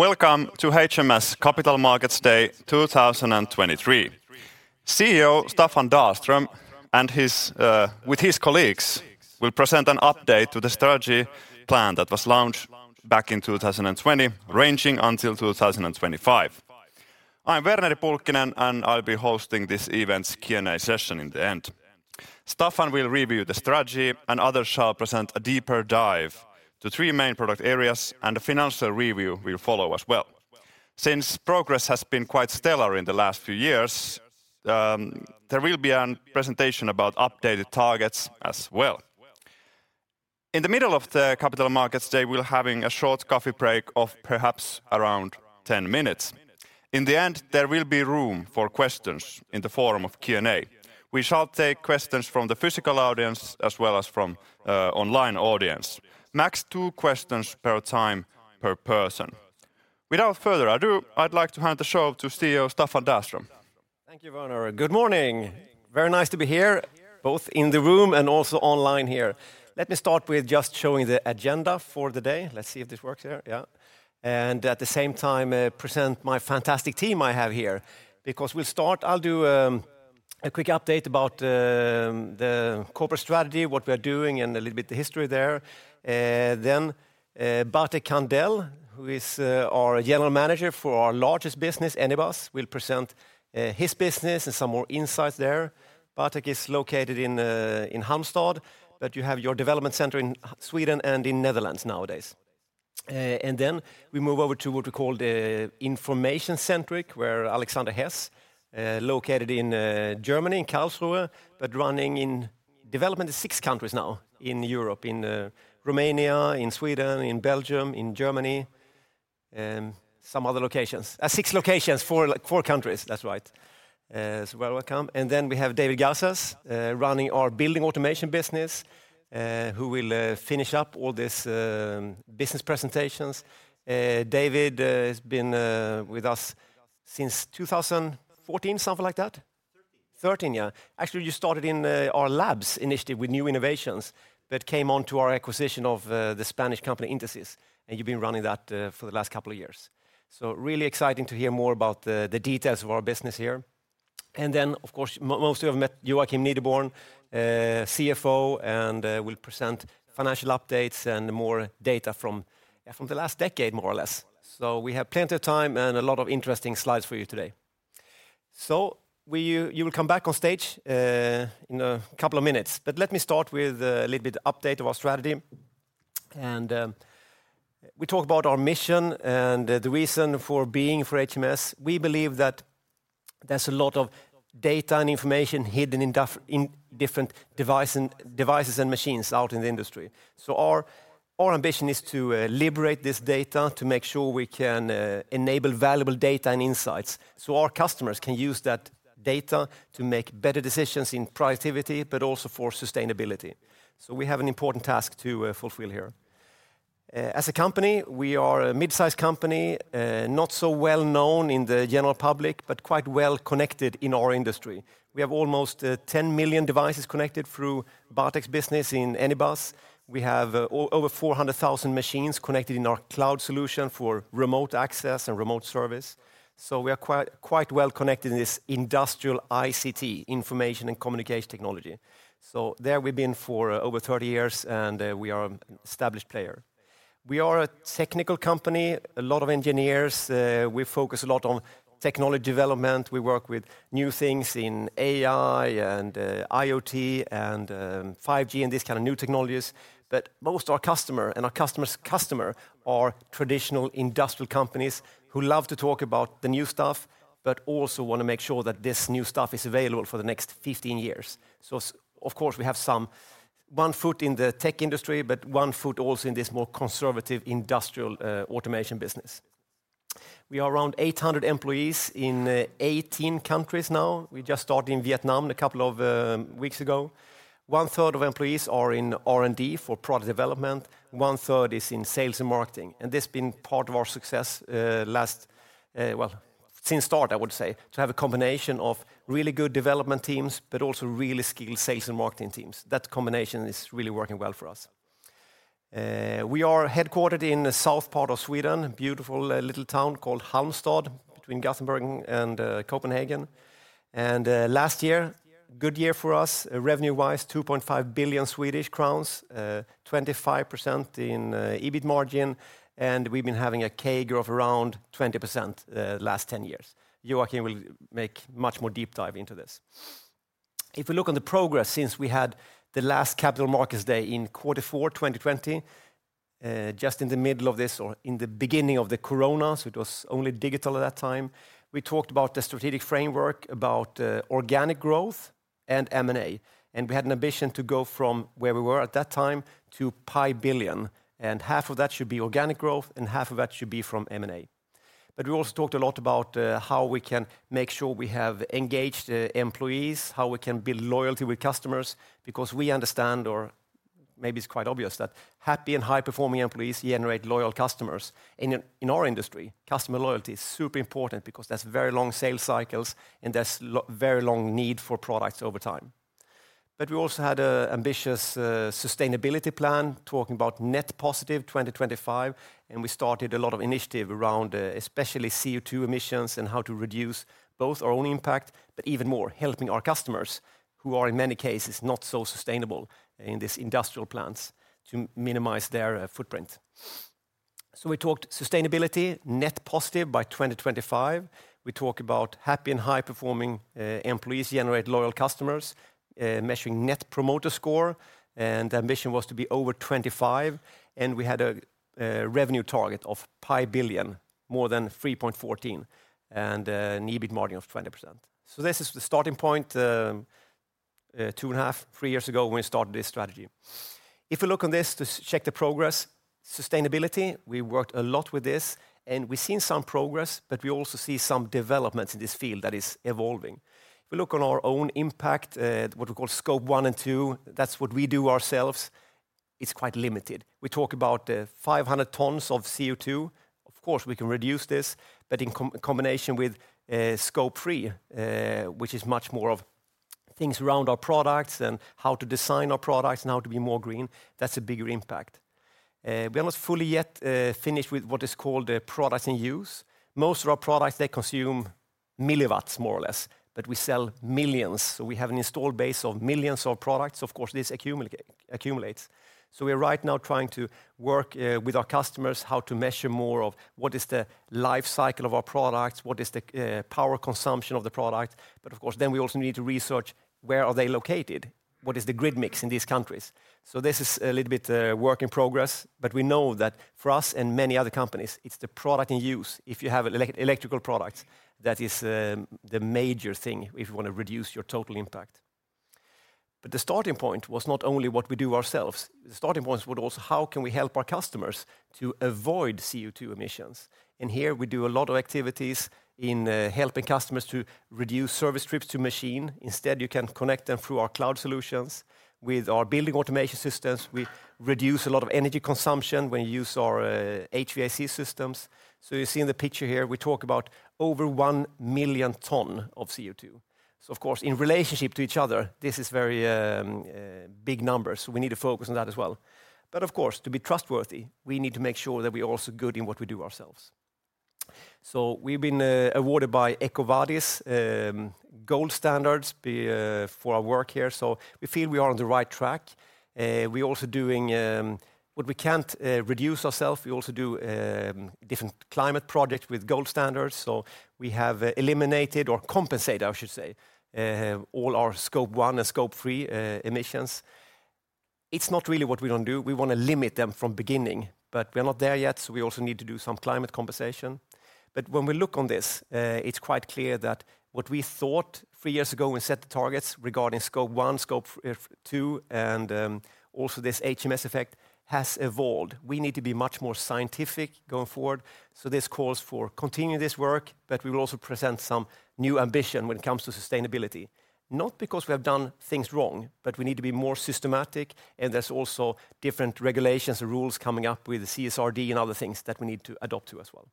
Welcome to HMS Capital Markets Day 2023. CEO Staffan Dahlström and his, with his colleagues, will present an update to the strategy plan that was launched back in 2020, ranging until 2025. I'm Verneri Pulkkinen, and I'll be hosting this event's Q&A session in the end. Staffan will review the strategy, and others shall present a deeper dive to three main product areas, and a financial review will follow as well. Since progress has been quite stellar in the last few years, there will be a presentation about updated targets as well. In the middle of the capital markets day, we're having a short coffee break of perhaps around 10 minutes. In the end, there will be room for questions in the forum of Q&A. We shall take questions from the physical audience as well as from the online audience. Max two questions per time, per person. Without further ado, I'd like to hand the show to CEO Staffan Dahlström. Thank you, Verneri. Good morning! Very nice to be here, both in the room and also online here. Let me start with just showing the agenda for the day. Let's see if this works here. Yeah. And at the same time, present my fantastic team I have here, because we'll start—I'll do a quick update about the corporate strategy, what we are doing, and a little bit the history there. Then, Bartek Candell, who is our General Manager for our largest business, Anybus, will present his business and some more insights there. Bartek is located in Halmstad, but you have your development center in Sweden and in Netherlands nowadays. And then we move over to what we call the Information Centric, where Alexander Hess, located in, Germany, in Karlsruhe, but running in development in six countries now, in Europe, in, Romania, in Sweden, in Belgium, in Germany, some other locations. Six locations, four, like, four countries. That's right. So, well, welcome. And then we have David Garcés, running our building automation business, who will, finish up all this, business presentations. David, has been, with us since 2014, something like that? Thirteen. 13, yeah. Actually, you started in our labs initiative with new innovations that came onto our acquisition of the Spanish company, Intesis, and you've been running that for the last couple of years. So really exciting to hear more about the details of our business here. And then, of course, most of you have met Joakim Nideborn, CFO, and will present financial updates and more data from the last decade, more or less. So we have plenty of time and a lot of interesting slides for you today. So you will come back on stage in a couple of minutes. But let me start with a little bit update of our strategy, and we talk about our mission and the reason for being for HMS. We believe that there's a lot of data and information hidden in different devices and machines out in the industry. So our ambition is to liberate this data to make sure we can enable valuable data and insights, so our customers can use that data to make better decisions in productivity, but also for sustainability. So we have an important task to fulfill here. As a company, we are a mid-sized company, not so well known in the general public, but quite well connected in our industry. We have almost 10 million devices connected through Bartek's business in Anybus. We have over 400,000 machines connected in our cloud solution for remote access and remote service. So we are quite well connected in this industrial ICT, information and communication technology. So there we've been for over 30 years, and we are an established player. We are a technical company, a lot of engineers. We focus a lot on technology development. We work with new things in AI and IoT and 5G, and these kind of new technologies. But most of our customer and our customer's customer are traditional industrial companies who love to talk about the new stuff, but also want to make sure that this new stuff is available for the next 15 years. So of course, we have one foot in the tech industry, but one foot also in this more conservative industrial automation business. We are around 800 employees in 18 countries now. We just started in Vietnam a couple of weeks ago. One third of employees are in R&D for product development, one third is in sales and marketing, and this been part of our success, last, well, since start, I would say. To have a combination of really good development teams, but also really skilled sales and marketing teams. That combination is really working well for us. We are headquartered in the south part of Sweden, a beautiful little town called Halmstad, between Gothenburg and Copenhagen. And, last year, good year for us, revenue-wise, 2.5 billion Swedish crowns, 25% in EBIT margin, and we've been having a CAGR of around 20%, last 10 years. Joakim will make much more deep dive into this. If we look on the progress since we had the last Capital Markets Day in quarter four, 2020, just in the middle of this or in the beginning of the corona, so it was only digital at that time, we talked about the strategic framework about organic growth and M&A, and we had an ambition to go from where we were at that time to 5 billion, and half of that should be organic growth, and half of that should be from M&A. But we also talked a lot about how we can make sure we have engaged employees, how we can build loyalty with customers, because we understand, or maybe it's quite obvious, that happy and high-performing employees generate loyal customers. In our industry, customer loyalty is super important because there's very long sales cycles, and there's very long need for products over time. But we also had an ambitious sustainability plan, talking about Net Positive 2025, and we started a lot of initiative around, especially CO₂ emissions and how to reduce both our own impact, but even more, helping our customers, who are, in many cases, not so sustainable in these industrial plants, to minimize their footprint. So we talked sustainability, Net Positive by 2025. We talked about happy and high-performing employees generate loyal customers, measuring Net Promoter Score, and the ambition was to be over 25, and we had a revenue target of pi billion, more than 3.14, and an EBIT margin of 20%. So this is the starting point, two and a half, three years ago, when we started this strategy. If you look on this to check the progress, sustainability, we worked a lot with this, and we've seen some progress, but we also see some developments in this field that is evolving. If we look on our own impact, what we call Scope 1 and 2, that's what we do ourselves, it's quite limited. We talk about, five hundred tons of CO₂. Of course, we can reduce this, but in combination with, Scope 3, which is much more of things around our products and how to design our products and how to be more green, that's a bigger impact. We're almost fully yet, finished with what is called the products in use. Most of our products, they consume milliwatts, more or less, but we sell millions, so we have an installed base of millions of products. Of course, this accumulates. So we are right now trying to work with our customers, how to measure more of what is the life cycle of our products, what is the power consumption of the product. But of course, then we also need to research where are they located? What is the grid mix in these countries? So this is a little bit work in progress, but we know that for us and many other companies, it's the product in use. If you have electrical products, that is the major thing if you want to reduce your total impact. But the starting point was not only what we do ourselves. The starting point was also how can we help our customers to avoid CO₂ emissions? And here, we do a lot of activities in, helping customers to reduce service trips to machine. Instead, you can connect them through our cloud solutions. With our building automation systems, we reduce a lot of energy consumption when you use our, HVAC systems. So you see in the picture here, we talk about over 1 million ton of CO₂. So of course, in relationship to each other, this is very, big numbers, so we need to focus on that as well. But of course, to be trustworthy, we need to make sure that we are also good in what we do ourselves. So we've been, awarded by EcoVadis, Gold Standards, for our work here, so we feel we are on the right track. We're also doing what we can't reduce ourselves, we also do different climate projects with Gold Standards, so we have eliminated or compensate, I should say, all our Scope 1 and Scope 3 emissions. It's not really what we want to do. We want to limit them from beginning, but we are not there yet, so we also need to do some climate compensation. But when we look on this, it's quite clear that what we thought three years ago, when we set the targets regarding Scope 1, Scope 2, and also this HMS Effect, has evolved. We need to be much more scientific going forward, so this calls for continuing this work, but we will also present some new ambition when it comes to sustainability. Not because we have done things wrong, but we need to be more systematic, and there's also different regulations and rules coming up with the CSRD and other things that we need to adopt to as well.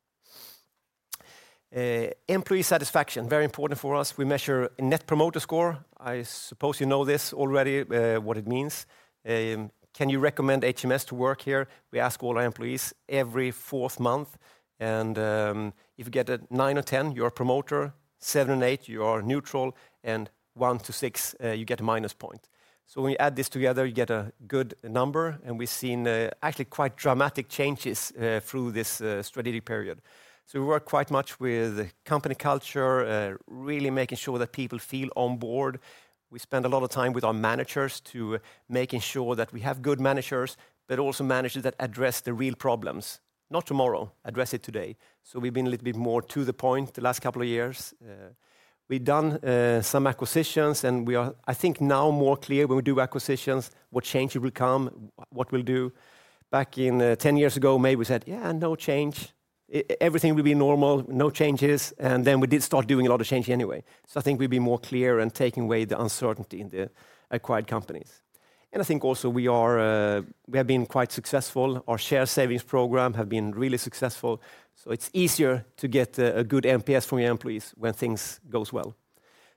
Employee satisfaction, very important for us. We measure a Net Promoter Score. I suppose you know this already, what it means. Can you recommend HMS to work here? We ask all our employees every fourth month, and if you get a 9 or 10, you're a promoter; 7 and 8, you are neutral; and 1 to 6, you get a minus point. So when you add this together, you get a good number, and we've seen, actually quite dramatic changes, through this strategic period. So we work quite much with company culture, really making sure that people feel on board. We spend a lot of time with our managers to making sure that we have good managers, but also managers that address the real problems. Not tomorrow, address it today. So we've been a little bit more to the point the last couple of years. We've done some acquisitions, and we are, I think, now more clear when we do acquisitions, what changes will come, what we'll do. Back in 10 years ago, maybe we said, "Yeah, no change. Everything will be normal, no changes," and then we did start doing a lot of change anyway. So I think we'll be more clear and taking away the uncertainty in the acquired companies. And I think also we are, we have been quite successful. Our share savings program have been really successful, so it's easier to get a good NPS from your employees when things goes well.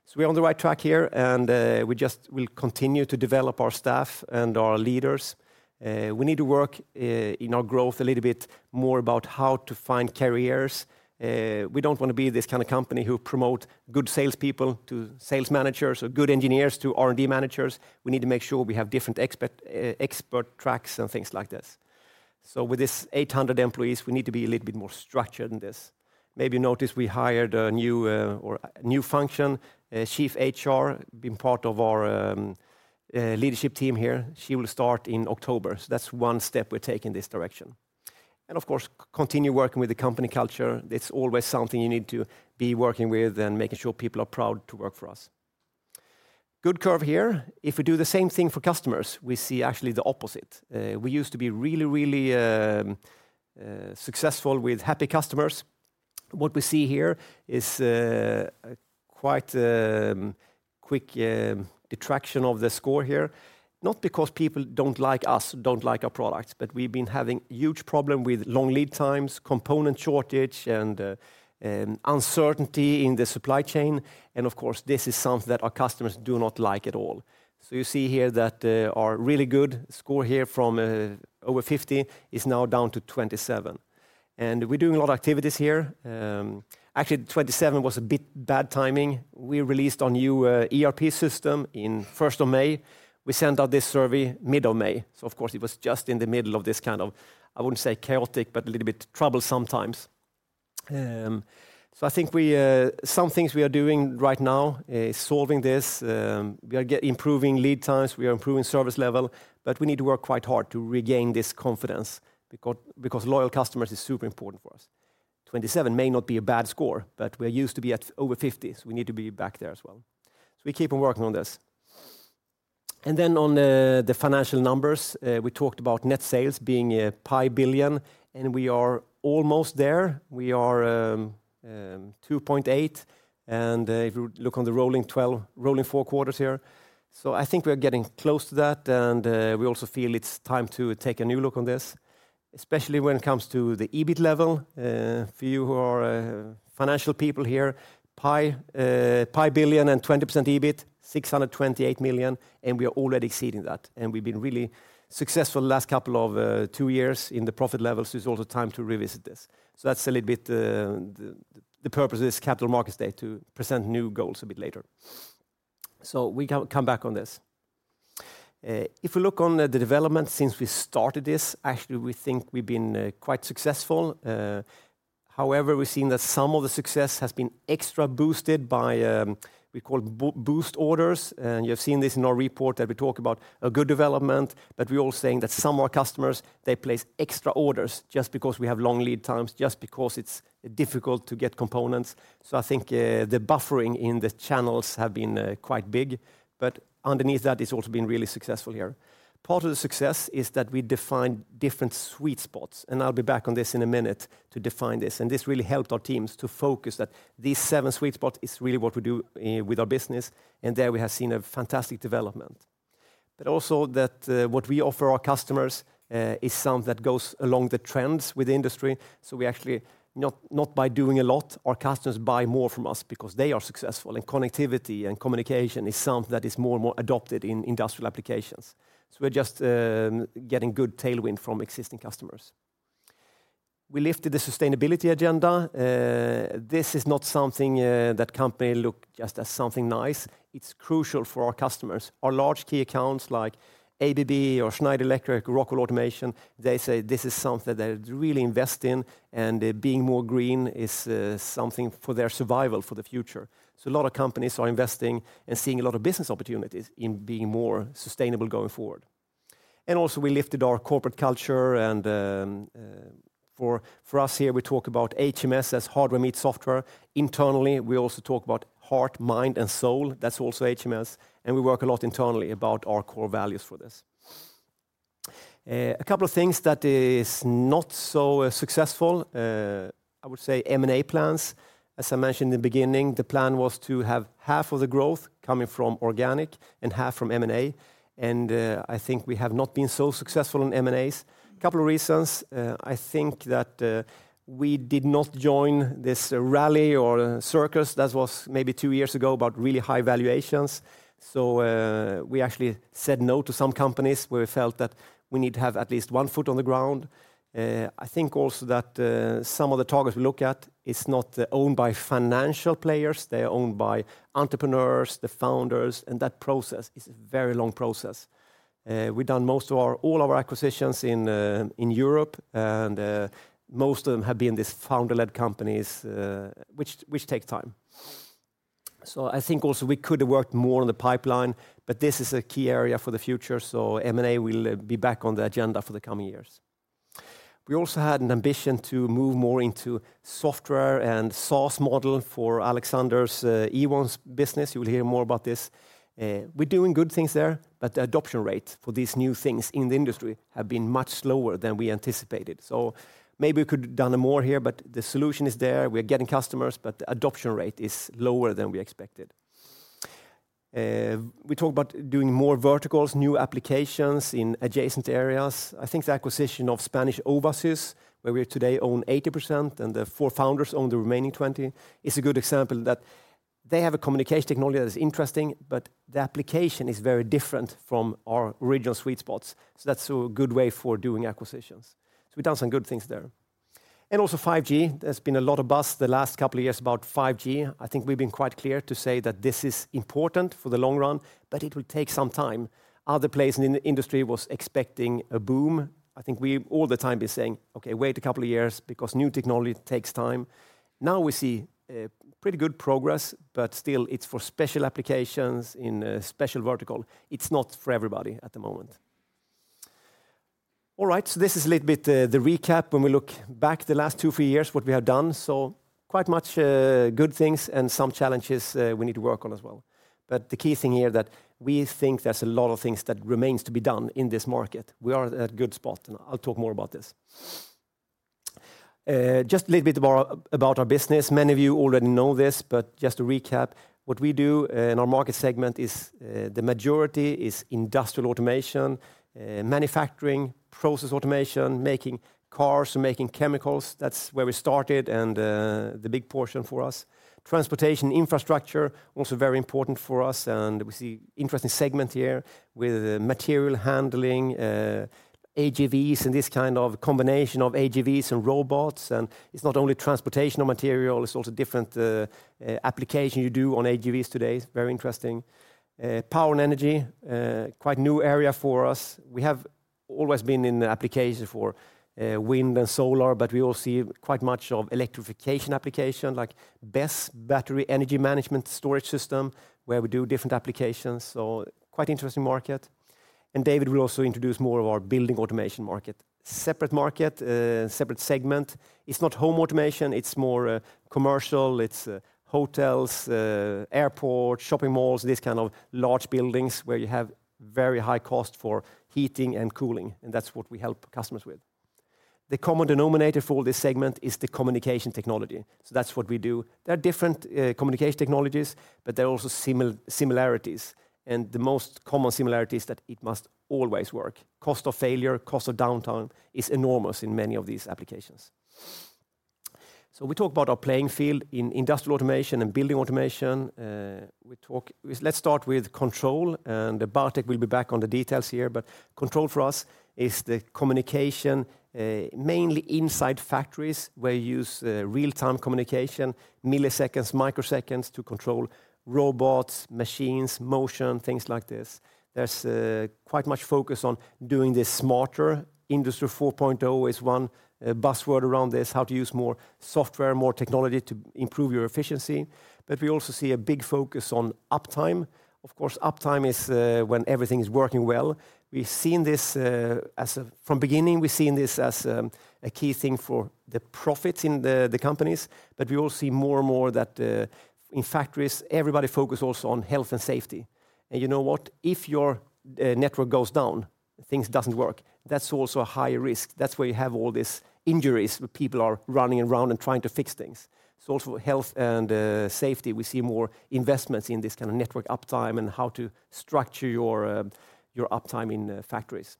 So we're on the right track here, and we just will continue to develop our staff and our leaders. We need to work in our growth a little bit more about how to find careers. We don't want to be this kind of company who promote good salespeople to sales managers or good engineers to R&D managers. We need to make sure we have different expert tracks and things like this. So with this 800 employees, we need to be a little bit more structured in this. Maybe you noticed we hired a new function, a Chief HR, being part of our leadership team here. She will start in October, so that's one step we're taking this direction. And of course, continue working with the company culture. It's always something you need to be working with and making sure people are proud to work for us. Good curve here. If we do the same thing for customers, we see actually the opposite. We used to be really, really, successful with happy customers.... What we see here is a quite quick detraction of the score here. Not because people don't like us, don't like our products, but we've been having huge problem with long lead times, component shortage, and uncertainty in the supply chain, and of course, this is something that our customers do not like at all. So you see here that our really good score here from over 50 is now down to 27, and we're doing a lot of activities here. Actually, 27 was a bit bad timing. We released our new ERP system in first of May. We sent out this survey mid of May, so of course, it was just in the middle of this kind of, I wouldn't say chaotic, but a little bit troublesome times. So I think some things we are doing right now is solving this. We are improving lead times, we are improving service level, but we need to work quite hard to regain this confidence, because loyal customers is super important for us. 27 may not be a bad score, but we're used to be at over 50, so we need to be back there as well. So we keep on working on this. And then on the financial numbers, we talked about net sales being 3 billion, and we are almost there. We are two point eight, and if you look on the rolling twelve- rolling four quarters here. So I think we're getting close to that, and we also feel it's time to take a new look on this, especially when it comes to the EBIT level. For you who are financial people here, 3 billion and 20% EBIT, 628 million, and we are already exceeding that. And we've been really successful the last couple of two years in the profit levels, so it's also time to revisit this. So that's a little bit the purpose of this Capital Markets Day, to present new goals a bit later. So we come back on this. If we look on the development since we started this, actually, we think we've been quite successful. However, we've seen that some of the success has been extra boosted by what we call boost orders, and you have seen this in our report, that we talk about a good development, but we're also saying that some of our customers, they place extra orders just because we have long lead times, just because it's difficult to get components. So I think the buffering in the channels have been quite big, but underneath that, it's also been really successful here. Part of the success is that we defined different sweet spots, and I'll be back on this in a minute to define this. This really helped our teams to focus that these seven sweet spot is really what we do with our business, and there we have seen a fantastic development. Also, that what we offer our customers is something that goes along the trends with the industry. We actually, not, not by doing a lot, our customers buy more from us because they are successful, and connectivity and communication is something that is more and more adopted in industrial applications. We're just getting good tailwind from existing customers. We lifted the sustainability agenda. This is not something that company look just as something nice. It's crucial for our customers. Our large key accounts, like ABB or Schneider Electric, Rockwell Automation, they say this is something that they really invest in, and being more green is something for their survival for the future. So a lot of companies are investing and seeing a lot of business opportunities in being more sustainable going forward. And also, we lifted our corporate culture, and for us here, we talk about HMS as Hardware Meet Software. Internally, we also talk about heart, mind, and soul. That's also HMS, and we work a lot internally about our core values for this. A couple of things that is not so successful, I would say M&A plans. As I mentioned in the beginning, the plan was to have half of the growth coming from organic and half from M&A, and, I think we have not been so successful on M&As. A couple of reasons: I think that, we did not join this rally or circus. That was maybe two years ago, about really high valuations. So, we actually said no to some companies, where we felt that we need to have at least one foot on the ground. I think also that, some of the targets we look at is not owned by financial players. They are owned by entrepreneurs, the founders, and that process is a very long process. We've done most of our... all our acquisitions in, in Europe, and, most of them have been these founder-led companies, which, which take time. So I think also we could have worked more on the pipeline, but this is a key area for the future, so M&A will be back on the agenda for the coming years. We also had an ambition to move more into software and SaaS model for Alexander's Ewon business. You will hear more about this. We're doing good things there, but the adoption rate for these new things in the industry have been much slower than we anticipated. So maybe we could have done more here, but the solution is there. We're getting customers, but the adoption rate is lower than we expected. We talked about doing more verticals, new applications in adjacent areas. I think the acquisition of Spanish Owasys, where we today own 80% and the four founders own the remaining 20%, is a good example that they have a communication technology that is interesting, but the application is very different from our original sweet spots. So that's a good way for doing acquisitions. So we've done some good things there. And also 5G, there's been a lot of buzz the last couple of years about 5G. I think we've been quite clear to say that this is important for the long run, but it will take some time. Other places in the industry was expecting a boom. I think we've all the time been saying, "Okay, wait a couple of years, because new technology takes time." Now, we see pretty good progress, but still, it's for special applications in a special vertical. It's not for everybody at the moment. All right, so this is a little bit, the recap when we look back the last two, three years, what we have done. So quite much, good things and some challenges, we need to work on as well. But the key thing here, that we think there's a lot of things that remains to be done in this market. We are at a good spot, and I'll talk more about this.... Just a little bit about our business. Many of you already know this, but just to recap, what we do in our market segment is, the majority is industrial automation, manufacturing, process automation, making cars, and making chemicals. That's where we started, and the big portion for us. Transportation, infrastructure, also very important for us, and we see interesting segment here with material handling, AGVs, and this kind of combination of AGVs and robots. And it's not only transportation of material, it's also different application you do on AGVs today. It's very interesting. Power and energy, quite new area for us. We have always been in the application for wind and solar, but we all see quite much of electrification application, like BESS, battery energy management storage system, where we do different applications, so quite interesting market. And David will also introduce more of our building automation market. Separate market, separate segment. It's not home automation, it's more commercial, it's hotels, airport, shopping malls, these kind of large buildings where you have very high cost for heating and cooling, and that's what we help customers with. The common denominator for all this segment is the communication technology, so that's what we do. There are different communication technologies, but there are also similarities, and the most common similarity is that it must always work. Cost of failure, cost of downtime is enormous in many of these applications. So we talk about our playing field in industrial automation and building automation. Let's start with control, and Bartek will be back on the details here, but control for us is the communication mainly inside factories, where you use real-time communication, milliseconds, microseconds, to control robots, machines, motion, things like this. There's quite much focus on doing this smarter. Industry 4.0 is one buzzword around this, how to use more software, more technology to improve your efficiency. But we also see a big focus on uptime. Of course, uptime is when everything is working well. We've seen this from beginning, we've seen this as a key thing for the profits in the companies, but we all see more and more that in factories, everybody focus also on health and safety. And you know what? If your network goes down, things doesn't work. That's also a high risk. That's where you have all these injuries, where people are running around and trying to fix things. So also health and safety, we see more investments in this kind of network uptime and how to structure your your uptime in factories.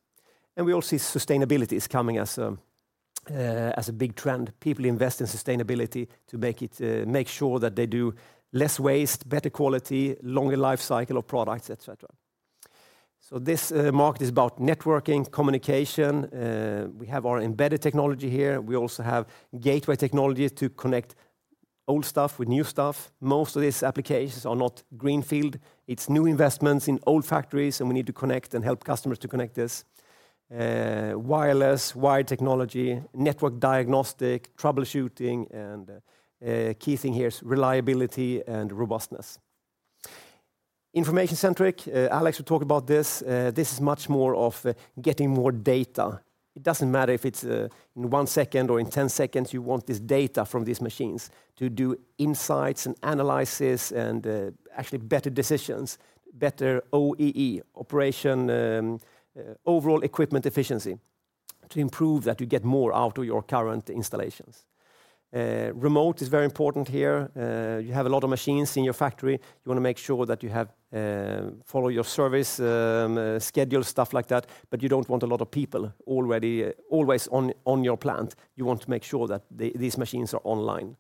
And we all see sustainability is coming as a big trend. People invest in sustainability to make it, make sure that they do less waste, better quality, longer life cycle of products, et cetera. So this market is about networking, communication. We have our embedded technology here. We also have gateway technology to connect old stuff with new stuff. Most of these applications are not greenfield. It's new investments in old factories, and we need to connect and help customers to connect this. Wireless, wired technology, network diagnostic, troubleshooting, and key thing here is reliability and robustness. Information-centric, Alex will talk about this. This is much more of getting more data. It doesn't matter if it's in one second or in 10 seconds. You want this data from these machines to do insights and analysis and actually better decisions, better OEE, operation, overall equipment efficiency, to improve that you get more out of your current installations. Remote is very important here. You have a lot of machines in your factory. You want to make sure that you have follow your service schedule, stuff like that, but you don't want a lot of people already always on your plant. You want to make sure that these machines are online.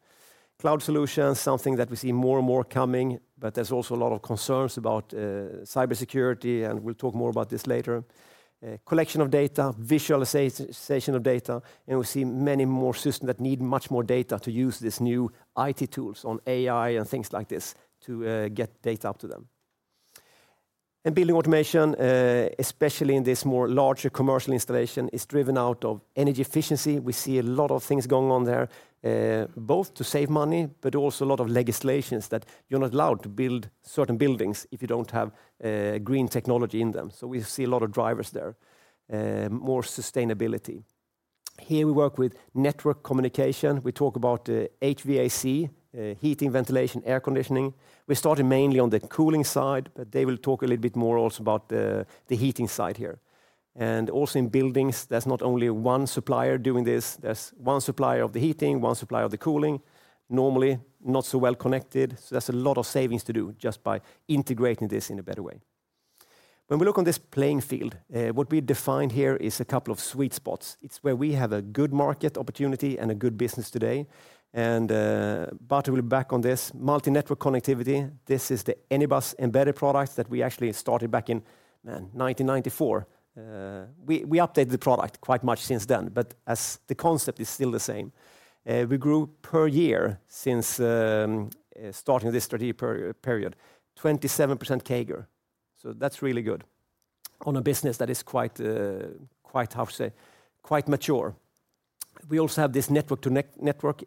Cloud solutions, something that we see more and more coming, but there's also a lot of concerns about cybersecurity, and we'll talk more about this later. Collection of data, visualization of data, and we see many more systems that need much more data to use these new IT tools on AI and things like this to get data up to them. And building automation, especially in this more larger commercial installation, is driven out of energy efficiency. We see a lot of things going on there, both to save money, but also a lot of legislations that you're not allowed to build certain buildings if you don't have green technology in them. So we see a lot of drivers there, more sustainability. Here we work with network communication. We talk about HVAC, heating, ventilation, air conditioning. We started mainly on the cooling side, but they will talk a little bit more also about the heating side here. Also in buildings, there's not only one supplier doing this. There's one supplier of the heating, one supplier of the cooling, normally not so well connected. So there's a lot of savings to do just by integrating this in a better way. When we look on this playing field, what we defined here is a couple of sweet spots. It's where we have a good market opportunity and a good business today, and Bartek will be back on this. Multi-network connectivity, this is the Anybus embedded products that we actually started back in 1994. We updated the product quite much since then, but as the concept is still the same. We grew per year since starting this strategy period 27% CAGR. So that's really good on a business that is quite, quite, how to say, quite mature. We also have this network-to-network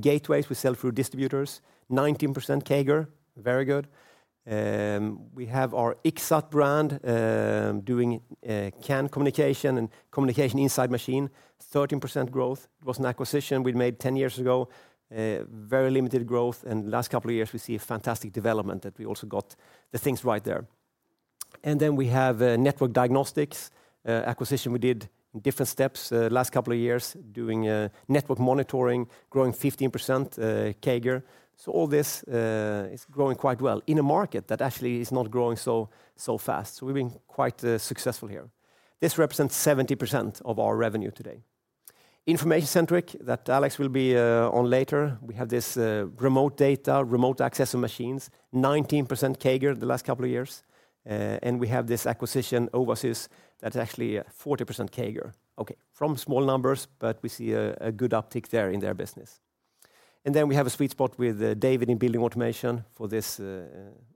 gateways we sell through distributors, 19% CAGR, very good. We have our Ixxat brand, doing CAN communication and communication inside machine, 13% growth. It was an acquisition we made 10 years ago, very limited growth, and last couple of years, we see a fantastic development that we also got the things right there. And then we have network diagnostics, acquisition we did in different steps, last couple of years, doing network monitoring, growing 15% CAGR. So all this is growing quite well in a market that actually is not growing so fast. So we've been quite successful here. This represents 70% of our revenue today. Information-centric, that Alex will be on later, we have this remote data, remote access to machines, 19% CAGR the last couple of years. And we have this acquisition, Owasys, that's actually a 40% CAGR. Okay, from small numbers, but we see a good uptick there in their business. And then we have a sweet spot with David in building automation for this,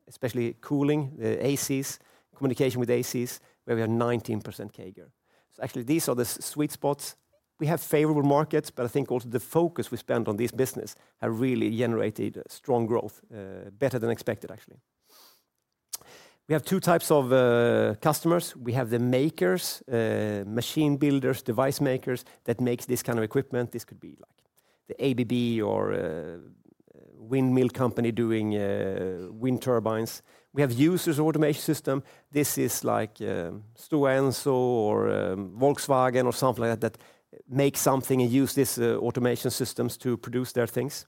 especially cooling, the ACs, communication with ACs, where we have 19% CAGR. So actually, these are the sweet spots. We have favorable markets, but I think also the focus we spend on this business have really generated strong growth, better than expected, actually. We have two types of customers. We have the makers, machine builders, device makers, that makes this kind of equipment. This could be like the ABB or, windmill company doing, wind turbines. We have users automation system. This is like, Stora Enso or, Volkswagen or something like that, that make something and use this, automation systems to produce their things.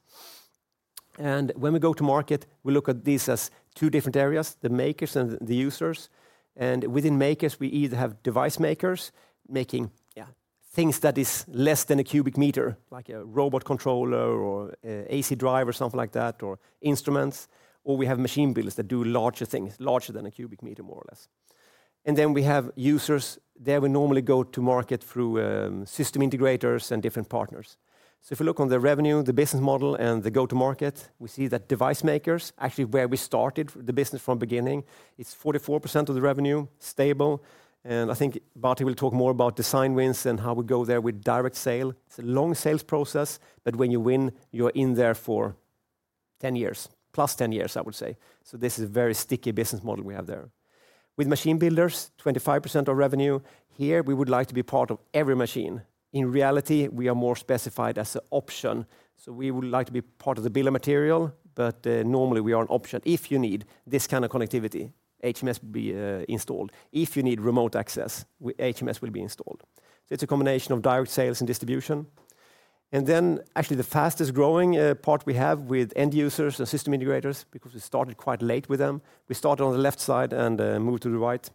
And when we go to market, we look at these as two different areas, the makers and the users. And within makers, we either have device makers making, yeah, things that is less than a cubic meter, like a robot controller or, AC drive or something like that, or instruments, or we have machine builders that do larger things, larger than a cubic meter, more or less. And then we have users. There, we normally go to market through, system integrators and different partners. So if you look on the revenue, the business model, and the go-to-market, we see that device makers, actually where we started the business from beginning, it's 44% of the revenue, stable, and I think Bharti will talk more about design wins and how we go there with direct sale. It's a long sales process, but when you win, you're in there for 10 years, plus 10 years, I would say. So this is a very sticky business model we have there. With machine builders, 25% of revenue. Here, we would like to be part of every machine. In reality, we are more specified as an option, so we would like to be part of the bill of material, but normally, we are an option. If you need this kind of connectivity, HMS will be installed. If you need remote access, HMS will be installed. It's a combination of direct sales and distribution. And then, actually, the fastest-growing, part we have with end users and system integrators, because we started quite late with them, we started on the left side and, moved to the right.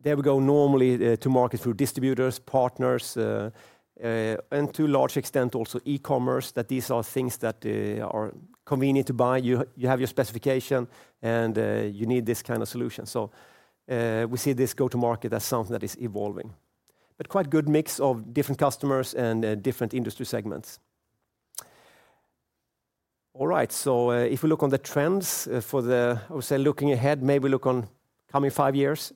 There we go normally, to market through distributors, partners, and to a large extent, also e-commerce, that these are things that, are convenient to buy. You, you have your specification and, you need this kind of solution. So, we see this go-to-market as something that is evolving, but quite good mix of different customers and, different industry segments. All right, so, if we look on the trends, for the-- I would say, looking ahead, maybe look on coming five years,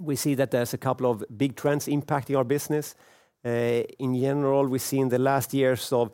we see that there's a couple of big trends impacting our business. In general, we see in the last years of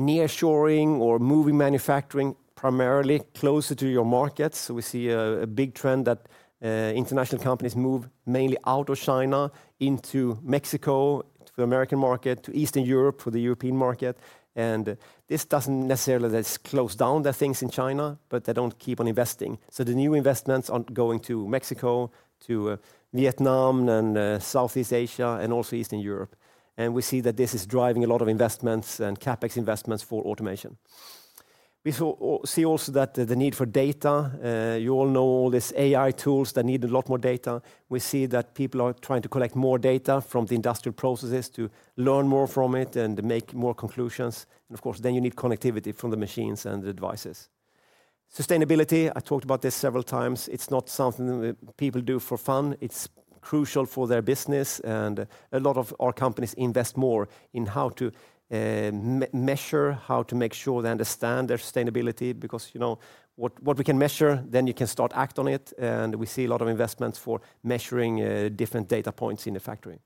nearshoring or moving manufacturing primarily closer to your markets. We see a big trend that international companies move mainly out of China into Mexico, to the American market, to Eastern Europe, for the European market, and this doesn't necessarily that's closed down the things in China, but they don't keep on investing. So the new investments aren't going to Mexico, to Vietnam and Southeast Asia, and also Eastern Europe. And we see that this is driving a lot of investments and CapEx investments for automation. We see also that the need for data, you all know all these AI tools that need a lot more data. We see that people are trying to collect more data from the industrial processes to learn more from it and make more conclusions. Of course, then you need connectivity from the machines and the devices. Sustainability, I talked about this several times. It's not something that people do for fun. It's crucial for their business, and a lot of our companies invest more in how to measure, how to make sure they understand their sustainability, because, you know, what we can measure, then you can start act on it, and we see a lot of investments for measuring different data points in the factory.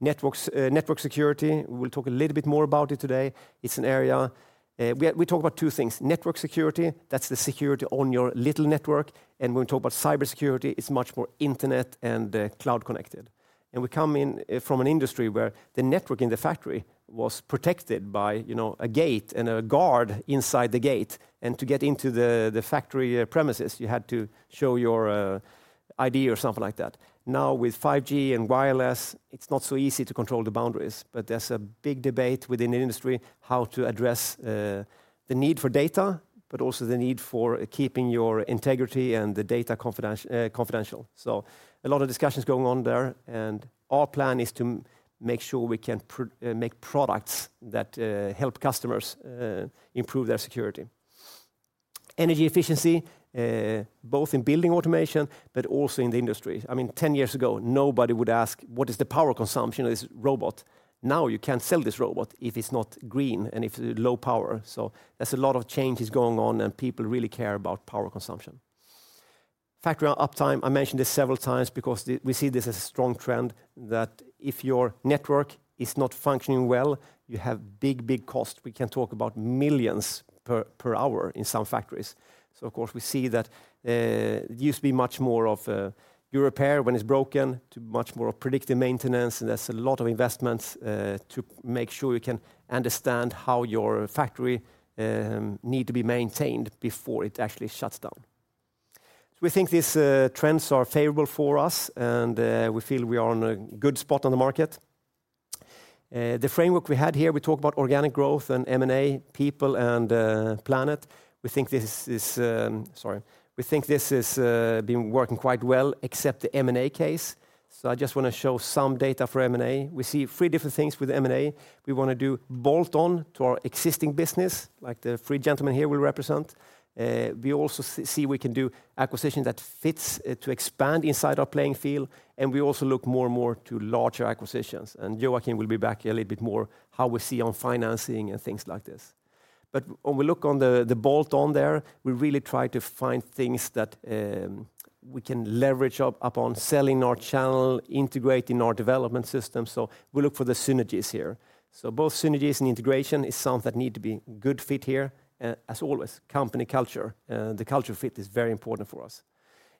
Networks, network security, we'll talk a little bit more about it today. It's an area. We talk about two things: network security, that's the security on your little network, and when we talk about cybersecurity, it's much more internet and cloud connected. We come in from an industry where the network in the factory was protected by, you know, a gate and a guard inside the gate. To get into the factory premises, you had to show your ID or something like that. Now, with 5G and wireless, it's not so easy to control the boundaries, but there's a big debate within the industry how to address the need for data, but also the need for keeping your integrity and the data confidential. So a lot of discussions going on there, and our plan is to make sure we can make products that help customers improve their security. Energy efficiency both in building automation, but also in the industry. I mean, 10 years ago, nobody would ask, "What is the power consumption of this robot?" Now, you can't sell this robot if it's not green and if it's low power. So there's a lot of changes going on, and people really care about power consumption. Factory uptime, I mentioned this several times because the, we see this as a strong trend, that if your network is not functioning well, you have big, big cost. We can talk about millions per hour in some factories. So of course, we see that, it used to be much more of a you repair when it's broken to much more of predictive maintenance, and there's a lot of investments, to make sure you can understand how your factory, need to be maintained before it actually shuts down.... We think these trends are favorable for us, and we feel we are on a good spot on the market. The framework we had here, we talked about organic growth and M&A, people, and planet. We think this is... Sorry. We think this is been working quite well except the M&A case, so I just want to show some data for M&A. We see three different things with M&A. We want to do bolt-on to our existing business, like the three gentlemen here will represent. We also see we can do acquisition that fits to expand inside our playing field, and we also look more and more to larger acquisitions. And Joakim will be back here a little bit more, how we see on financing and things like this. But when we look on the bolt-on there, we really try to find things that we can leverage up upon selling our channel, integrating our development system, so we look for the synergies here. So both synergies and integration is something that need to be good fit here, as always, company culture. The culture fit is very important for us.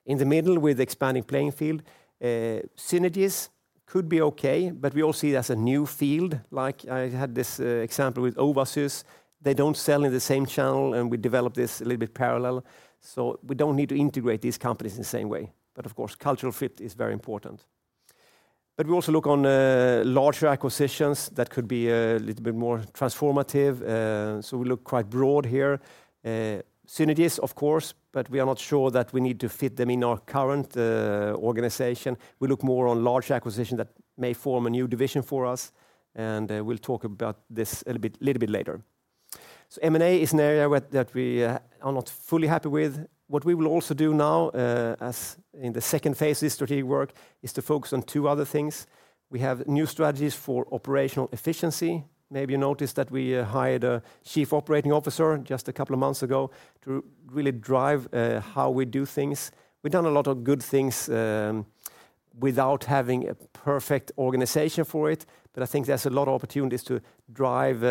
In the middle, with expanding playing field, synergies could be okay, but we all see it as a new field. Like, I had this example with Owasys. They don't sell in the same channel, and we developed this a little bit parallel, so we don't need to integrate these companies in the same way. But of course, cultural fit is very important. But we also look on larger acquisitions that could be a little bit more transformative. So we look quite broad here. Synergies, of course, but we are not sure that we need to fit them in our current organization. We look more on large acquisition that may form a new division for us, and we'll talk about this a little bit, little bit later. So M&A is an area that we are not fully happy with. What we will also do now, as in the second phase of this strategy work, is to focus on two other things. We have new strategies for operational efficiency. Maybe you noticed that we hired a Chief Operating Officer just a couple of months ago to really drive how we do things. We've done a lot of good things, without having a perfect organization for it, but I think there's a lot of opportunities to drive,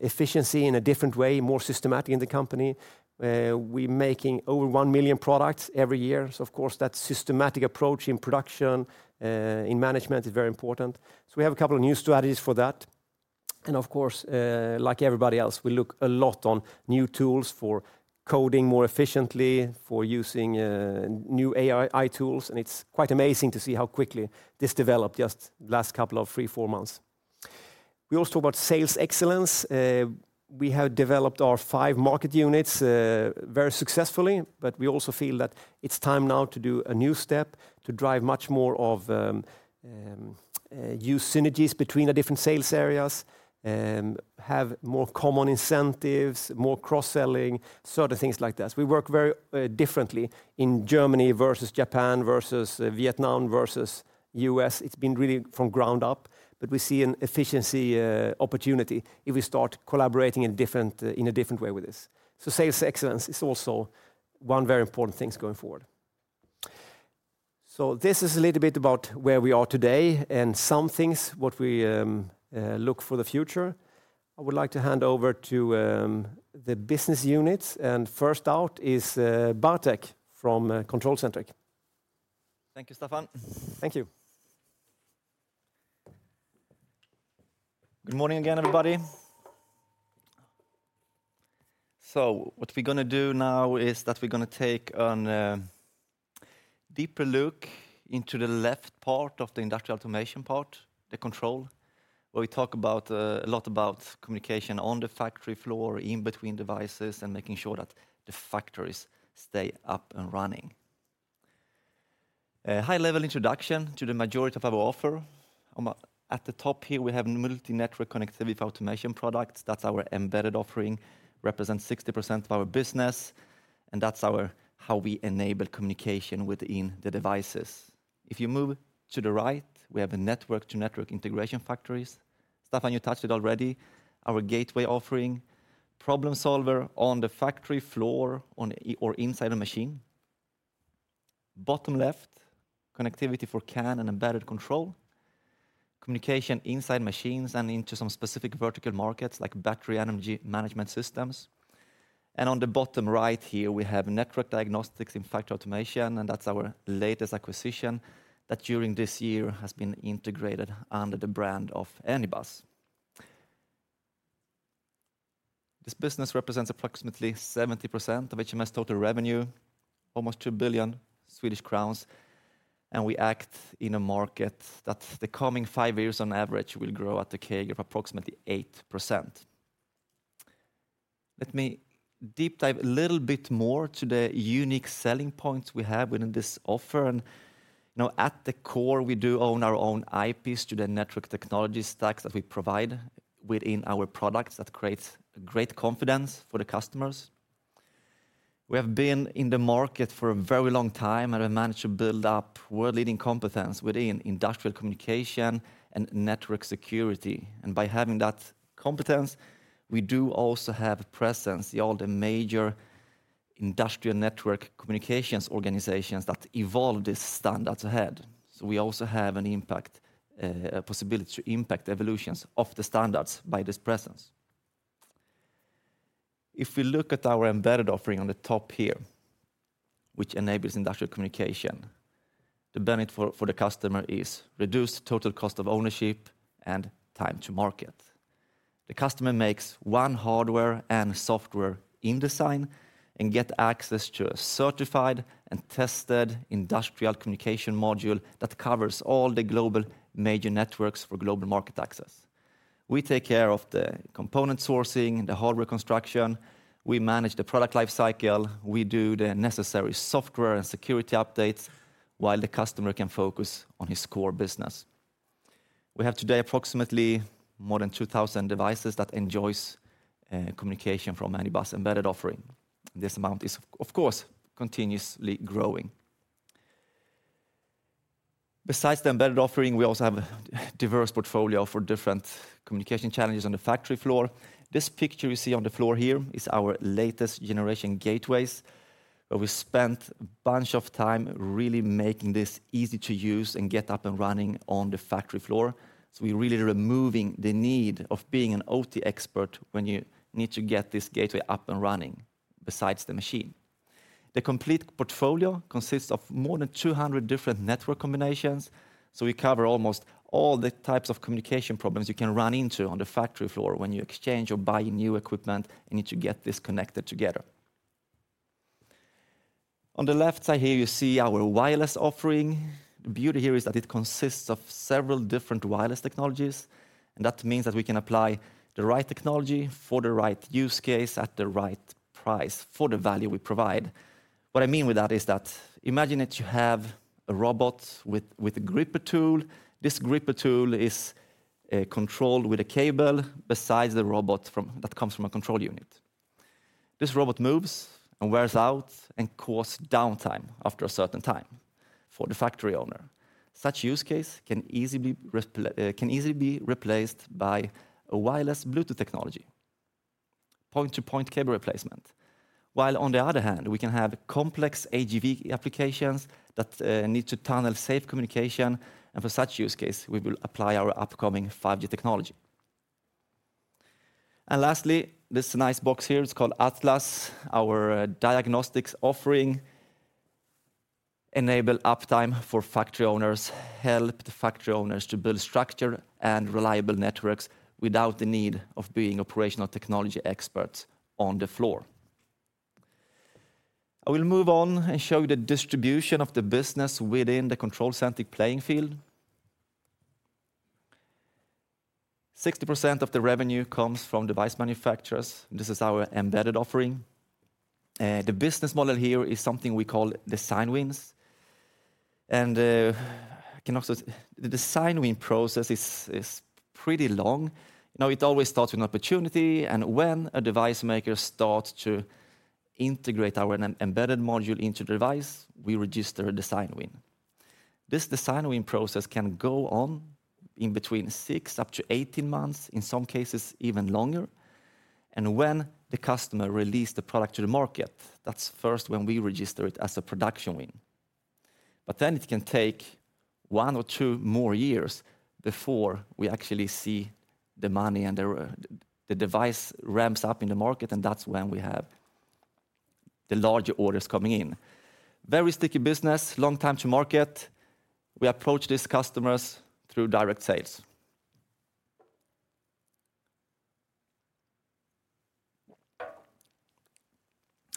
efficiency in a different way, more systematic in the company. We making over 1 million products every year, so of course, that systematic approach in production, in management is very important. So we have a couple of new strategies for that. And of course, like everybody else, we look a lot on new tools for coding more efficiently, for using, new AI tools, and it's quite amazing to see how quickly this developed just last couple of 3, 4 months. We also talk about sales excellence. We have developed our five market units very successfully, but we also feel that it's time now to do a new step to drive much more of use synergies between the different sales areas, have more common incentives, more cross-selling, sort of things like that. We work very differently in Germany versus Japan, versus Vietnam, versus US. It's been really from ground up, but we see an efficiency opportunity if we start collaborating in different - in a different way with this. So sales excellence is also one very important things going forward. So this is a little bit about where we are today and some things what we look for the future. I would like to hand over to the business units, and first out is Bartek from Control Centric. Thank you, Staffan. Thank you. Good morning again, everybody. So what we're gonna do now is that we're gonna take a deeper look into the left part of the industrial automation part, the control, where we talk about a lot about communication on the factory floor, in between devices, and making sure that the factories stay up and running. A high-level introduction to the majority of our offer. At the top here, we have multi-network connectivity for automation products. That's our embedded offering, represents 60% of our business, and that's our how we enable communication within the devices. If you move to the right, we have a network-to-network integration factories. Staffan, you touched it already, our gateway offering, problem solver on the factory floor, on, or inside a machine. Bottom left, connectivity for CAN and embedded control, communication inside machines and into some specific vertical markets like battery energy management systems. On the bottom right here, we have network diagnostics in factory automation, and that's our latest acquisition that during this year has been integrated under the brand of Anybus. This business represents approximately 70% of HMS' total revenue, almost 2 billion Swedish crowns, and we act in a market that the coming 5 years, on average, will grow at a CAGR of approximately 8%. Let me deep dive a little bit more to the unique selling points we have within this offer, and, you know, at the core, we do own our own IPs to the network technology stacks that we provide within our products that creates great confidence for the customers. We have been in the market for a very long time, and we managed to build up world-leading competence within industrial communication and network security. By having that competence, we do also have a presence in all the major industrial network communications organizations that evolve these standards ahead. We also have an impact, a possibility to impact the evolutions of the standards by this presence. If we look at our embedded offering on the top here, which enables industrial communication. The benefit for the customer is reduced total cost of ownership and time to market. The customer makes one hardware and software in design, and get access to a certified and tested industrial communication module that covers all the global major networks for global market access. We take care of the component sourcing, the hardware construction, we manage the product life cycle, we do the necessary software and security updates, while the customer can focus on his core business. We have today, approximately more than 2,000 devices that enjoys communication from Anybus embedded offering. This amount is, of course, continuously growing. Besides the embedded offering, we also have a diverse portfolio for different communication challenges on the factory floor. This picture you see on the floor here is our latest generation gateways, where we spent a bunch of time really making this easy to use and get up and running on the factory floor. So we're really removing the need of being an OT expert when you need to get this gateway up and running besides the machine. The complete portfolio consists of more than 200 different network combinations, so we cover almost all the types of communication problems you can run into on the factory floor when you exchange or buy new equipment, and you need to get this connected together. On the left side here, you see our wireless offering. The beauty here is that it consists of several different wireless technologies, and that means that we can apply the right technology for the right use case at the right price for the value we provide. What I mean with that is that, imagine that you have a robot with a gripper tool. This gripper tool is controlled with a cable besides the robot from that comes from a control unit. This robot moves and wears out, and cause downtime after a certain time for the factory owner. Such use case can easily be replaced by a wireless Bluetooth technology, point-to-point cable replacement. While on the other hand, we can have complex AGV applications that need to tunnel safe communication, and for such use case, we will apply our upcoming 5G technology. And lastly, this nice box here is called Atlas. Our diagnostics offering enable uptime for factory owners, help the factory owners to build structure and reliable networks without the need of being operational technology experts on the floor. I will move on and show you the distribution of the business within the control-centric playing field. 60% of the revenue comes from device manufacturers. This is our embedded offering. The business model here is something we call design wins. And can also the design win process is pretty long. You know, it always starts with an opportunity, and when a device maker starts to integrate our embedded module into the device, we register a design win. This design win process can go on in between 6-18 months, in some cases, even longer. When the customer release the product to the market, that's first when we register it as a production win. But then it can take one or two more years before we actually see the money and the device ramps up in the market, and that's when we have the larger orders coming in. Very sticky business, long time to market. We approach these customers through direct sales.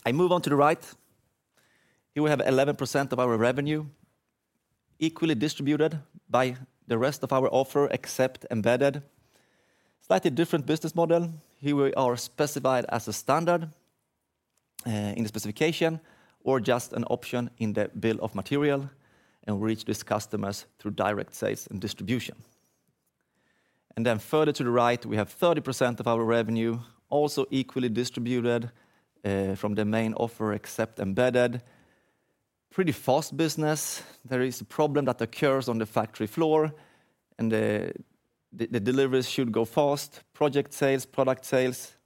I move on to the right. Here, we have 11% of our revenue, equally distributed by the rest of our offer, except embedded. Slightly different business model. Here, we are specified as a standard in the specification or just an option in the bill of material, and we reach these customers through direct sales and distribution. And then further to the right, we have 30% of our revenue, also equally distributed from the main offer, except embedded. Pretty fast business. There is a problem that occurs on the factory floor, and the deliveries should go fast, project sales, product sales,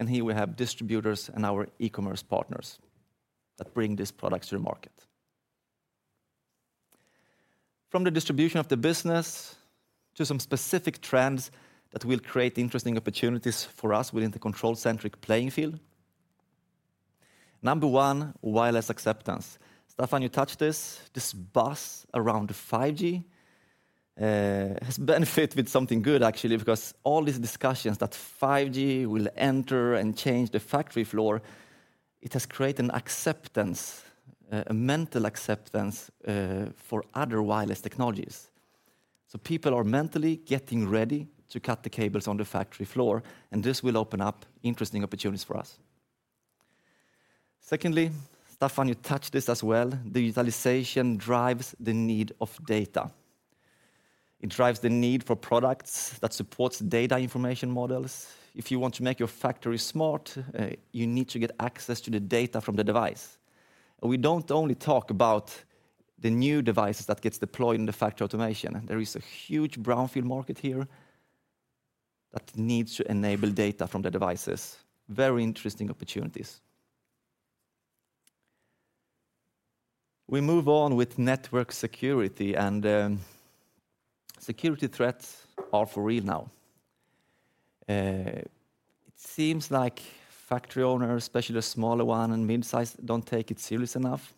and here we have distributors and our e-commerce partners that bring these products to the market. From the distribution of the business to some specific trends that will create interesting opportunities for us within the Control Centric playing field. Number one, wireless acceptance. Staffan, you touched this. This buzz around the 5G has benefit with something good, actually, because all these discussions that 5G will enter and change the factory floor, it has created an acceptance, a mental acceptance, for other wireless technologies. So people are mentally getting ready to cut the cables on the factory floor, and this will open up interesting opportunities for us. Secondly, Staffan, you touched this as well. Digitalization drives the need of data. It drives the need for products that supports data information models. If you want to make your factory smart, you need to get access to the data from the device. We don't only talk about the new devices that gets deployed in the factory automation. There is a huge brownfield market here that needs to enable data from the devices. Very interesting opportunities. We move on with network security, and security threats are for real now. It seems like factory owners, especially the smaller one and midsize, don't take it serious enough.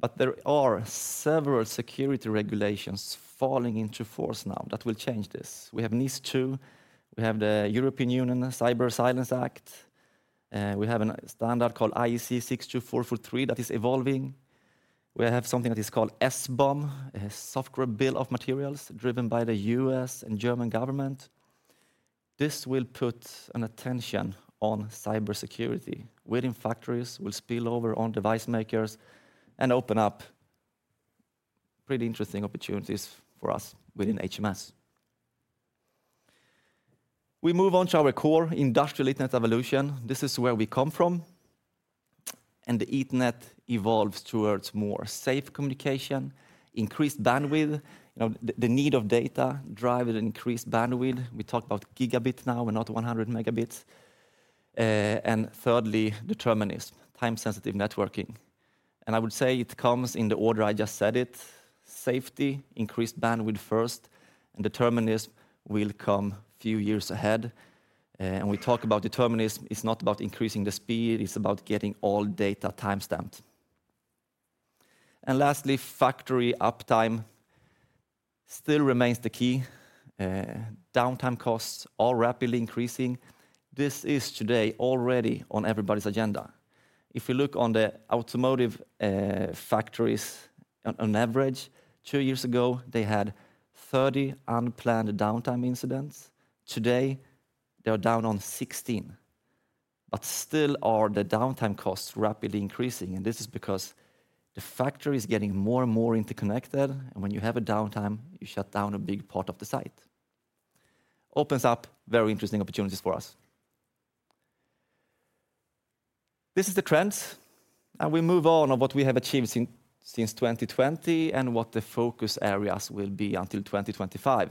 But there are several security regulations falling into force now that will change this. We have NIS2, we have the European Union Cyber Resilience Act, we have a standard called IEC 62443 that is evolving. We have something that is called SBOM, a Software Bill of Materials, driven by the U.S. and German government. This will put an attention on cybersecurity within factories, will spill over on device makers, and open up pretty interesting opportunities for us within HMS. We move on to our core, industrial Ethernet evolution. This is where we come from, and the Ethernet evolves towards more safe communication, increased bandwidth. You know, the need of data drive an increased bandwidth. We talk about Gigabit now, we're not 100 Mbps. And thirdly, determinism, time-sensitive networking. And I would say it comes in the order I just said it: safety, increased bandwidth first, and determinism will come few years ahead. And we talk about determinism, it's not about increasing the speed, it's about getting all data timestamped. And lastly, factory uptime still remains the key. Downtime costs are rapidly increasing. This is today already on everybody's agenda. If you look on the automotive factories, on average, two years ago, they had 30 unplanned downtime incidents. Today, they are down 16, but still are the downtime costs rapidly increasing, and this is because the factory is getting more and more interconnected, and when you have a downtime, you shut down a big part of the site. Opens up very interesting opportunities for us. This is the trends, and we move on what we have achieved since 2020 and what the focus areas will be until 2025.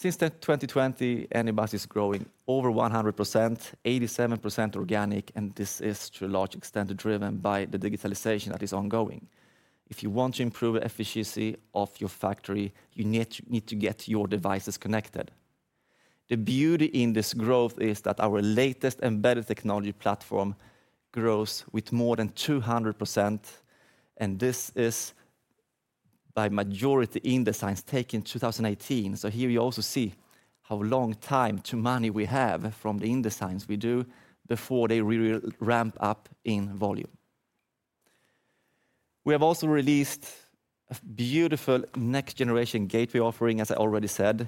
Since 2020, Anybus is growing over 100%, 87% organic, and this is to a large extent, driven by the digitalization that is ongoing. If you want to improve efficiency of your factory, you need to, need to get your devices connected. The beauty in this growth is that our latest embedded technology platform grows with more than 200%, and this is by majority since Q1 2018. So here you also see how long time-to-money we have from the design-ins we do before they ramp up in volume. We have also released a beautiful next-generation gateway offering, as I already said,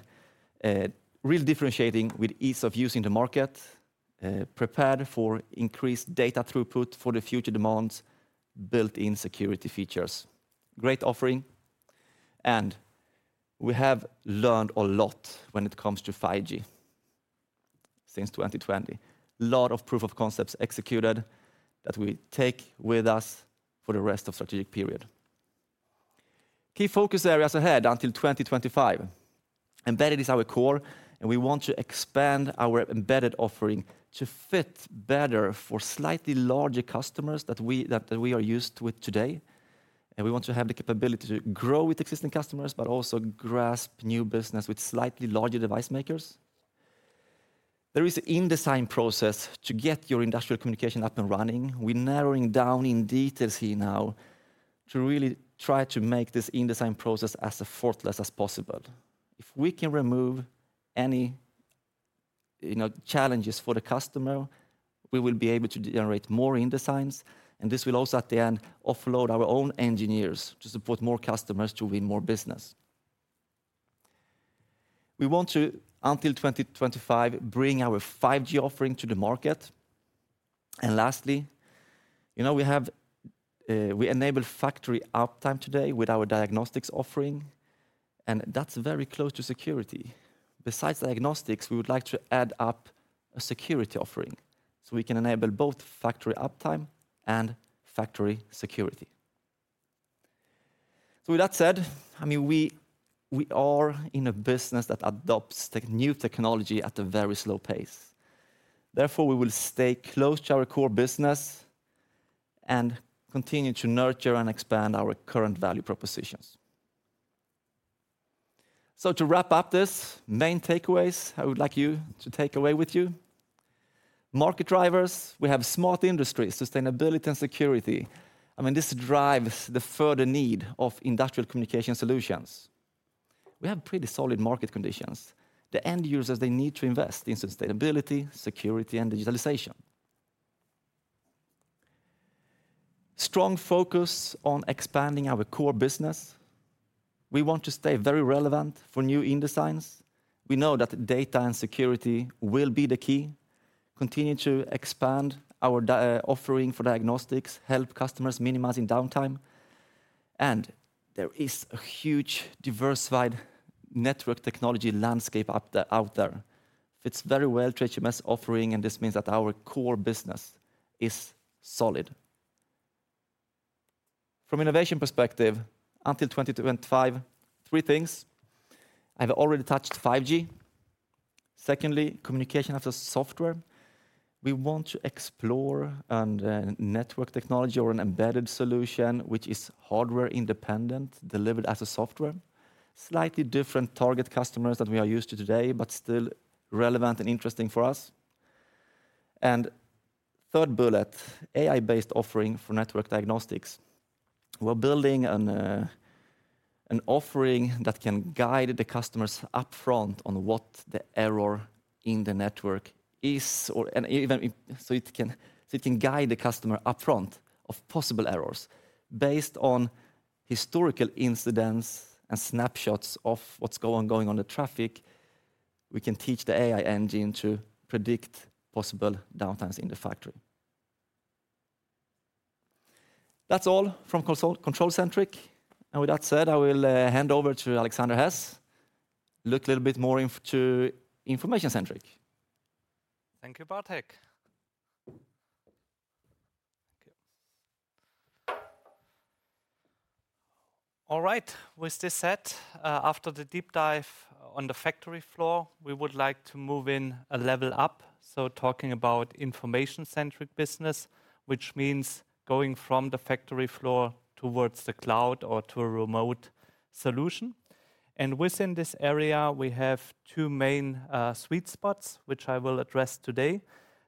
really differentiating with ease of use in the market, prepared for increased data throughput for the future demands, built-in security features. Great offering, and we have learned a lot when it comes to 5G since 2020. Lot of proof of concepts executed that we take with us for the rest of strategic period. Key focus areas ahead until 2025. Embedded is our core, and we want to expand our embedded offering to fit better for slightly larger customers that we are used with today. We want to have the capability to grow with existing customers, but also grasp new business with slightly larger device makers. There is in-design process to get your industrial communication up and running. We're narrowing down in details here now to really try to make this in-design process as effortless as possible. If we can remove any, you know, challenges for the customer, we will be able to generate more in-designs, and this will also, at the end, offload our own engineers to support more customers to win more business. We want to, until 2025, bring our 5G offering to the market. And lastly, you know, we have, we enable factory uptime today with our diagnostics offering, and that's very close to security. Besides diagnostics, we would like to add up a security offering, so we can enable both factory uptime and factory security. So with that said, I mean, we are in a business that adopts new technology at a very slow pace. Therefore, we will stay close to our core business and continue to nurture and expand our current value propositions. So to wrap up this, main takeaways I would like you to take away with you. Market drivers, we have smart industries, sustainability and security. I mean, this drives the further need of industrial communication solutions. We have pretty solid market conditions. The end users, they need to invest in sustainability, security, and digitalization. Strong focus on expanding our core business. We want to stay very relevant for new in-designs. We know that data and security will be the key. Continue to expand our diagnostics offering for diagnostics, help customers minimizing downtime, and there is a huge diversified network technology landscape out there, out there. Fits very well to HMS offering, and this means that our core business is solid. From innovation perspective, until 2025, three things. I've already touched 5G. Secondly, communication as a software... We want to explore and network technology or an embedded solution which is hardware independent, delivered as a software. Slightly different target customers than we are used to today, but still relevant and interesting for us. And third bullet, AI-based offering for network diagnostics. We're building an offering that can guide the customers upfront on what the error in the network is or and even if so it can, so it can guide the customer upfront of possible errors. Based on historical incidents and snapshots of what's going on the traffic, we can teach the AI engine to predict possible downtimes in the factory. That's all from control centric, and with that said, I will hand over to Alexander Hess. Look a little bit more into information centric. Thank you, Bartek. Thank you. All right. With this said, after the deep dive on the factory floor, we would like to move in a level up, so talking about information-centric business, which means going from the factory floor towards the cloud or to a remote solution. Within this area, we have two main sweet spots, which I will address today.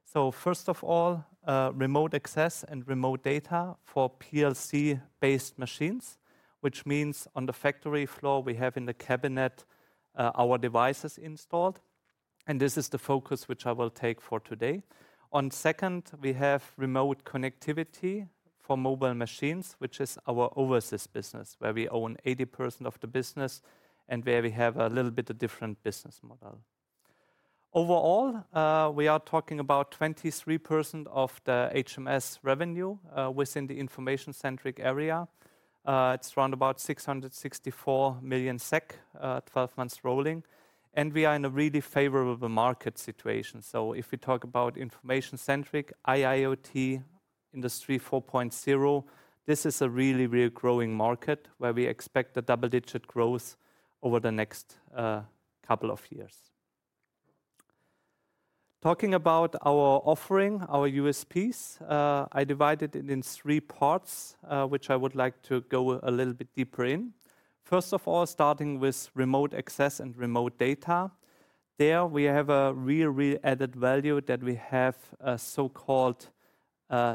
So first of all, remote access and remote data for PLC-based machines, which means on the factory floor we have in the cabinet our devices installed, and this is the focus which I will take for today. On second, we have remote connectivity for mobile machines, which is our overseas business, where we own 80% of the business and where we have a little bit of different business model. Overall, we are talking about 23% of the HMS revenue within the information-centric area. It's around about 664 million SEK, twelve months rolling, and we are in a really favorable market situation. So if we talk about information centric, IIoT, Industry 4.0, this is a really, really growing market where we expect a double-digit growth over the next couple of years. Talking about our offering, our USPs, I divided it in three parts, which I would like to go a little bit deeper in. First of all, starting with remote access and remote data. There we have a real, real added value that we have a so-called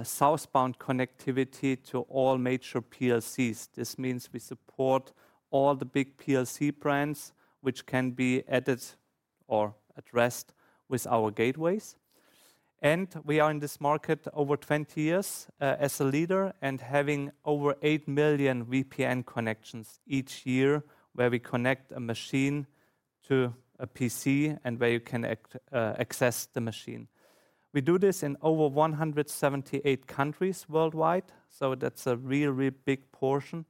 southbound connectivity to all major PLCs. This means we support all the big PLC brands, which can be added or addressed with our gateways. We are in this market over 20 years as a leader and having over 8 million VPN connections each year, where we connect a machine to a PC and where you can access the machine. We do this in over 178 countries worldwide, so that's a really, really big portion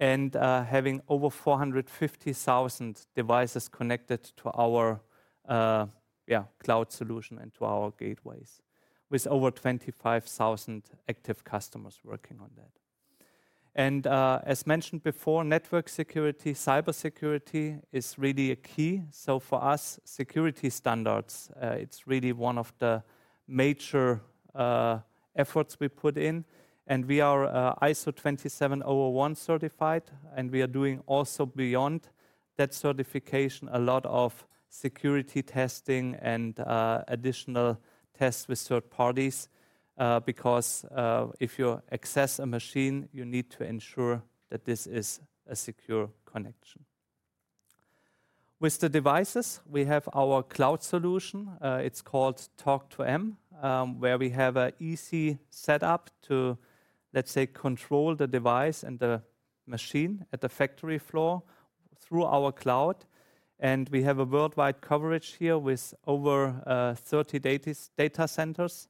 and having over 450,000 devices connected to our cloud solution and to our gateways, with over 25,000 active customers working on that. As mentioned before, network security, cybersecurity is really a key, so for us, security standards, it's really one of the major efforts we put in, and we are ISO 27001 certified, and we are doing also beyond that certification, a lot of security testing and additional tests with third parties, because if you access a machine, you need to ensure that this is a secure connection. With the devices, we have our cloud solution. It's called Talk2m, where we have an easy setup to, let's say, control the device and the machine at the factory floor through our cloud, and we have a worldwide coverage here with over 30 data centers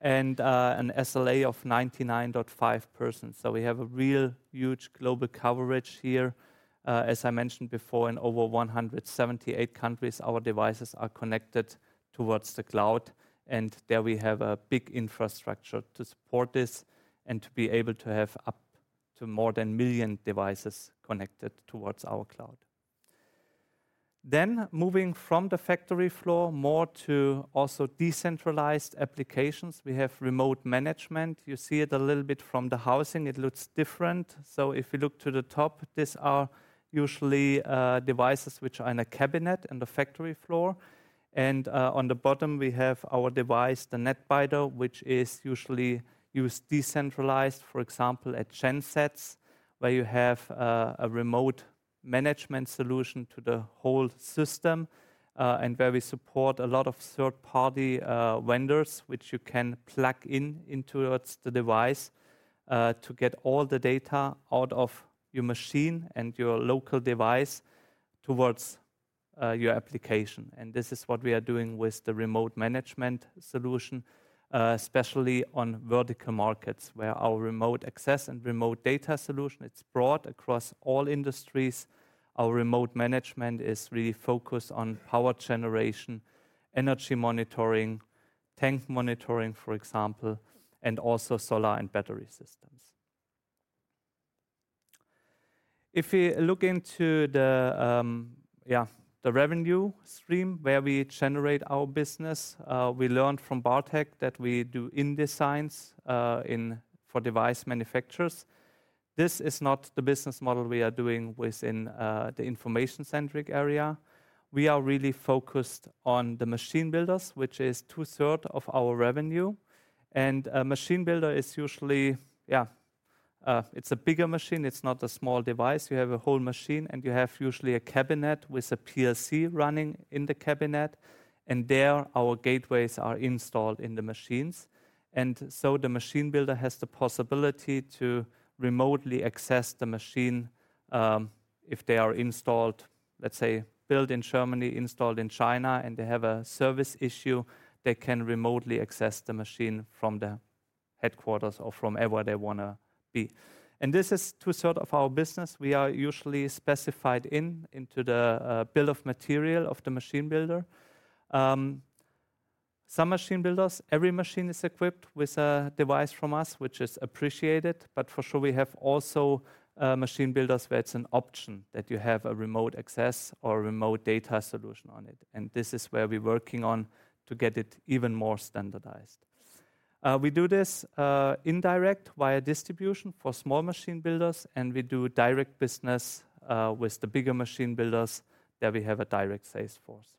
and an SLA of 99.5%. So we have a real huge global coverage here. As I mentioned before, in over 178 countries, our devices are connected towards the cloud, and there we have a big infrastructure to support this and to be able to have up to more than 1 million devices connected towards our cloud. Then moving from the factory floor, more to also decentralized applications, we have remote management. You see it a little bit from the housing; it looks different. So if you look to the top, these are usually devices which are in a cabinet in the factory floor. And, on the bottom, we have our device, the Netbiter, which is usually used decentralized, for example, at gensets, where you have a remote management solution to the whole system, and where we support a lot of third-party vendors, which you can plug in in towards the device, to get all the data out of your machine and your local device towards your application. And this is what we are doing with the remote management solution, especially on vertical markets, where our remote access and remote data solution, it's broad across all industries. Our remote management is really focused on power generation, energy monitoring, tank monitoring, for example, and also solar and battery systems.... If we look into the revenue stream where we generate our business, we learned from Bartek that we do design wins for device manufacturers. This is not the business model we are doing within the information-centric area. We are really focused on the machine builders, which is two-thirds of our revenue, and a machine builder is usually it's a bigger machine, it's not a small device. You have a whole machine, and you have usually a cabinet with a PLC running in the cabinet, and there, our gateways are installed in the machines. And so the machine builder has the possibility to remotely access the machine, if they are installed, let's say, built in Germany, installed in China, and they have a service issue, they can remotely access the machine from the headquarters or from wherever they wanna be. This is two-thirds of our business. We are usually specified into the bill of material of the machine builder. Some machine builders, every machine is equipped with a device from us, which is appreciated, but for sure, we have also machine builders where it's an option that you have a remote access or remote data solution on it, and this is where we're working on to get it even more standardized. We do this indirect via distribution for small machine builders, and we do direct business with the bigger machine builders, there we have a direct sales force.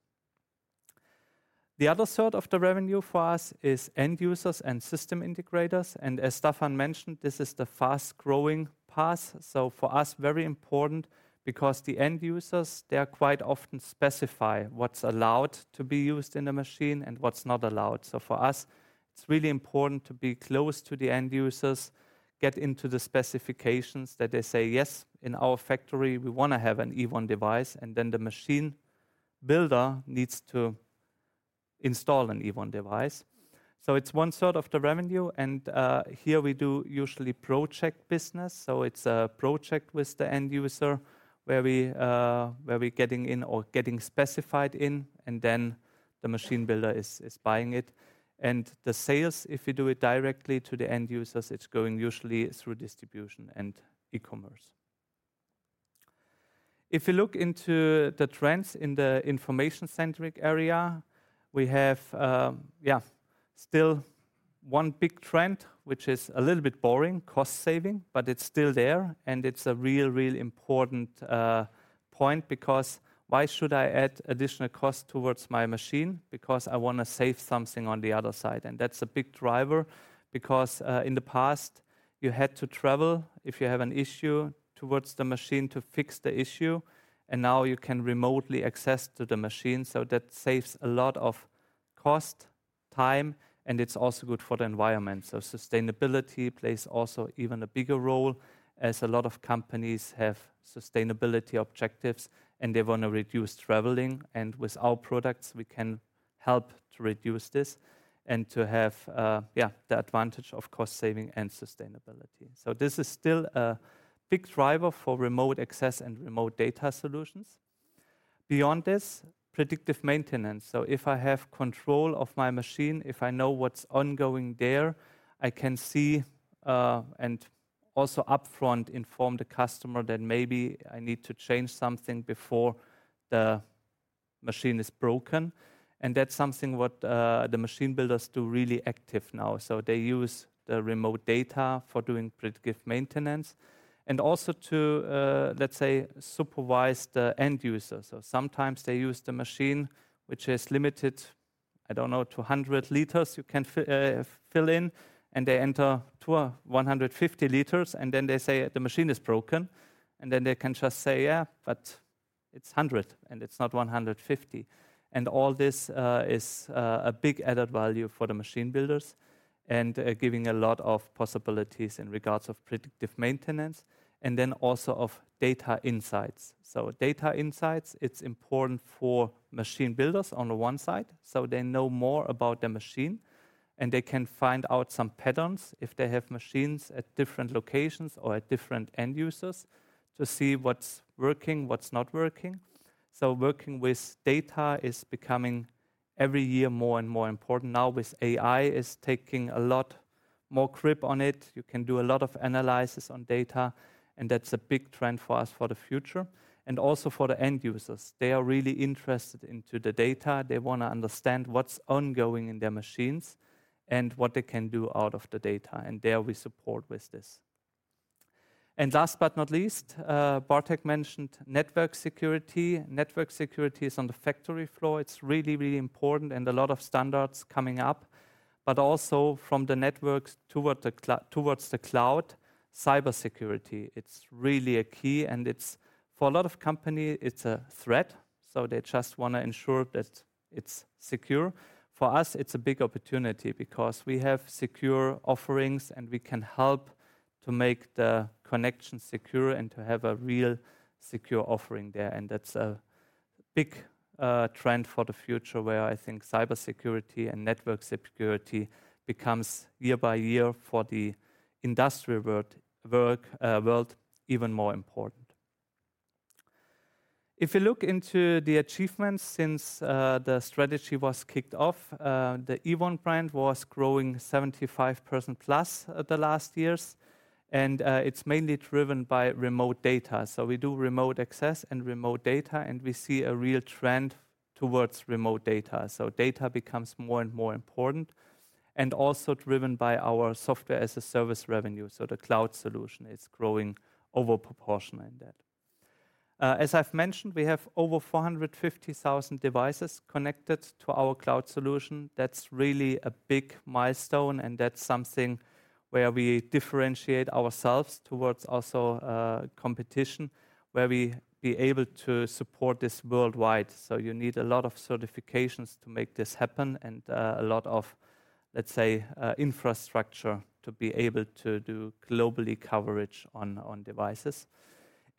The other third of the revenue for us is end users and system integrators, and as Staffan mentioned, this is the fast-growing path. So for us, very important because the end users, they are quite often specify what's allowed to be used in a machine and what's not allowed. So for us, it's really important to be close to the end users, get into the specifications that they say, "Yes, in our factory, we wanna have an Ewon device," and then the machine builder needs to install an Ewon device. So it's one third of the revenue, and here we do usually project business, so it's a project with the end user where we're getting in or getting specified in, and then the machine builder is buying it. And the sales, if you do it directly to the end users, it's going usually through distribution and e-commerce. If you look into the trends in the information-centric area, we have, yeah, still one big trend, which is a little bit boring, cost-saving, but it's still there, and it's a real, real important point, because why should I add additional cost towards my machine? Because I wanna save something on the other side, and that's a big driver because, in the past, you had to travel if you have an issue towards the machine to fix the issue, and now you can remotely access to the machine. So that saves a lot of cost, time, and it's also good for the environment. So sustainability plays also even a bigger role, as a lot of companies have sustainability objectives, and they wanna reduce traveling. And with our products, we can help to reduce this and to have, yeah, the advantage of cost saving and sustainability. So this is still a big driver for remote access and remote data solutions. Beyond this, predictive maintenance. So if I have control of my machine, if I know what's ongoing there, I can see, and also upfront inform the customer that maybe I need to change something before the machine is broken, and that's something what the machine builders do really active now. So they use the remote data for doing predictive maintenance and also to, let's say, supervise the end user. So sometimes they use the machine, which is limited, I don't know, to 100 liters you can fill in, and they enter to 150 liters, and then they say, "The machine is broken," and then they can just say, "Yeah, but it's 100, and it's not 150." And all this is a big added value for the machine builders and giving a lot of possibilities in regards of predictive maintenance and then also of data insights. So data insights, it's important for machine builders on the one side, so they know more about the machine, and they can find out some patterns if they have machines at different locations or at different end users to see what's working, what's not working. So working with data is becoming every year more and more important. Now, with AI, it's taking a lot more grip on it. You can do a lot of analysis on data, and that's a big trend for us for the future. And also for the end users, they are really interested in the data. They wanna understand what's ongoing in their machines and what they can do out of the data, and there we support with this. And last but not least, Bartek mentioned network security. Network security is on the factory floor. It's really, really important, and a lot of standards coming up, but also from the networks toward the cloud, cybersecurity, it's really a key, and it's... For a lot of companies, it's a threat, so they just wanna ensure that it's secure. For us, it's a big opportunity because we have secure offerings, and we can help to make the connection secure and to have a real secure offering there. That's a big trend for the future, where I think cybersecurity and network security becomes year by year for the industrial world, even more important. If you look into the achievements since the strategy was kicked off, the Ewon brand was growing 75%+ at the last years, and it's mainly driven by remote data. So we do remote access and remote data, and we see a real trend towards remote data. So data becomes more and more important, and also driven by our software as a service revenue. So the cloud solution is growing over proportional in that. As I've mentioned, we have over 450,000 devices connected to our cloud solution. That's really a big milestone, and that's something where we differentiate ourselves towards also competition, where we be able to support this worldwide. So you need a lot of certifications to make this happen and a lot of, let's say, infrastructure to be able to do globally coverage on devices.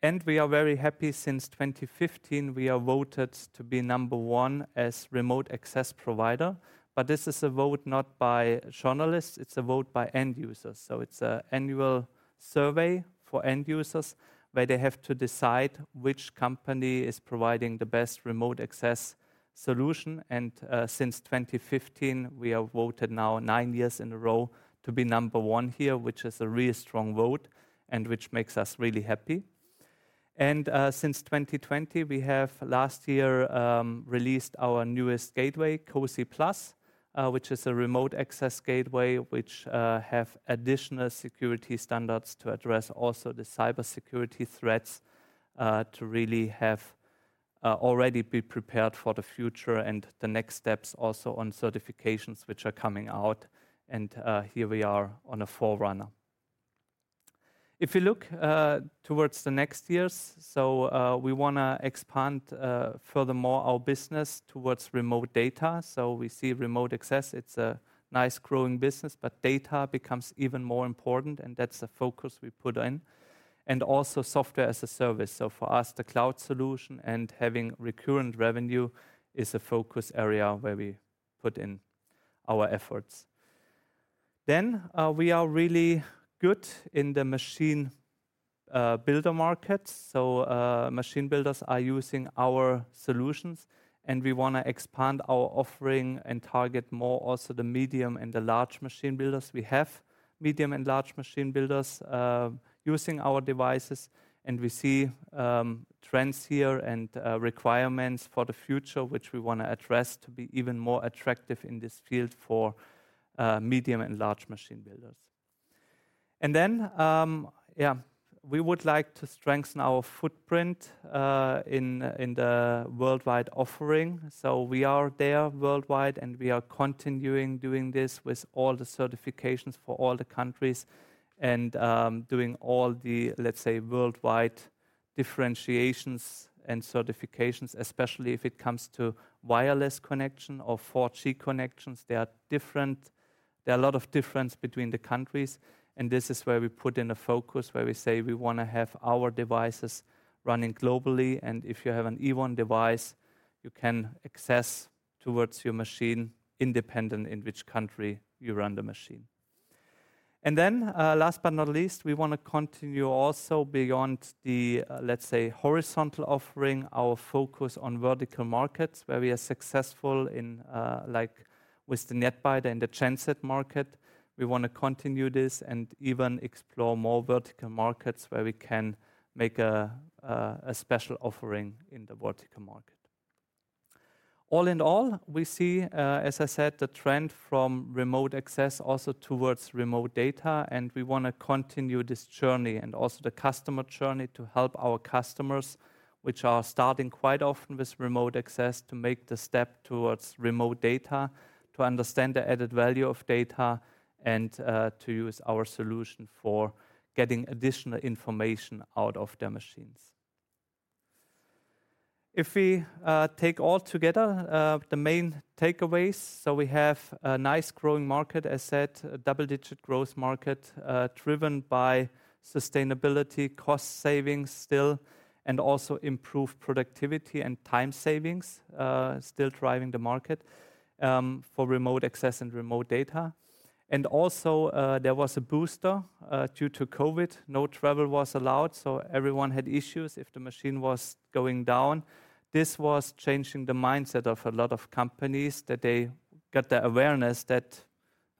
And we are very happy since 2015, we are voted to be number one as remote access provider. But this is a vote not by journalists, it's a vote by end users. So it's a annual survey for end users, where they have to decide which company is providing the best remote access solution. Since 2015, we are voted now 9 years in a row to be number one here, which is a real strong vote and which makes us really happy. Since 2020, we have last year released our newest gateway, Cosy Plus, which is a remote access gateway, which have additional security standards to address also the cybersecurity threats, to really have already be prepared for the future and the next steps also on certifications which are coming out, and here we are on a forerunner. If you look towards the next years, so we wanna expand furthermore our business towards remote data. So we see remote access, it's a nice growing business, but data becomes even more important, and that's the focus we put in, and also software as a service. So for us, the cloud solution and having recurrent revenue is a focus area where we put in our efforts. Then, we are really good in the machine builder market. So, machine builders are using our solutions, and we wanna expand our offering and target more also the medium and the large machine builders. We have medium and large machine builders using our devices, and we see trends here and requirements for the future, which we wanna address to be even more attractive in this field for medium and large machine builders. And then, yeah, we would like to strengthen our footprint in the worldwide offering. So we are there worldwide, and we are continuing doing this with all the certifications for all the countries and, doing all the, let's say, worldwide differentiations and certifications, especially if it comes to wireless connection or 4G connections. They are different. There are a lot of differences between the countries, and this is where we put in a focus, where we say we wanna have our devices running globally, and if you have an Ewon device, you can access towards your machine, independent in which country you run the machine. And then, last but not least, we wanna continue also beyond the, let's say, horizontal offering, our focus on vertical markets, where we are successful in, like with the Netbiter and the transport market. We wanna continue this and even explore more vertical markets where we can make a special offering in the vertical market. All in all, we see, as I said, the trend from remote access also towards remote data, and we wanna continue this journey and also the customer journey to help our customers, which are starting quite often with remote access, to make the step towards remote data, to understand the added value of data, and to use our solution for getting additional information out of their machines. If we take all together, the main takeaways, so we have a nice growing market, as said, a double-digit growth market, driven by sustainability, cost savings still, and also improved productivity and time savings, still driving the market, for remote access and remote data. Also, there was a booster due to COVID. No travel was allowed, so everyone had issues if the machine was going down. This was changing the mindset of a lot of companies, that they got the awareness that,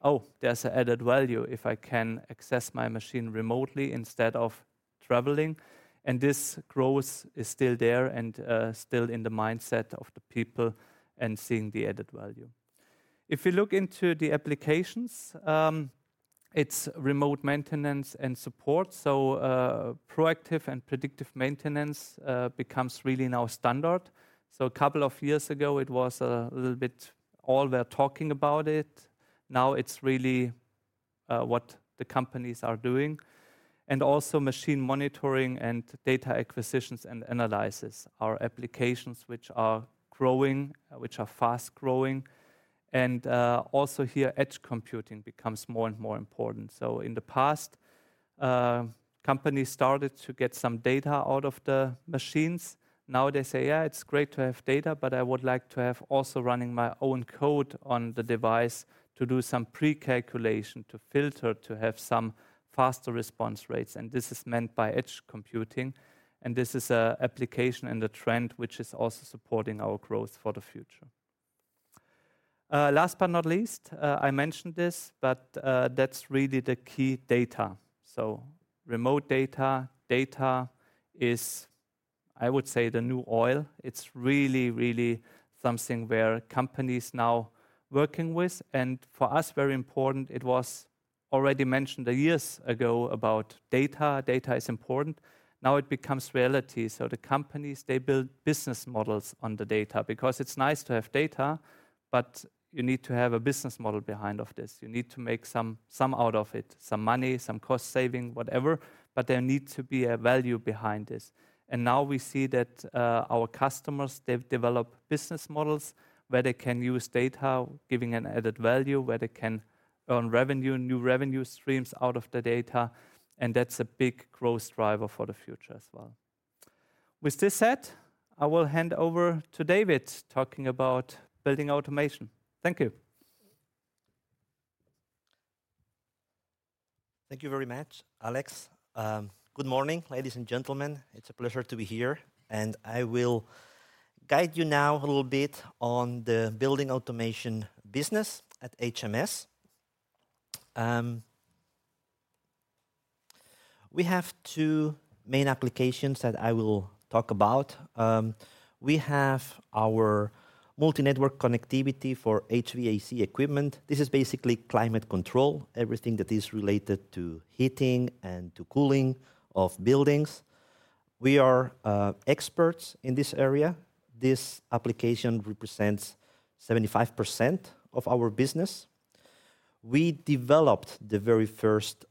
"Oh, there's an added value if I can access my machine remotely instead of traveling." This growth is still there and still in the mindset of the people and seeing the added value. If you look into the applications, it's remote maintenance and support. Proactive and predictive maintenance becomes really now standard. A couple of years ago, it was a little bit all we are talking about it. Now, it's really what the companies are doing, and also machine monitoring and data acquisitions and analysis are applications which are growing, which are fast-growing. Also here, edge computing becomes more and more important. So in the past, companies started to get some data out of the machines. Now they say, "Yeah, it's great to have data, but I would like to have also running my own code on the device to do some precalculation, to filter, to have some faster response rates." And this is meant by edge computing, and this is a application and a trend which is also supporting our growth for the future. Last but not least, I mentioned this, but, that's really the key: data. So remote data. Data is, I would say, the new oil. It's really, really something where companies now working with, and for us, very important, it was already mentioned years ago about data. Data is important. Now it becomes reality, so the companies, they build business models on the data because it's nice to have data, but you need to have a business model behind of this. You need to make some, some out of it, some money, some cost saving, whatever, but there need to be a value behind this. And now we see that, our customers, they've developed business models where they can use data, giving an added value, where they can earn revenue, new revenue streams out of the data, and that's a big growth driver for the future as well. With this said, I will hand over to David, talking about building automation. Thank you. Thank you very much, Alex. Good morning, ladies and gentlemen. It's a pleasure to be here, and I will guide you now a little bit on the building automation business at HMS. We have two main applications that I will talk about. We have our multi-network connectivity for HVAC equipment. This is basically climate control, everything that is related to heating and to cooling of buildings. We are experts in this area. This application represents 75% of our business. We developed the very first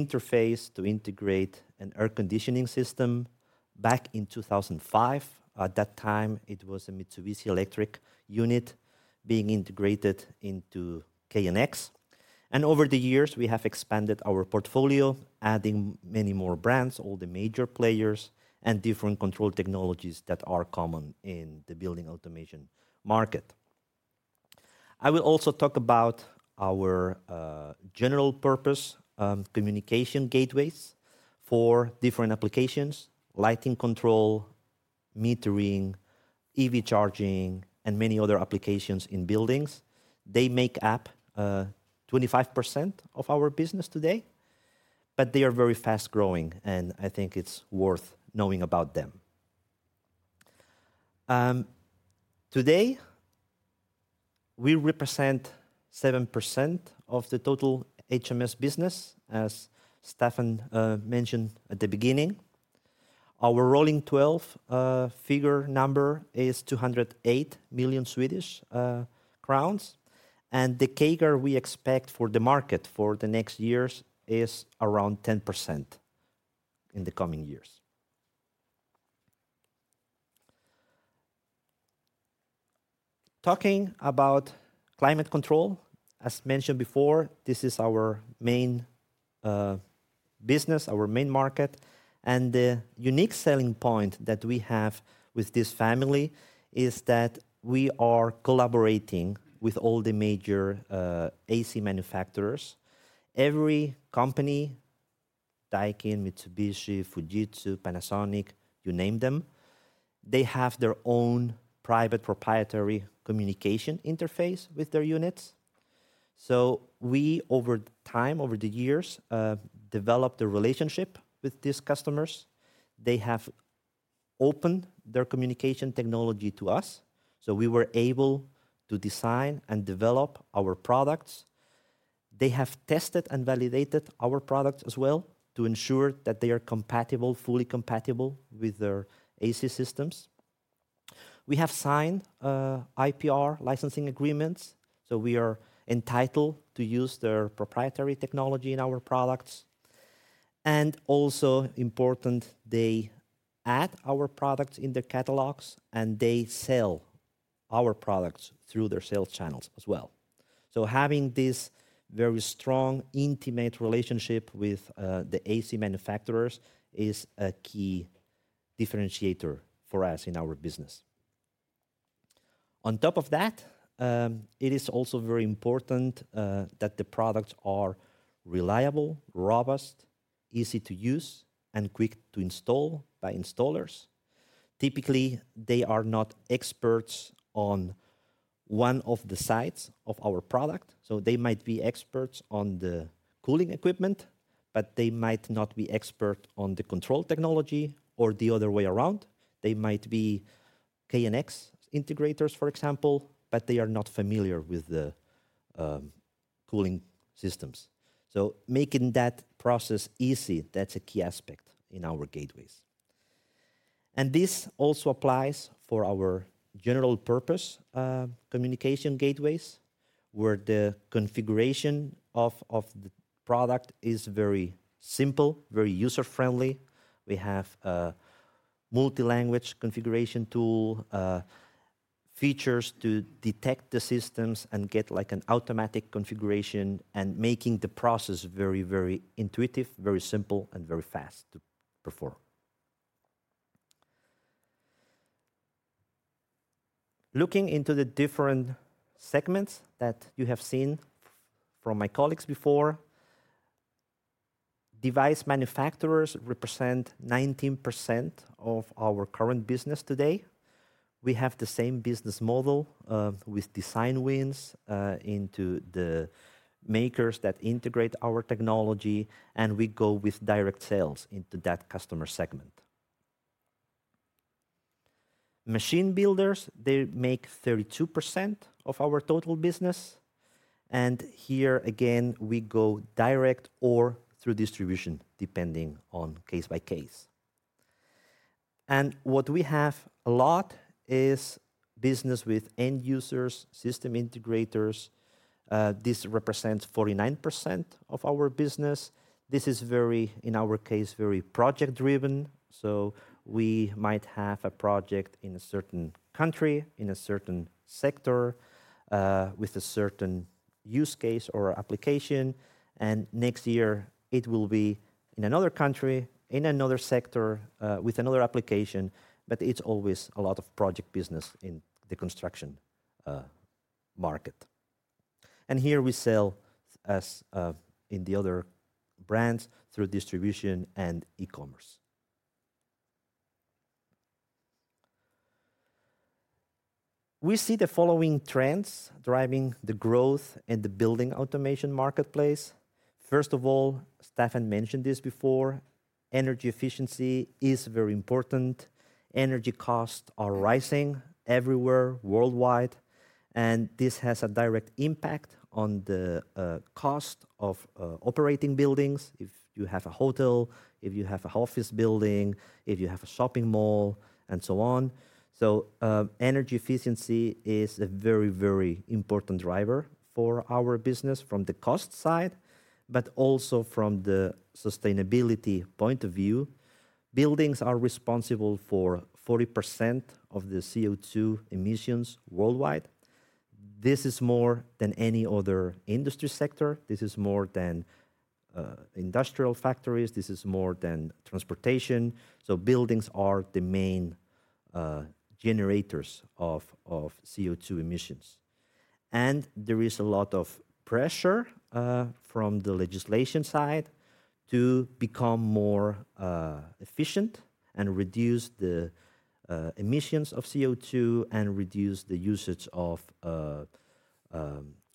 interface to integrate an air conditioning system back in 2005. At that time, it was a Mitsubishi Electric unit being integrated into KNX, and over the years, we have expanded our portfolio, adding many more brands, all the major players, and different control technologies that are common in the building automation market. I will also talk about our general purpose communication gateways for different applications: lighting control, metering, EV charging, and many other applications in buildings. They make up 25% of our business today, but they are very fast-growing, and I think it's worth knowing about them. Today, we represent 7% of the total HMS business, as Staffan mentioned at the beginning. Our rolling twelve figure number is 208 million Swedish crowns, and the CAGR we expect for the market for the next years is around 10% in the coming years. Talking about climate control, as mentioned before, this is our main business, our main market, and the unique selling point that we have with this family is that we are collaborating with all the major AC manufacturers. Every company, Daikin, Mitsubishi, Fujitsu, Panasonic, you name them, they have their own private proprietary communication interface with their units. So we, over time, over the years, developed a relationship with these customers. They have opened their communication technology to us, so we were able to design and develop our products. They have tested and validated our products as well to ensure that they are compatible, fully compatible with their AC systems. We have signed, IPR licensing agreements, so we are entitled to use their proprietary technology in our products. And also important, they add our products in their catalogs, and they sell our products through their sales channels as well. So having this very strong, intimate relationship with, the AC manufacturers is a key differentiator for us in our business. On top of that, it is also very important that the products are reliable, robust, easy to use, and quick to install by installers. Typically, they are not experts on one of the sides of our product, so they might be experts on the cooling equipment, but they might not be expert on the control technology or the other way around. They might be KNX integrators, for example, but they are not familiar with the cooling systems. So making that process easy, that's a key aspect in our gateways. And this also applies for our general purpose communication gateways, where the configuration of the product is very simple, very user-friendly. We have a multi-language configuration tool, features to detect the systems and get, like, an automatic configuration and making the process very, very intuitive, very simple, and very fast to perform. Looking into the different segments that you have seen from my colleagues before. Device manufacturers represent 19% of our current business today. We have the same business model, with design wins, into the makers that integrate our technology, and we go with direct sales into that customer segment. Machine builders, they make 32% of our total business, and here again, we go direct or through distribution, depending on case by case. And what we have a lot is business with end users, system integrators. This represents 49% of our business. This is very, in our case, very project-driven, so we might have a project in a certain country, in a certain sector, with a certain use case or application, and next year, it will be in another country, in another sector, with another application, but it's always a lot of project business in the construction market. And here we sell as, in the other brands, through distribution and e-commerce. We see the following trends driving the growth in the building automation marketplace. First of all, Staffan mentioned this before, energy efficiency is very important. Energy costs are rising everywhere worldwide, and this has a direct impact on the cost of operating buildings, if you have a hotel, if you have an office building, if you have a shopping mall, and so on. So, energy efficiency is a very, very important driver for our business from the cost side, but also from the sustainability point of view. Buildings are responsible for 40% of the CO2 emissions worldwide. This is more than any other industry sector, this is more than industrial factories, this is more than transportation, so buildings are the main generators of CO2 emissions. And there is a lot of pressure from the legislation side to become more efficient and reduce the emissions of CO2 and reduce the usage of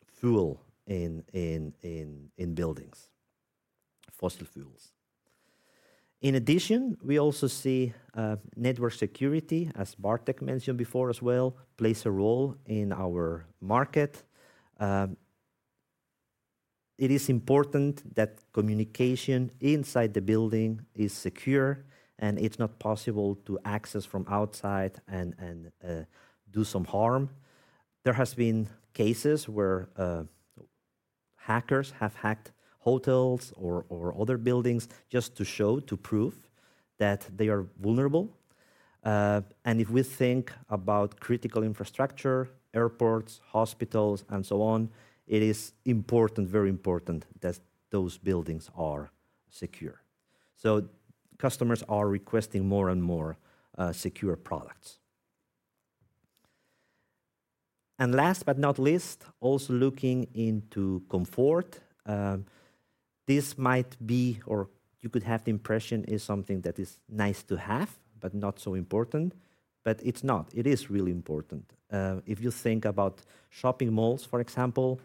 fuel in buildings, fossil fuels. In addition, we also see network security, as Bartek mentioned before as well, plays a role in our market. It is important that communication inside the building is secure, and it's not possible to access from outside and do some harm. There has been cases where hackers have hacked hotels or other buildings just to show, to prove that they are vulnerable. And if we think about critical infrastructure, airports, hospitals, and so on, it is important, very important that those buildings are secure. So customers are requesting more and more secure products. And last but not least, also looking into comfort. This might be, or you could have the impression is something that is nice to have, but not so important. But it's not. It is really important. If you think about shopping malls, for example,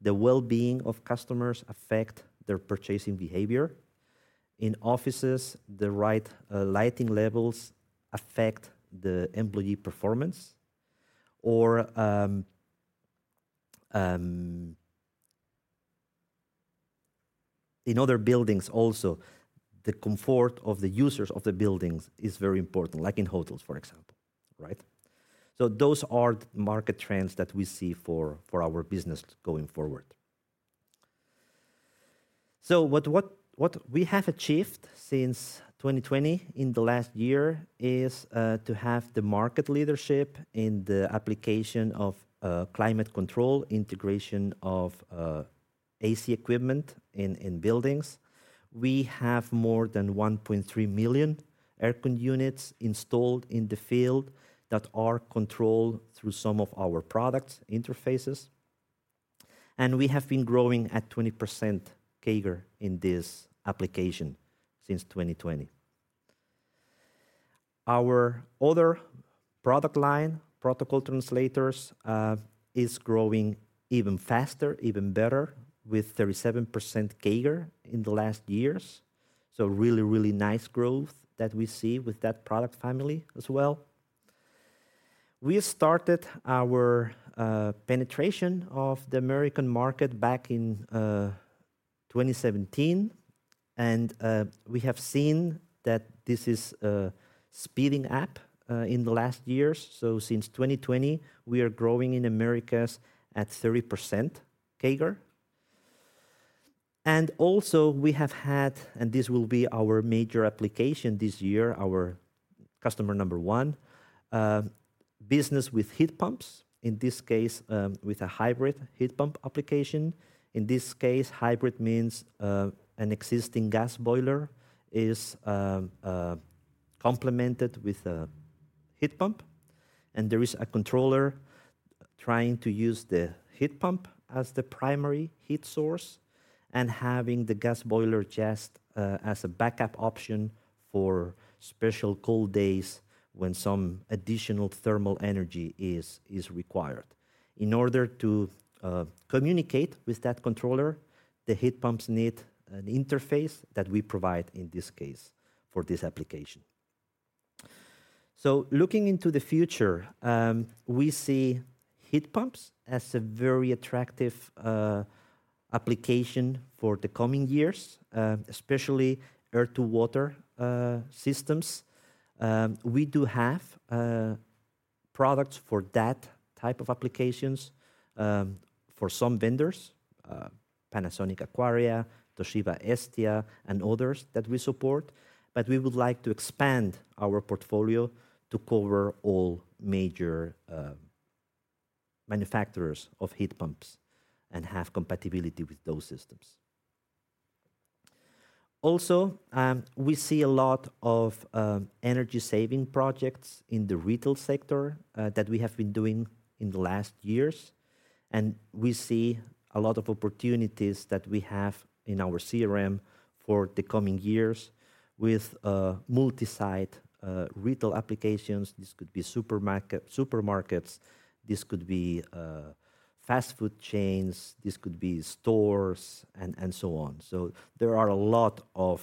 the well-being of customers affect their purchasing behavior. In offices, the right lighting levels affect the employee performance. Or, in other buildings also, the comfort of the users of the buildings is very important, like in hotels, for example, right? So those are the market trends that we see for our business going forward. So what we have achieved since 2020, in the last year, is to have the market leadership in the application of climate control, integration of AC equipment in buildings. We have more than 1.3 million air con units installed in the field that are controlled through some of our products interfaces, and we have been growing at 20% CAGR in this application since 2020. Our other product line, protocol translators, is growing even faster, even better, with 37% CAGR in the last years. So really, really nice growth that we see with that product family as well. We started our penetration of the American market back in 2017, and we have seen that this is speeding up in the last years. So since 2020, we are growing in Americas at 30% CAGR. And also, we have had, and this will be our major application this year, our customer number one business with heat pumps, in this case, with a hybrid heat pump application. In this case, hybrid means an existing gas boiler is complemented with a heat pump and there is a controller trying to use the heat pump as the primary heat source, and having the gas boiler just as a backup option for special cold days when some additional thermal energy is required. In order to communicate with that controller, the heat pumps need an interface that we provide in this case for this application. So looking into the future, we see heat pumps as a very attractive application for the coming years, especially air-to-water systems. We do have products for that type of applications, for some vendors: Panasonic Aquarea, Toshiba Estia, and others that we support. But we would like to expand our portfolio to cover all major manufacturers of heat pumps and have compatibility with those systems. Also, we see a lot of energy-saving projects in the retail sector that we have been doing in the last years, and we see a lot of opportunities that we have in our CRM for the coming years with multi-site retail applications. This could be supermarket, supermarkets, this could be fast food chains, this could be stores, and so on. So there are a lot of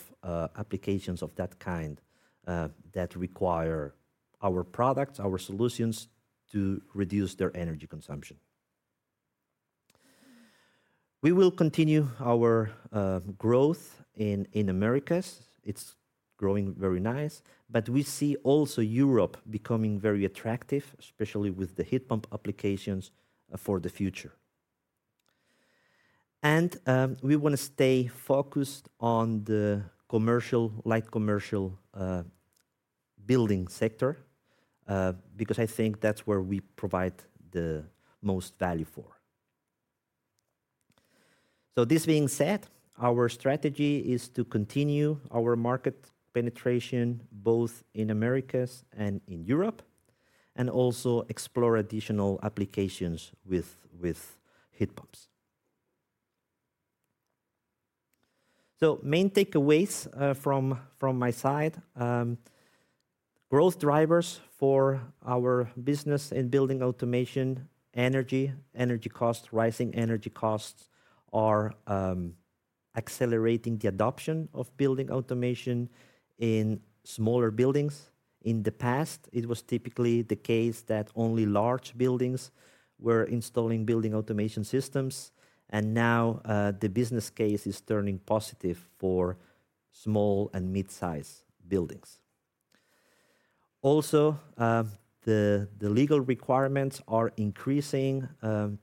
applications of that kind that require our products, our solutions, to reduce their energy consumption. We will continue our growth in Americas. It's growing very nice, but we see also Europe becoming very attractive, especially with the heat pump applications for the future. And we wanna stay focused on the commercial, light commercial building sector because I think that's where we provide the most value for. So this being said, our strategy is to continue our market penetration, both in Americas and in Europe, and also explore additional applications with heat pumps. So main takeaways from my side. Growth drivers for our business in building automation, energy, energy costs, rising energy costs are accelerating the adoption of building automation in smaller buildings. In the past, it was typically the case that only large buildings were installing building automation systems, and now, the business case is turning positive for small and mid-size buildings. Also, the legal requirements are increasing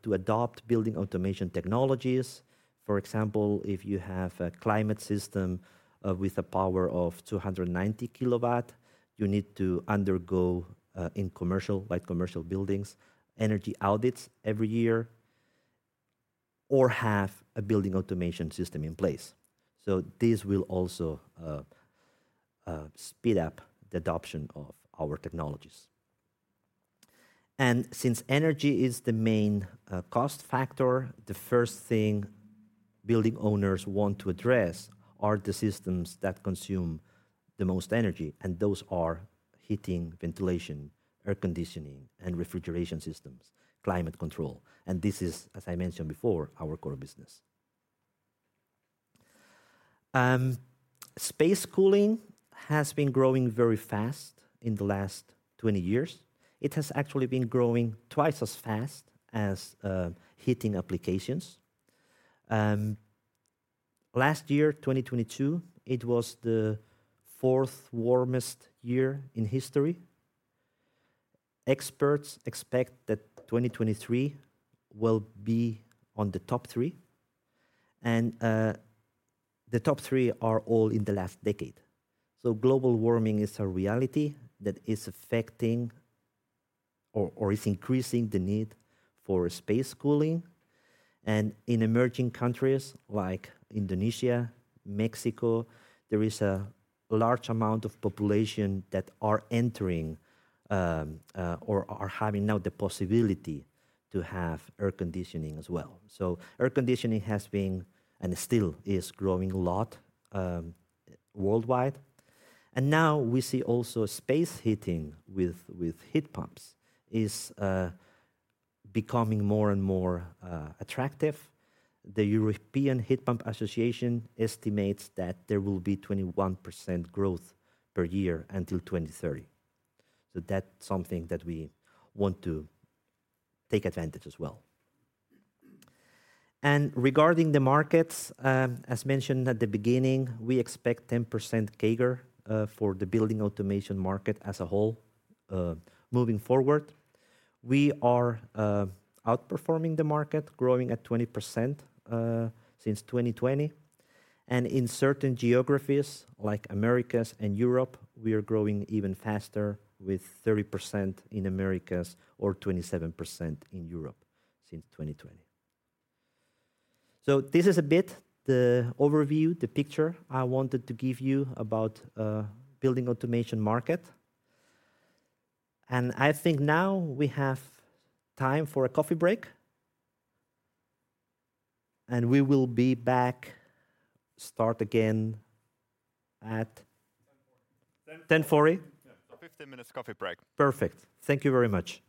to adopt building automation technologies. For example, if you have a climate system with a power of 290 kW, you need to undergo in commercial, like commercial buildings, energy audits every year or have a building automation system in place. So this will also speed up the adoption of our technologies. Since energy is the main cost factor, the first thing building owners want to address are the systems that consume the most energy, and those are heating, ventilation, air conditioning, and refrigeration systems, climate control, and this is, as I mentioned before, our core business. Space cooling has been growing very fast in the last 20 years. It has actually been growing twice as fast as heating applications. Last year, 2022, it was the fourth warmest year in history. Experts expect that 2023 will be on the top three, and the top three are all in the last decade. So global warming is a reality that is affecting or, or is increasing the need for space cooling. In emerging countries like Indonesia, Mexico, there is a large amount of population that are entering, or are having now the possibility to have air conditioning as well. Air conditioning has been, and still is, growing a lot, worldwide. Now we see also space heating with heat pumps is becoming more and more attractive. The European Heat Pump Association estimates that there will be 21% growth per year until 2030. That's something that we want to take advantage as well. Regarding the markets, as mentioned at the beginning, we expect 10% CAGR for the building automation market as a whole, moving forward. We are outperforming the market, growing at 20%, since 2020, and in certain geographies, like Americas and Europe, we are growing even faster, with 30% in Americas or 27% in Europe since 2020. So this is a bit the overview, the picture I wanted to give you about building automation market. I think now we have time for a coffee break, and we will be back, start again at 10:40 A.M.? Yeah. 15 minutes coffee break. Perfect. Thank you very much. ...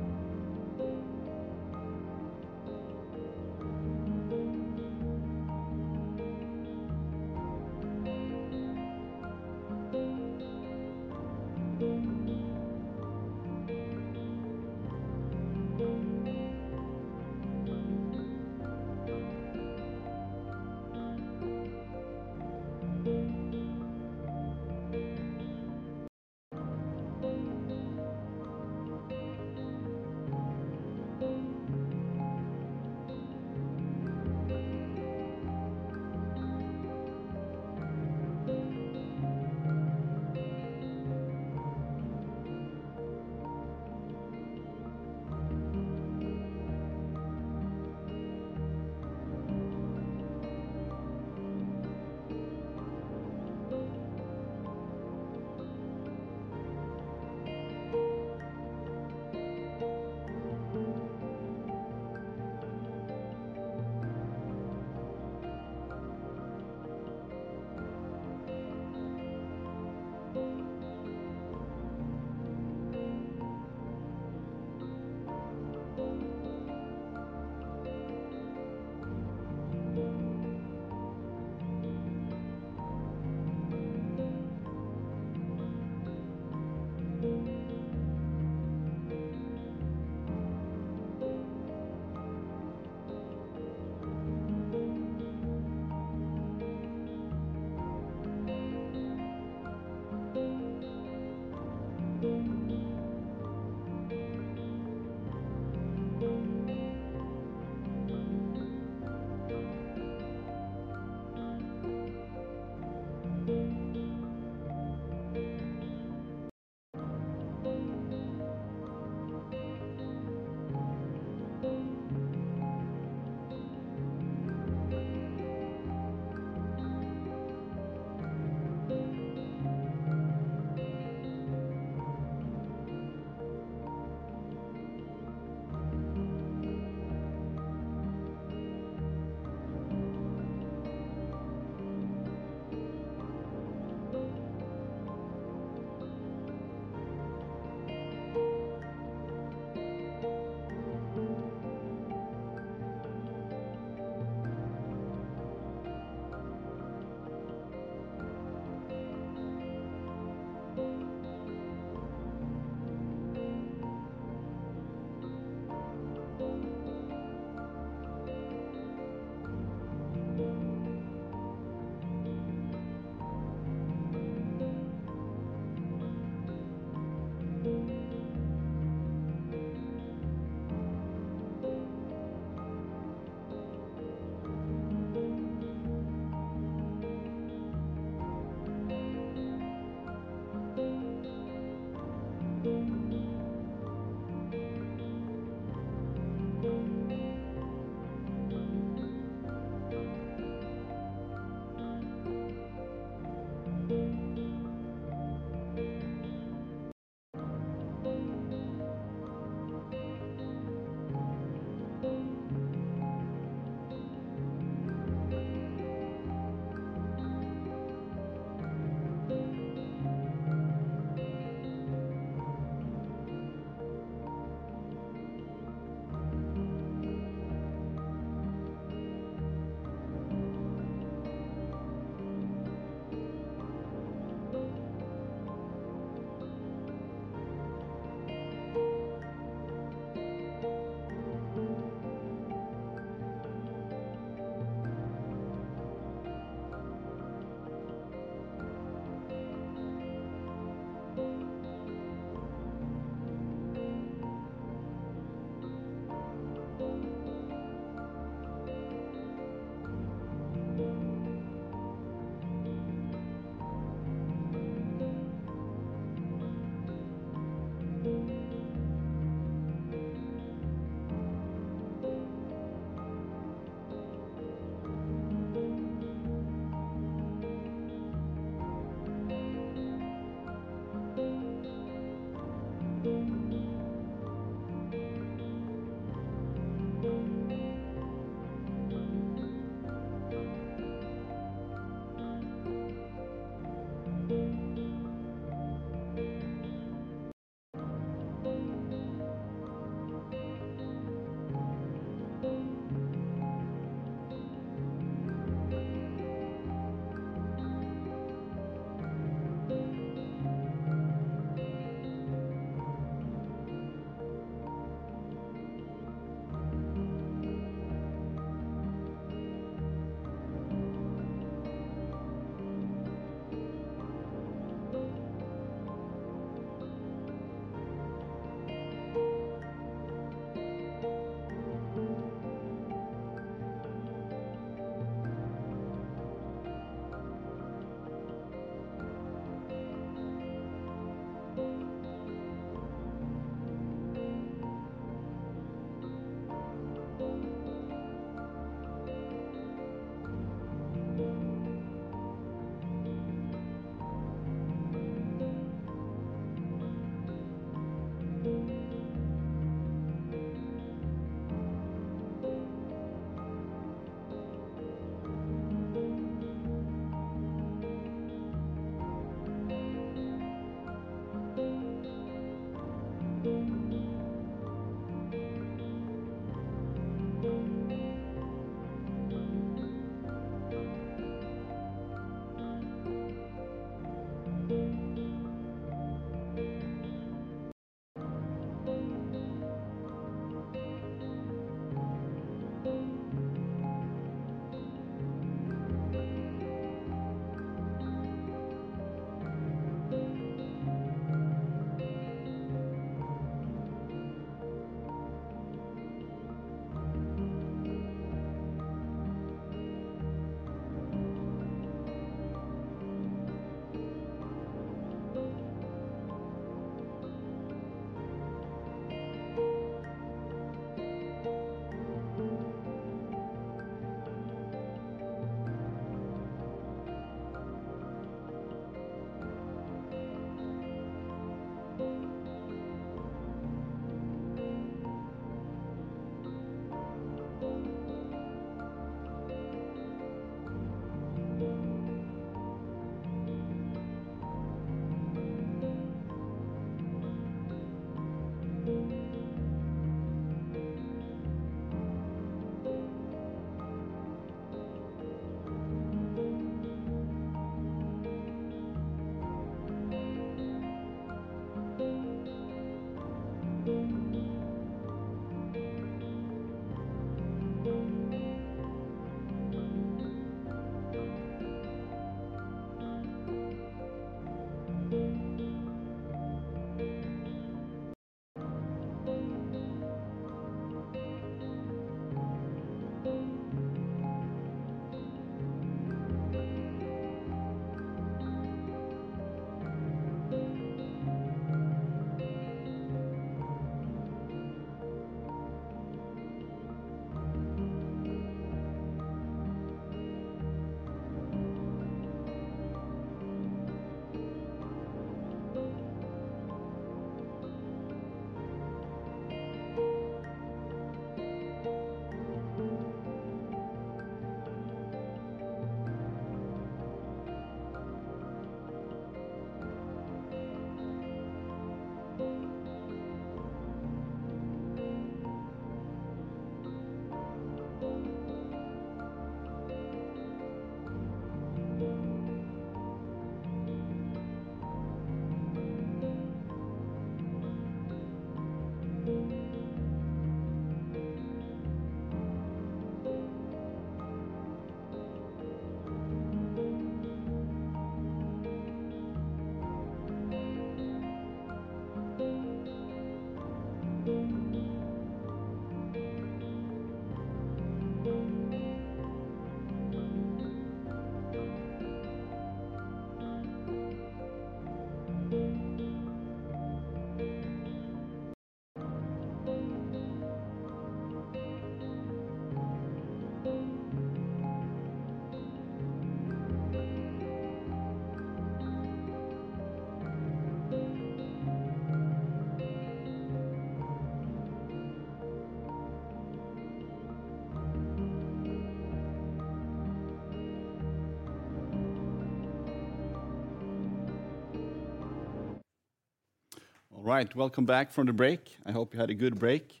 All right, welcome back from the break. I hope you had a good break.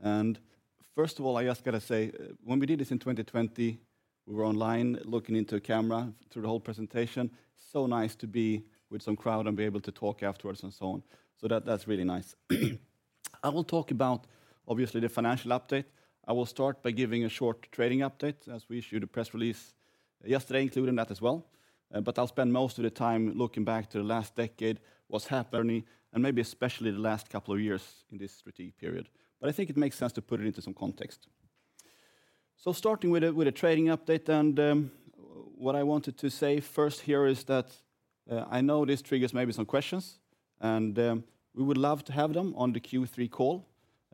And first of all, I just got to say, when we did this in 2020, we were online, looking into a camera through the whole presentation. So nice to be with some crowd and be able to talk afterwards and so on. So that, that's really nice. I will talk about, obviously, the financial update. I will start by giving a short trading update as we issued a press release yesterday, including that as well. But I'll spend most of the time looking back to the last decade, what's happening, and maybe especially the last couple of years in this strategic period. But I think it makes sense to put it into some context. So starting with a trading update, and what I wanted to say first here is that I know this triggers maybe some questions, and we would love to have them on the Q3 call.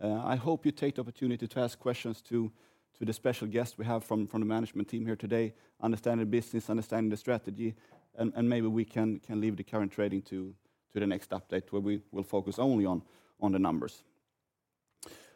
I hope you take the opportunity to ask questions to the special guests we have from the management team here today, understanding the business, understanding the strategy, and maybe we can leave the current trading to the next update, where we will focus only on the numbers.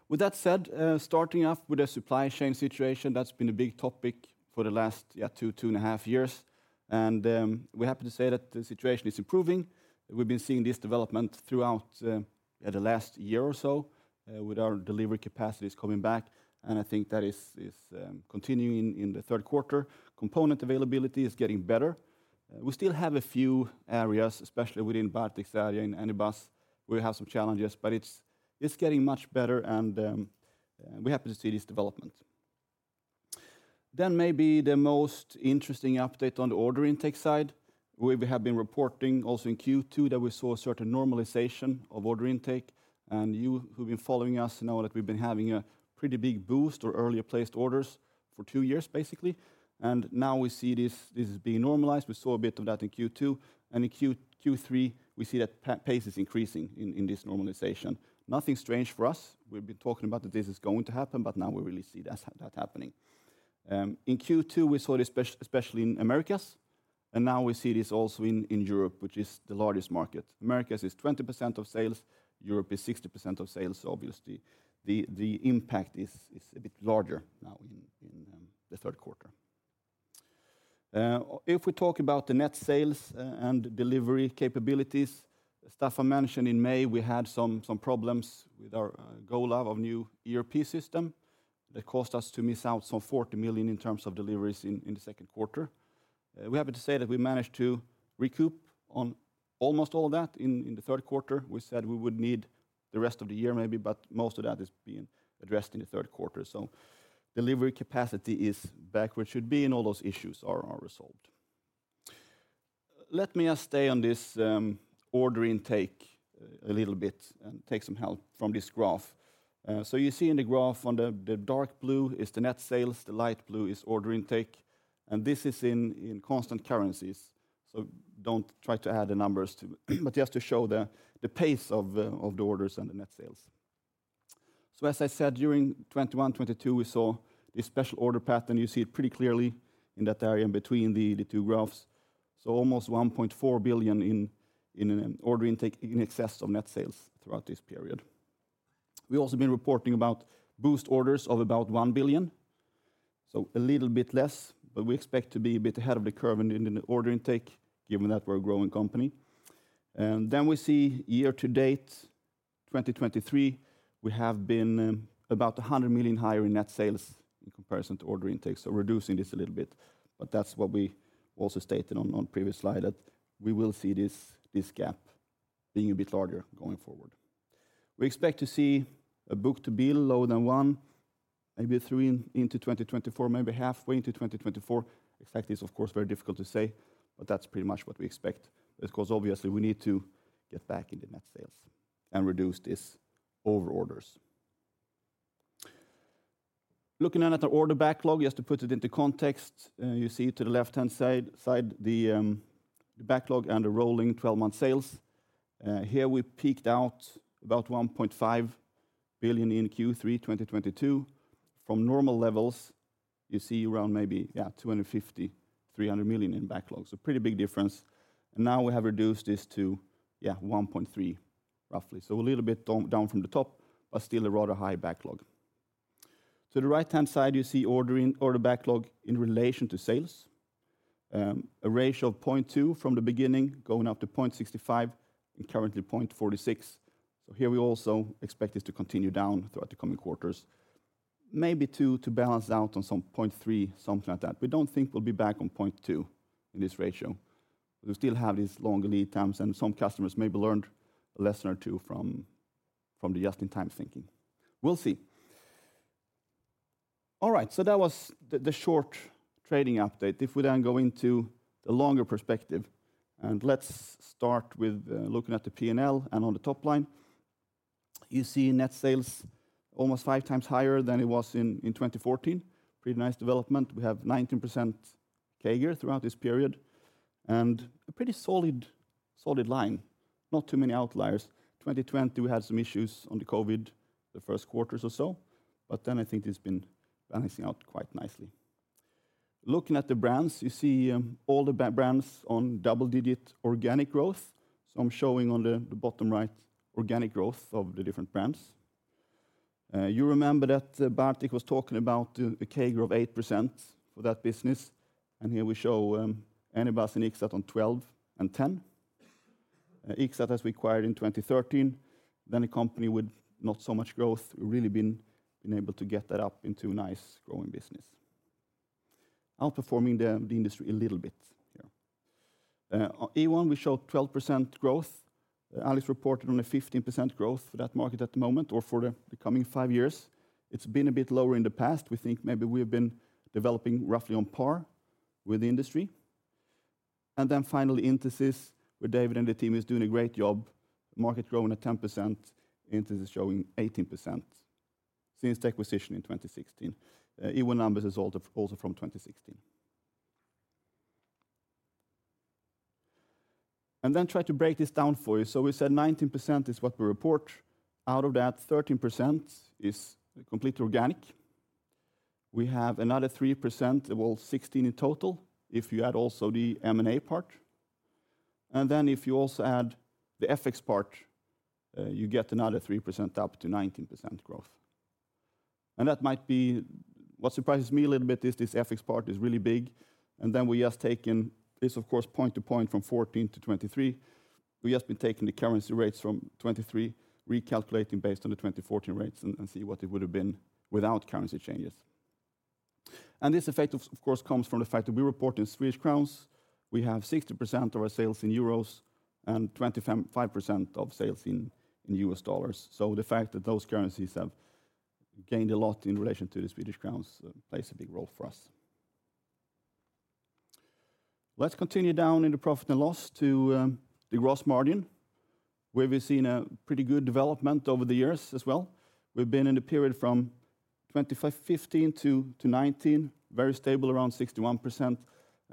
With that said, starting off with the supply chain situation, that's been a big topic for the last, yeah, two and a half years. And we're happy to say that the situation is improving. We've been seeing this development throughout the last year or so with our delivery capacities coming back, and I think that is continuing in the third quarter. Component availability is getting better. We still have a few areas, especially within Bartek's area, in Anybus, we have some challenges, but it's getting much better, and we're happy to see this development. Then maybe the most interesting update on the order intake side. We have been reporting also in Q2, that we saw a certain normalization of order intake, and you've been following us know that we've been having a pretty big boost or earlier placed orders for two years, basically. And now we see this, this is being normalized. We saw a bit of that in Q2, and in Q3, we see that pace is increasing in this normalization. Nothing strange for us. We've been talking about that this is going to happen, but now we really see that happening. In Q2, we saw this especially in Americas, and now we see this also in Europe, which is the largest market. Americas is 20% of sales, Europe is 60% of sales. So obviously, the impact is a bit larger now in the third quarter. If we talk about the net sales and delivery capabilities, Staffan mentioned in May, we had some problems with our goal of new ERP system that caused us to miss out some 40 million in terms of deliveries in the second quarter. We're happy to say that we managed to recoup on almost all of that in the third quarter. We said we would need the rest of the year maybe, but most of that is being addressed in the third quarter. So delivery capacity is back where it should be, and all those issues are resolved. Let me just stay on this, order intake a little bit and take some help from this graph. So you see in the graph on the dark blue is the net sales, the light blue is order intake, and this is in constant currencies. So don't try to add the numbers but just to show the pace of the orders and the net sales. So as I said, during 2021, 2022, we saw this special order pattern. You see it pretty clearly in that area between the two graphs. So almost 1.4 billion in order intake in excess of net sales throughout this period. We've also been reporting about book orders of about 1 billion, so a little bit less, but we expect to be a bit ahead of the curve in the order intake, given that we're a growing company. And then we see year to date, 2023, we have been about 100 million higher in net sales in comparison to order intake, so reducing this a little bit. But that's what we also stated on previous slide, that we will see this gap being a bit larger going forward. We expect to see a book-to-bill lower than one, maybe through into 2024, maybe halfway into 2024. Exactly, it's of course very difficult to say, but that's pretty much what we expect, because obviously we need to get back into net sales and reduce these over orders. Looking at another order backlog, just to put it into context, you see to the left-hand side the backlog and the rolling twelve-month sales. Here we peaked out about 1.5 billion in Q3 2022. From normal levels, you see around maybe 250-300 million in backlogs. A pretty big difference, and now we have reduced this to 1.3 billion, roughly. So a little bit down from the top, but still a rather high backlog. To the right-hand side, you see order backlog in relation to sales. A ratio of 0.2 from the beginning, going up to 0.65, and currently 0.46. So here we also expect this to continue down throughout the coming quarters. Maybe to balance out on some 0.3, something like that. We don't think we'll be back on 0.2 in this ratio. We still have these long lead times, and some customers maybe learned a lesson or two from the just-in-time thinking. We'll see. All right, so that was the short trading update. If we then go into the longer perspective, and let's start with looking at the P&L and on the top line, you see net sales almost 5 times higher than it was in 2014. Pretty nice development. We have 19% CAGR throughout this period, and a pretty solid line. Not too many outliers. 2020, we had some issues on the COVID, the first quarters or so, but then I think it's been balancing out quite nicely. Looking at the brands, you see, all the brands on double-digit organic growth. So I'm showing on the bottom right, organic growth of the different brands. You remember that Bartek was talking about the CAGR of 8% for that business, and here we show Anybus and Ixxat on 12 and 10. Ixxat as we acquired in 2013, then a company with not so much growth, really been able to get that up into a nice, growing business. Outperforming the industry a little bit here. Ewon, we showed 12% growth. Alex reported on a 15% growth for that market at the moment or for the coming 5 years. It's been a bit lower in the past. We think maybe we've been developing roughly on par with the industry. And then finally, Intesis, where David and the team is doing a great job. Market growing at 10%, Intesis showing 18% since the acquisition in 2016. Ewon numbers is also, also from 2016. And then try to break this down for you. So we said 19% is what we report. Out of that, 13% is completely organic. We have another 3%, well, 16 in total, if you add also the M&A part. And then if you also add the FX part, you get another 3% up to 19% growth. And that might be... What surprises me a little bit is this FX part is really big, and then we just taken this, of course, point to point from 2014 to 2023. We just been taking the currency rates from 2023, recalculating based on the 2014 rates, and see what it would have been without currency changes. And this effect, of course, comes from the fact that we report in Swedish crowns, we have 60% of our sales in euros and 25.5% of sales in US dollars. So the fact that those currencies have gained a lot in relation to the Swedish crowns plays a big role for us. Let's continue down in the profit and loss to the gross margin, where we've seen a pretty good development over the years as well. We've been in the period from 2015 to 2019, very stable, around 61%,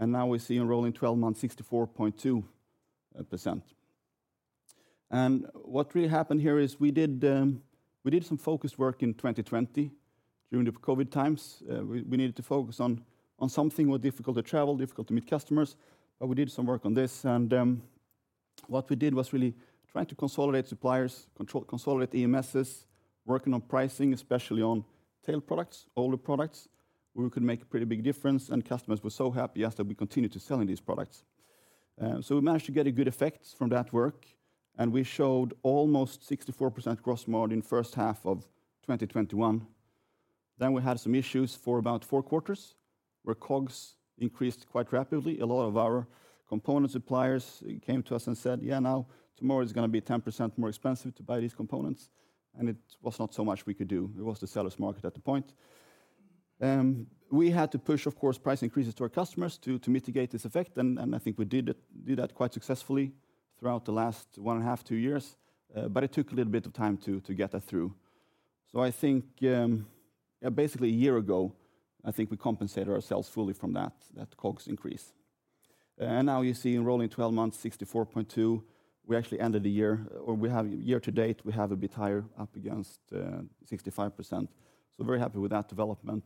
and now we see a rolling twelve-month, 64.2%, percent. And what really happened here is we did some focus work in 2020 during the COVID times. We needed to focus on something more difficult to travel, difficult to meet customers, but we did some work on this, and what we did was really trying to consolidate suppliers, consolidate EMSs, working on pricing, especially on tail products, older products, where we could make a pretty big difference, and customers were so happy that we continued to selling these products. So we managed to get a good effect from that work, and we showed almost 64% gross margin first half of 2021. Then we had some issues for about 4 quarters, where COGS increased quite rapidly. A lot of our component suppliers came to us and said: "Yeah, now, tomorrow is going to be 10% more expensive to buy these components," and it was not so much we could do. It was the seller's market at the point. We had to push, of course, price increases to our customers to, to mitigate this effect, and I think we did that quite successfully throughout the last 1.5-2 years, but it took a little bit of time to, to get that through. So I think, yeah, basically a year ago, I think we compensated ourselves fully from that COGS increase. And now you see in rolling 12 months, 64.2, we actually ended the year, or we have year to date, we have a bit higher up against, 65%. So very happy with that development.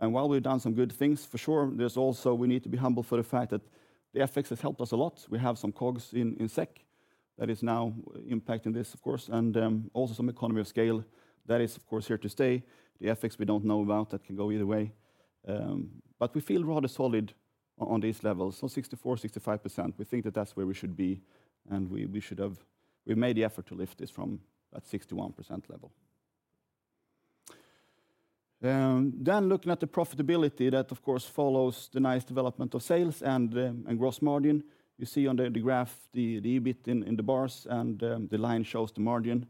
And while we've done some good things, for sure, there's also we need to be humble for the fact that the FX has helped us a lot. We have some COGS in SEK that is now impacting this, of course, and also some economy of scale that is, of course, here to stay. The FX, we don't know about, that can go either way. But we feel rather solid on these levels, so 64, 65%. We think that that's where we should be, and we, we should have. We made the effort to lift this from that 61% level. Then looking at the profitability, that, of course, follows the nice development of sales and, and gross margin. You see on the graph, the EBIT in the bars, and, the line shows the margin.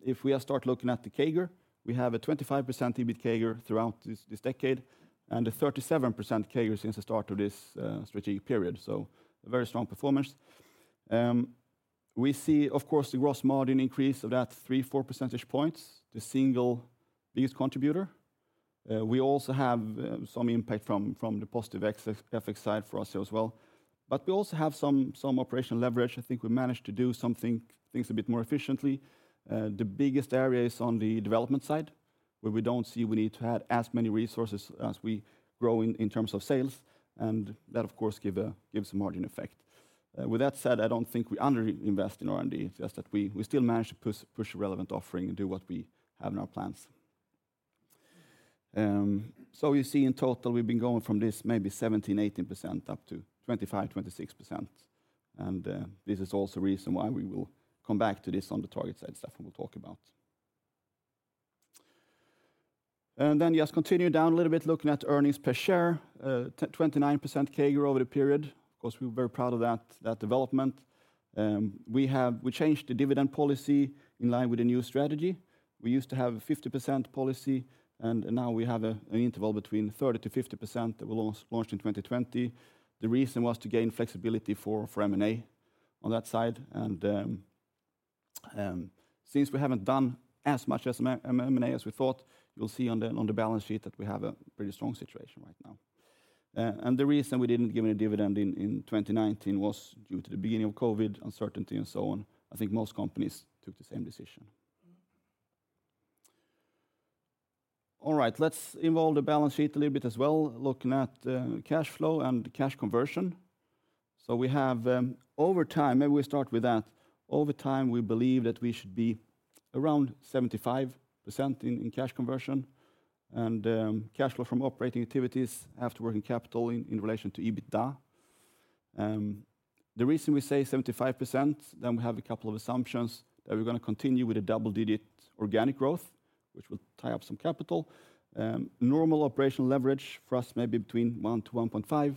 If we are start looking at the CAGR, we have a 25% EBIT CAGR throughout this, this decade, and a 37% CAGR since the start of this strategic period. So a very strong performance. We see, of course, the gross margin increase of that 3-4 percentage points, the single biggest contributor. We also have some impact from, from the positive ex-FX side for us as well. But we also have some operational leverage. I think we managed to do something, things a bit more efficiently. The biggest area is on the development side, where we don't see we need to add as many resources as we grow in, in terms of sales, and that, of course, gives a margin effect. With that said, I don't think we underinvest in R&D. It's just that we, we still manage to push a relevant offering and do what we have in our plans. So you see, in total, we've been going from this maybe 17%-18% up to 25%-26%. And this is also the reason why we will come back to this on the target side stuff, and we'll talk about. And then, yes, continue down a little bit, looking at earnings per share, twenty-nine percent CAGR over the period. Of course, we're very proud of that, that development. We changed the dividend policy in line with the new strategy. We used to have a 50% policy, and now we have an interval between 30%-50% that we launched in 2020. The reason was to gain flexibility for M&A on that side, and since we haven't done as much M&A as we thought, you'll see on the balance sheet that we have a pretty strong situation right now. And the reason we didn't give any dividend in 2019 was due to the beginning of COVID, uncertainty, and so on. I think most companies took the same decision. All right, let's involve the balance sheet a little bit as well, looking at cash flow and cash conversion. So we have over time, maybe we start with that. Over time, we believe that we should be around 75% in cash conversion and cash flow from operating activities after working capital in relation to EBITDA. The reason we say 75%, then we have a couple of assumptions that we're going to continue with a double-digit organic growth, which will tie up some capital. Normal operational leverage for us may be between 1-1.5,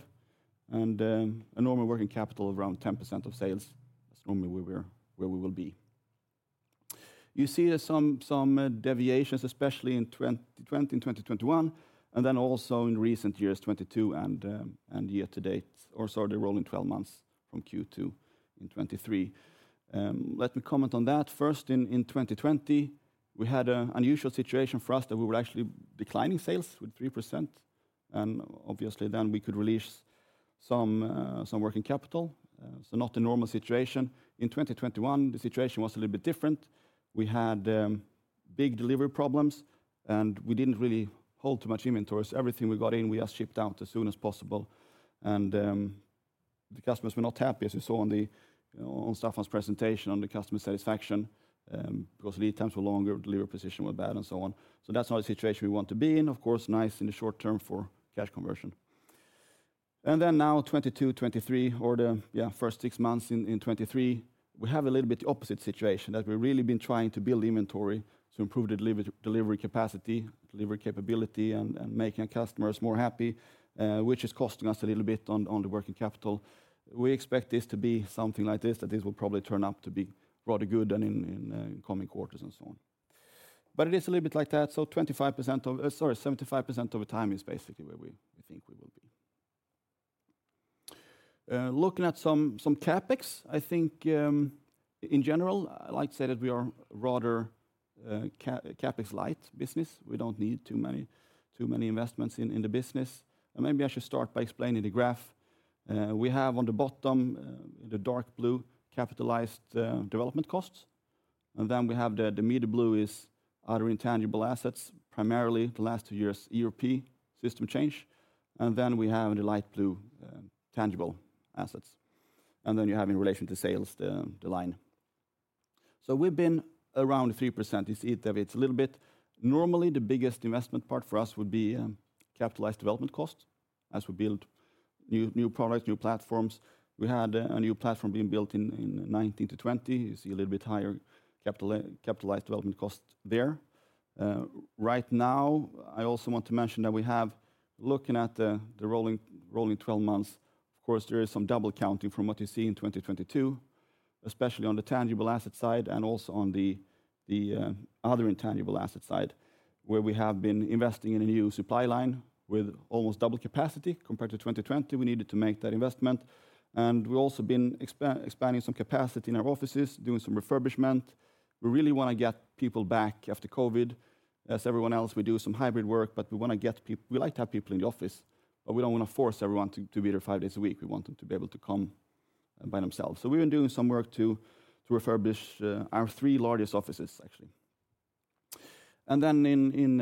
and a normal working capital of around 10% of sales. That's normally where we will be. You see some deviations, especially in 2020 and 2021, and then also in recent years, 2022 and year to date, or sorry, the rolling twelve months from Q2 in 2023. Let me comment on that. First, in 2020, we had an unusual situation for us that we were actually declining sales with 3%, and obviously, then we could release some working capital, so not a normal situation. In 2021, the situation was a little bit different. We had big delivery problems, and we didn't really hold too much inventories. Everything we got in, we shipped out as soon as possible, and the customers were not happy, as you saw on Staffan's presentation, on the customer satisfaction, because lead times were longer, delivery position were bad, and so on. So that's not a situation we want to be in. Of course, nice in the short term for cash conversion. And then now 2022, 2023, or the first six months in 2023, we have a little bit opposite situation, that we've really been trying to build inventory to improve the delivery capacity, delivery capability, and making our customers more happy, which is costing us a little bit on the working capital. We expect this to be something like this, that this will probably turn up to be rather good in coming quarters and so on. But it is a little bit like that, so 25% of... sorry, 75% of the time is basically where we think we will be. Looking at some CapEx, I think, in general, I like to say that we are rather CapEx light business. We don't need too many investments in the business. Maybe I should start by explaining the graph. We have on the bottom the dark blue capitalized development costs, and then we have the middle blue is other intangible assets, primarily the last two years' ERP system change, and then we have in the light blue tangible assets, and then you have in relation to sales the line. So we've been around 3%. You see it, it's a little bit higher. Normally, the biggest investment part for us would be capitalized development cost as we build new products, new platforms. We had a new platform being built in 2019 to 2020. You see a little bit higher capitalized development cost there. Right now, I also want to mention that we have, looking at the rolling twelve months, of course, there is some double counting from what you see in 2022, especially on the tangible asset side and also on the other intangible asset side, where we have been investing in a new supply line with almost double capacity compared to 2020. We needed to make that investment, and we've also been expanding some capacity in our offices, doing some refurbishment. We really want to get people back after COVID. As everyone else, we do some hybrid work, but we want to get we like to have people in the office, but we don't want to force everyone to be there five days a week. We want them to be able to come by themselves. So we've been doing some work to refurbish our three largest offices, actually. And then in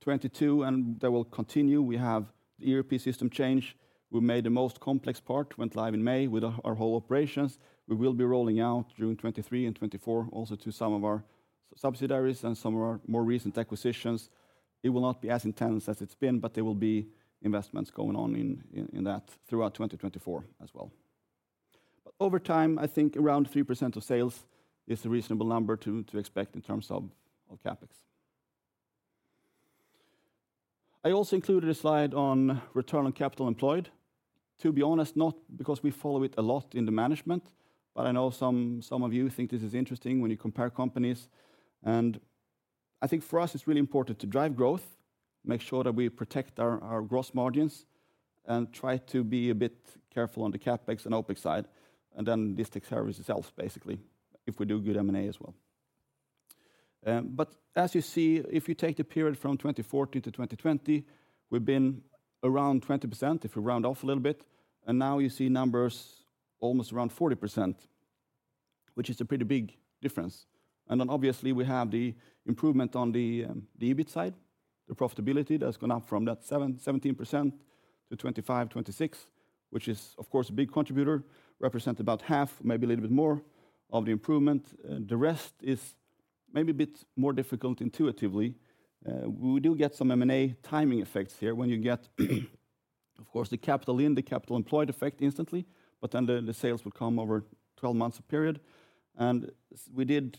2022, and that will continue, we have the ERP system change. We made the most complex part went live in May with our whole operations. We will be rolling out during 2023 and 2024 also to some of our subsidiaries and some of our more recent acquisitions. It will not be as intense as it's been, but there will be investments going on in that throughout 2024 as well. But over time, I think around 3% of sales is a reasonable number to expect in terms of CapEx. I also included a slide on return on capital employed, to be honest, not because we follow it a lot in the management, but I know some, some of you think this is interesting when you compare companies. I think for us, it's really important to drive growth, make sure that we protect our, our gross margins, and try to be a bit careful on the CapEx and OpEx side, and then this takes care of itself, basically, if we do good M&A as well. But as you see, if you take the period from 2014 to 2020, we've been around 20%, if we round off a little bit, and now you see numbers almost around 40%, which is a pretty big difference. And then obviously, we have the improvement on the, the EBIT side, the profitability that's gone up from that 17% to 25%-26%, which is, of course, a big contributor, represent about half, maybe a little bit more of the improvement. The rest is maybe a bit more difficult intuitively. We do get some M&A timing effects here when you get, of course, the capital in, the capital employed effect instantly, but then the, the sales will come over 12 months period. And we did,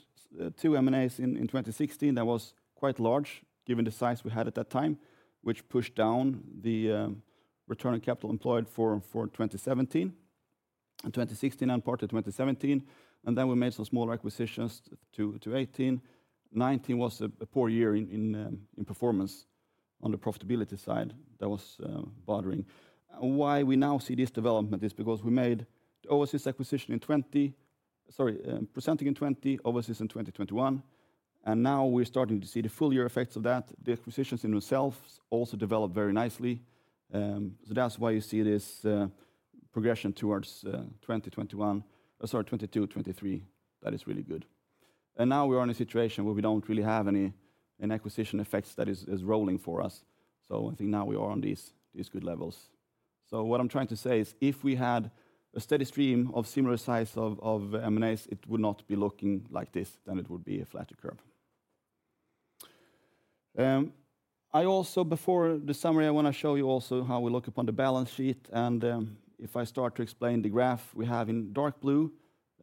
2 M&As in, in 2016 that was quite large, given the size we had at that time, which pushed down the, return on capital employed for, for 2017, in 2016 and partly 2017. And then we made some smaller acquisitions to 2018. 19 was a poor year in performance on the profitability side. That was bothering. And why we now see this development is because we made the Owasys acquisition in twenty... Sorry, Procentec in twenty, Owasys in 2021, and now we're starting to see the full year effects of that. The acquisitions in themselves also developed very nicely. So that's why you see this progression towards twenty twenty-one, sorry, 2022, 2023. That is really good. And now we are in a situation where we don't really have any acquisition effects that is rolling for us. So I think now we are on these good levels. So what I'm trying to say is if we had a steady stream of similar size of M&As, it would not be looking like this, then it would be a flatter curve. I also, before the summary, I want to show you also how we look upon the balance sheet, and, if I start to explain the graph we have in dark blue,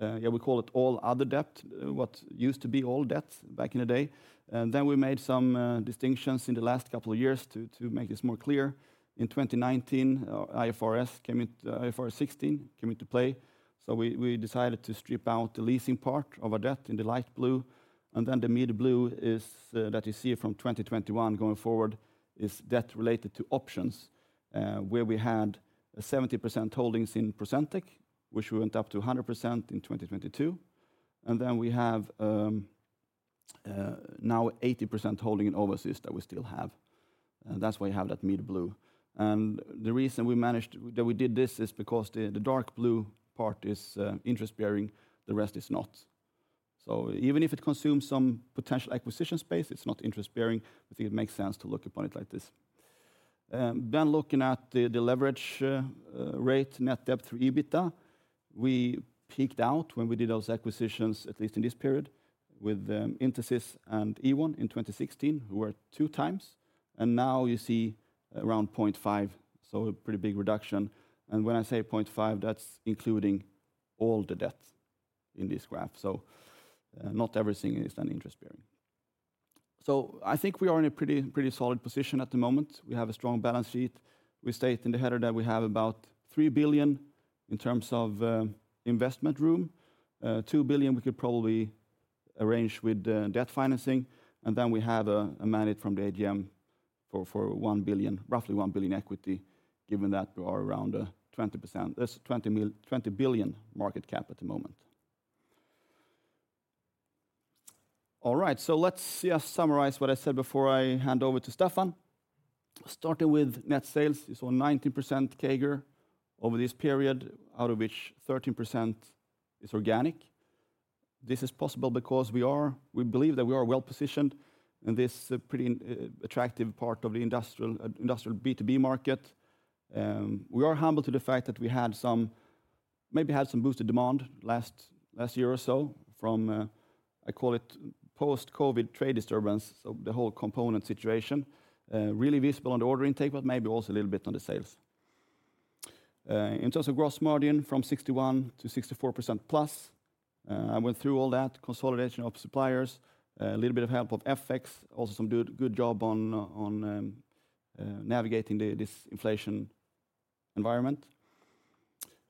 we call it all other debt, what used to be all debt back in the day. And then we made some distinctions in the last couple of years to make this more clear. In 2019, IFRS came in, IFRS 16 came into play, so we decided to strip out the leasing part of our debt in the light blue. Then the mid-blue is that you see from 2021 going forward is debt related to options, where we had a 70% holdings in Procentec, which went up to a 100% in 2022. And then we have now 80% holding in Owasys that we still have, and that's why you have that mid-blue. And the reason that we did this is because the dark blue part is interest-bearing, the rest is not. So even if it consumes some potential acquisition space, it's not interest-bearing. I think it makes sense to look upon it like this. Then looking at the leverage rate, net debt to EBITDA, we peaked out when we did those acquisitions, at least in this period, with Intesis and Ewon in 2016, which were 2x, and now you see around 0.5x, so a pretty big reduction. When I say 0.5x, that's including all the debt in this graph, so not everything is then interest-bearing. I think we are in a pretty solid position at the moment. We have a strong balance sheet. We state in the header that we have about 3 billion in terms of investment room. 2 billion we could probably arrange with debt financing, and then we have a mandate from the AGM for roughly 1 billion equity, given that we are around 20%. That's 20 billion market cap at the moment. All right, so let's just summarize what I said before I hand over to Stefan. Starting with net sales, you saw 19% CAGR over this period, out of which 13% is organic. This is possible because we believe that we are well-positioned in this pretty attractive part of the industrial B2B market. We are humble to the fact that we had some, maybe had some boosted demand last year or so from I call it post-COVID trade disturbance, so the whole component situation really visible on the order intake, but maybe also a little bit on the sales. In terms of gross margin, from 61 to 64%+, I went through all that consolidation of suppliers, a little bit of help of FX, also some good job on navigating this inflation environment.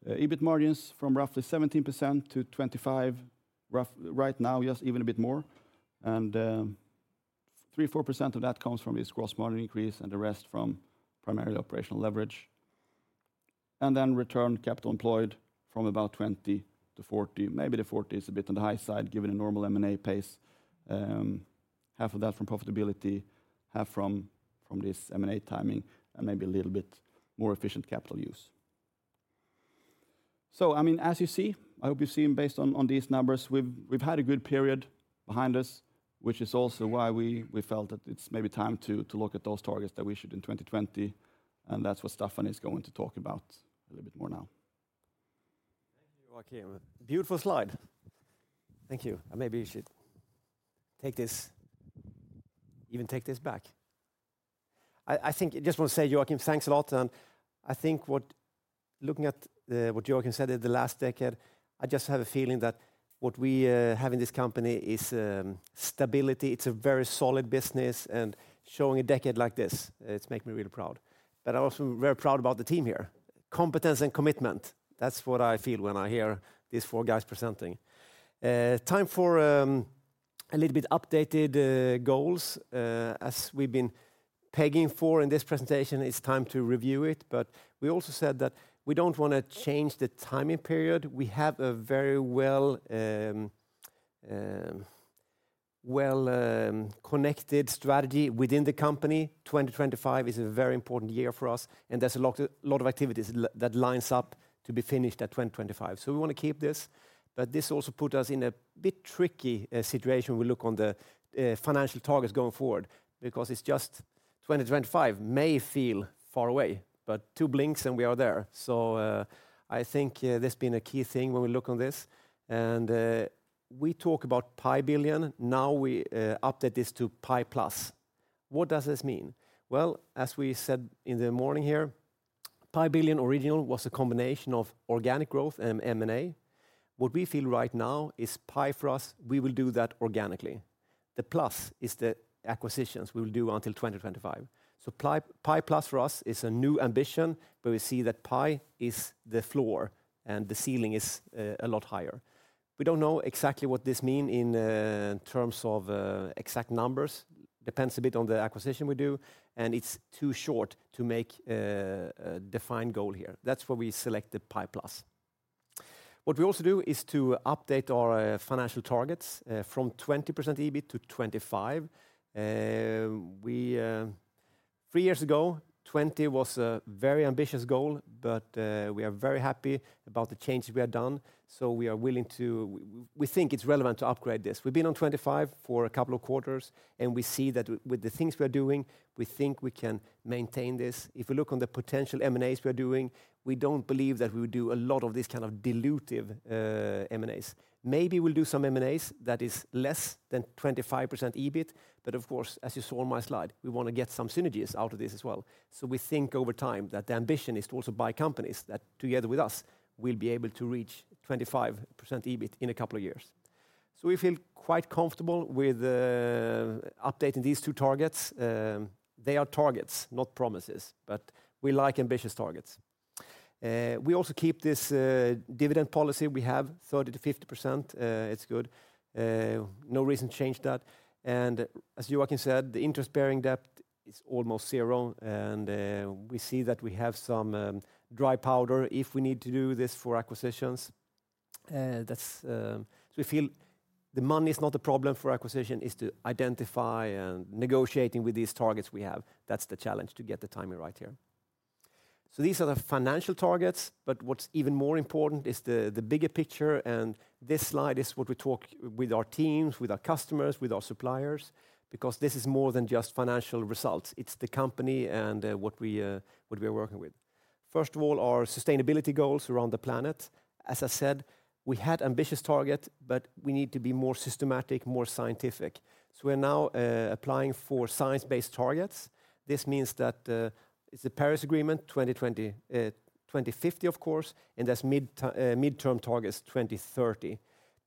EBIT margins from roughly 17% to 25, right now just even a bit more, and 3-4% of that comes from this gross margin increase and the rest from primarily operational leverage. And then return capital employed from about 20 to 40. Maybe the 40 is a bit on the high side, given a normal M&A pace. Half of that from profitability, half from this M&A timing, and maybe a little bit more efficient capital use. So I mean, as you see, I hope you've seen based on, on these numbers, we've, we've had a good period behind us, which is also why we, we felt that it's maybe time to, to look at those targets that we set in 2020, and that's what Staffan is going to talk about a little bit more now. Thank you, Joakim. Beautiful slide. Thank you. Maybe you should take this... even take this back. I, I think, I just want to say, Joakim, thanks a lot, and I think what—looking at what Joakim said in the last decade, I just have a feeling that what we have in this company is stability. It's a very solid business, and showing a decade like this, it's make me really proud. But I'm also very proud about the team here. Competence and commitment, that's what I feel when I hear these four guys presenting. Time for a little bit updated goals as we've been pegging for in this presentation, it's time to review it. But we also said that we don't want to change the timing period. We have a very well, well, connected strategy within the company. 2025 is a very important year for us, and there's a lot, lot of activities that lines up to be finished at 2025. So we want to keep this, but this also put us in a bit tricky situation when we look on the financial targets going forward, because it's just 2025 may feel far away, but two blinks, and we are there. So I think this been a key thing when we look on this, and we talk about 1 billion. Now, we update 1+. What does this mean? Well, as we said in the morning here, 1 billion original was a combination of organic growth and M&A. What we feel right now is SEK 1, for us, we will do that organically. The plus is the acquisitions we will do until 2025. So Pi, Pi plus for us is a new ambition, but we see that Pi is the floor and the ceiling is a lot higher. We don't know exactly what this mean in terms of exact numbers. Depends a bit on the acquisition we do, and it's too short to make a defined goal here. That's why we select the Pi plus. What we also do is to update our financial targets from 20% EBIT to 25. Three years ago, 20 was a very ambitious goal, but we are very happy about the changes we have done, so we are willing to—we think it's relevant to upgrade this. We've been on 25 for a couple of quarters, and we see that with the things we are doing, we think we can maintain this. If we look on the potential M&As we are doing, we don't believe that we would do a lot of this kind of dilutive M&As. Maybe we'll do some M&As that is less than 25% EBIT, but of course, as you saw on my slide, we want to get some synergies out of this as well. So we think over time, that the ambition is to also buy companies that, together with us, will be able to reach 25% EBIT in a couple of years. So we feel quite comfortable with updating these two targets. They are targets, not promises, but we like ambitious targets. We also keep this dividend policy. We have 30%-50%. It's good. No reason to change that. As Joakim said, the interest-bearing debt is almost zero, and we see that we have some dry powder if we need to do this for acquisitions. That's so we feel the money is not a problem for acquisition, is to identify and negotiating with these targets we have. That's the challenge, to get the timing right here. So these are the financial targets, but what's even more important is the bigger picture, and this slide is what we talk with our teams, with our customers, with our suppliers, because this is more than just financial results. It's the company and what we, what we are working with. First of all, our sustainability goals around the planet. As I said, we had ambitious target, but we need to be more systematic, more scientific. So we're now applying for science-based targets. This means that, it's the Paris Agreement 2020, 2050, of course, and that's midterm target is 2030.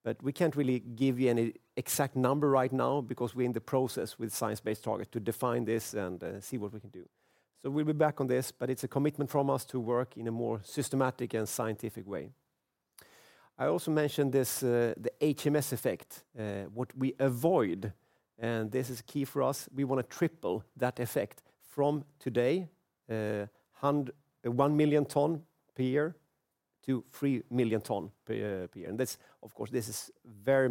But we can't really give you any exact number right now because we're in the process with science-based target to define this and, see what we can do. So we'll be back on this, but it's a commitment from us to work in a more systematic and scientific way. I also mentioned this, the HMS effect, what we avoid, and this is key for us. We want to triple that effect from today, 1 million ton per year to 3 million ton per year. And that's of course, this is very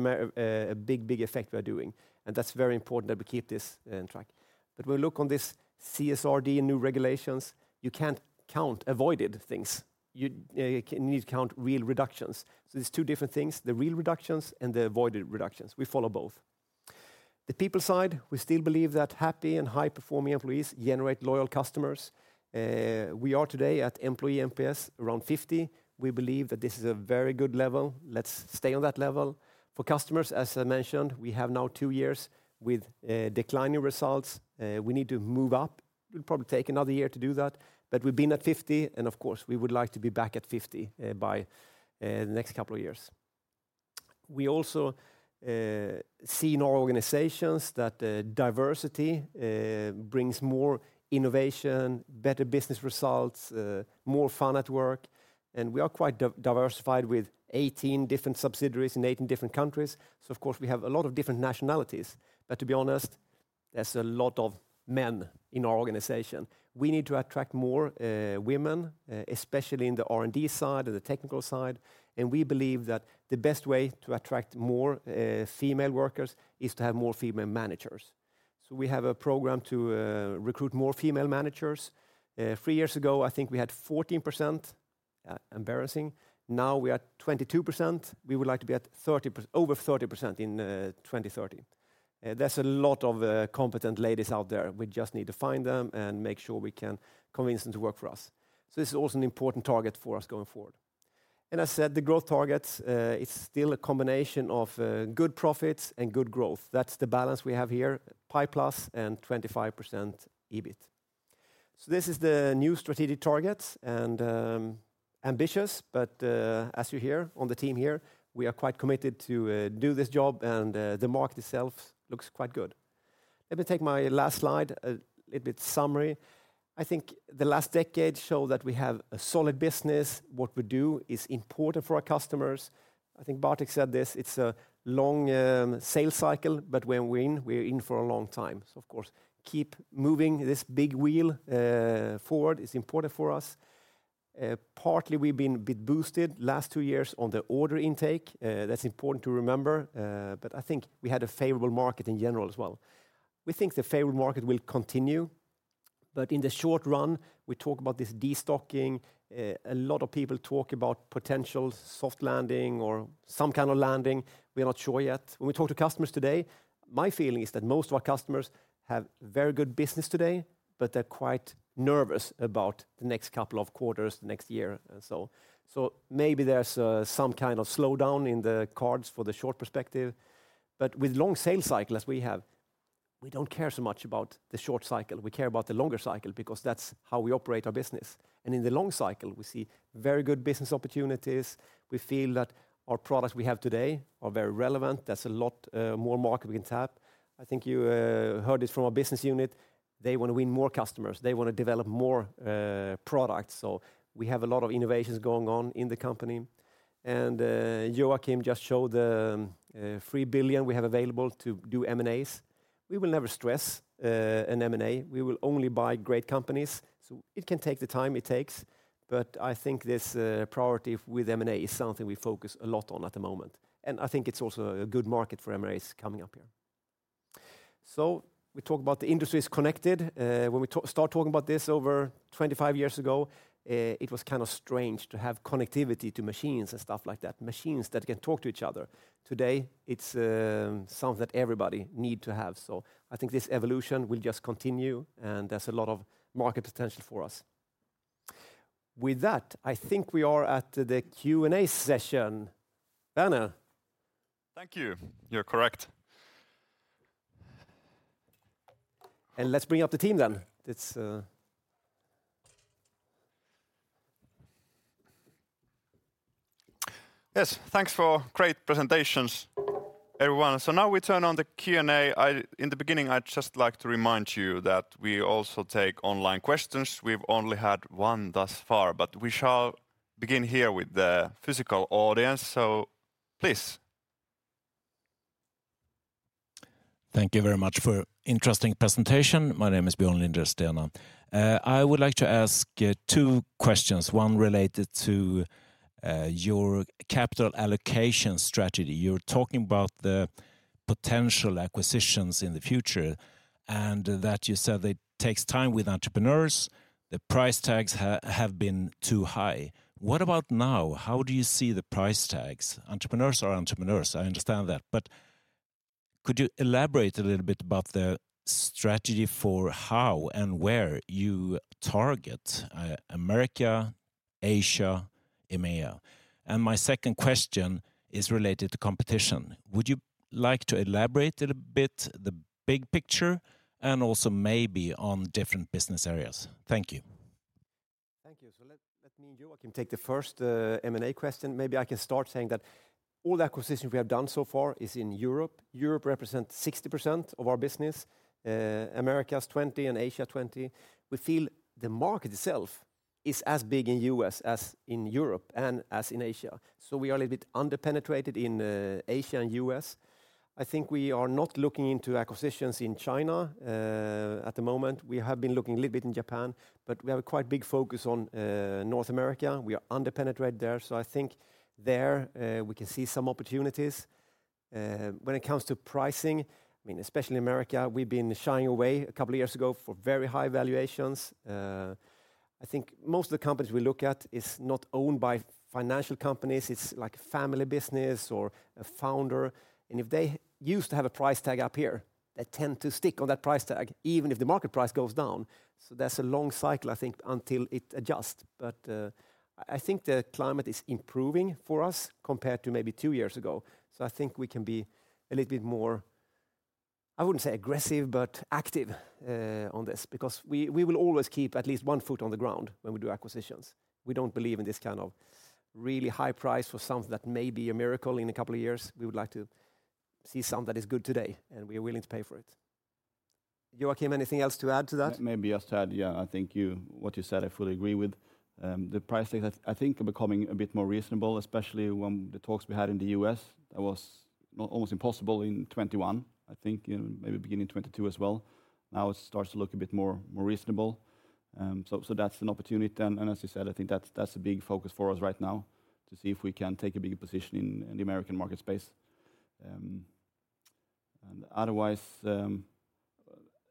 a big, big effect we are doing, and that's very important that we keep this in track. But when we look on this CSRD and new regulations, you can't count avoided things. You, you need to count real reductions. So there's two different things: the real reductions and the avoided reductions. We follow both. The people side, we still believe that happy and high-performing employees generate loyal customers. We are today at employee NPS, around 50. We believe that this is a very good level. Let's stay on that level. For customers, as I mentioned, we have now 2 years with declining results. We need to move up. We'll probably take another year to do that, but we've been at 50, and of course, we would like to be back at 50 by the next couple of years. We also see in our organizations that diversity brings more innovation, better business results, more fun at work, and we are quite diversified with 18 different subsidiaries in 18 different countries. So of course, we have a lot of different nationalities, but to be honest, there's a lot of men in our organization. We need to attract more women, especially in the R&D side and the technical side, and we believe that the best way to attract more female workers is to have more female managers. So we have a program to recruit more female managers. Three years ago, I think we had 14%, embarrassing. Now, we are at 22%. We would like to be at 30%—over 30% in 2030. There's a lot of competent ladies out there. We just need to find them and make sure we can convince them to work for us. So this is also an important target for us going forward, and I said, the growth targets, it's still a combination of good profits and good growth. That's the balance we have here, 5+ and 25% EBIT. So this is the new strategic targets, and ambitious, but as you hear on the team here, we are quite committed to do this job, and the market itself looks quite good. Let me take my last slide, a little bit summary. I think the last decade show that we have a solid business. What we do is important for our customers. I think Bartek said this: it's a long sales cycle, but when we're in, we're in for a long time. So of course, keep moving this big wheel forward is important for us. Partly, we've been bit boosted last 2 years on the order intake. That's important to remember, but I think we had a favorable market in general as well. We think the favorable market will continue, but in the short run, we talk about this destocking. A lot of people talk about potential soft landing or some kind of landing. We are not sure yet. When we talk to customers today, my feeling is that most of our customers have very good business today, but they're quite nervous about the next couple of quarters, the next year, and so. So maybe there's some kind of slowdown in the cards for the short perspective. But with long sales cycle as we have, we don't care so much about the short cycle. We care about the longer cycle because that's how we operate our business, and in the long cycle, we see very good business opportunities. We feel that our products we have today are very relevant. There's a lot more market we can tap. I think you heard this from our business unit. They want to win more customers. They want to develop more products. So we have a lot of innovations going on in the company, and Joakim just showed the 3 billion we have available to do M&As. We will never stress an M&A. We will only buy great companies, so it can take the time it takes, but I think this priority with M&A is something we focus a lot on at the moment, and I think it's also a good market for M&As coming up here. So we talk about the industries connected. When we start talking about this over 25 years ago, it was kind of strange to have connectivity to machines and stuff like that, machines that can talk to each other. Today, it's something that everybody need to have. So I think this evolution will just continue, and there's a lot of market potential for us. With that, I think we are at the Q&A session. Verneri? Thank you. You're correct. Let's bring up the team, then. It's Yes, thanks for great presentations, everyone. So now we turn on the Q&A. In the beginning, I'd just like to remind you that we also take online questions. We've only had one thus far, but we shall begin here with the physical audience. So please. Thank you very much for interesting presentation. My name is Björn Linderstena. I would like to ask two questions, one related to your capital allocation strategy. You're talking about the potential acquisitions in the future, and that you said it takes time with entrepreneurs, the price tags have been too high. What about now? How do you see the price tags? Entrepreneurs are entrepreneurs, I understand that, but could you elaborate a little bit about the strategy for how and where you target America, Asia, EMEA? And my second question is related to competition. Would you like to elaborate it a bit, the big picture, and also maybe on different business areas? Thank you. Thank you. So let me and Joakim take the first M&A question. Maybe I can start saying that all the acquisitions we have done so far is in Europe. Europe represents 60% of our business, Americas, 20, and Asia, 20. We feel the market itself is as big in US as in Europe and as in Asia, so we are a little bit under-penetrated in Asia and US. I think we are not looking into acquisitions in China at the moment. We have been looking a little bit in Japan, but we have a quite big focus on North America. We are under-penetrated there, so I think there we can see some opportunities. When it comes to pricing, I mean, especially America, we've been shying away a couple of years ago for very high valuations. I think most of the companies we look at is not owned by financial companies. It's like a family business or a founder, and if they used to have a price tag up here, they tend to stick on that price tag, even if the market price goes down. So there's a long cycle, I think, until it adjusts, but I think the climate is improving for us compared to maybe two years ago. So I think we can be a little bit more, I wouldn't say aggressive, but active, on this because we, we will always keep at least one foot on the ground when we do acquisitions. We don't believe in this kind of really high price for something that may be a miracle in a couple of years. We would like to see something that is good today, and we are willing to pay for it. Joakim, anything else to add to that? Maybe just to add, yeah, I think what you said, I fully agree with. The pricing, I think are becoming a bit more reasonable, especially when the talks we had in the U.S., that was almost impossible in 2021, I think, maybe beginning 2022 as well. Now it starts to look a bit more reasonable. So, that's an opportunity, and as you said, I think that's a big focus for us right now, to see if we can take a bigger position in the American market space. And otherwise,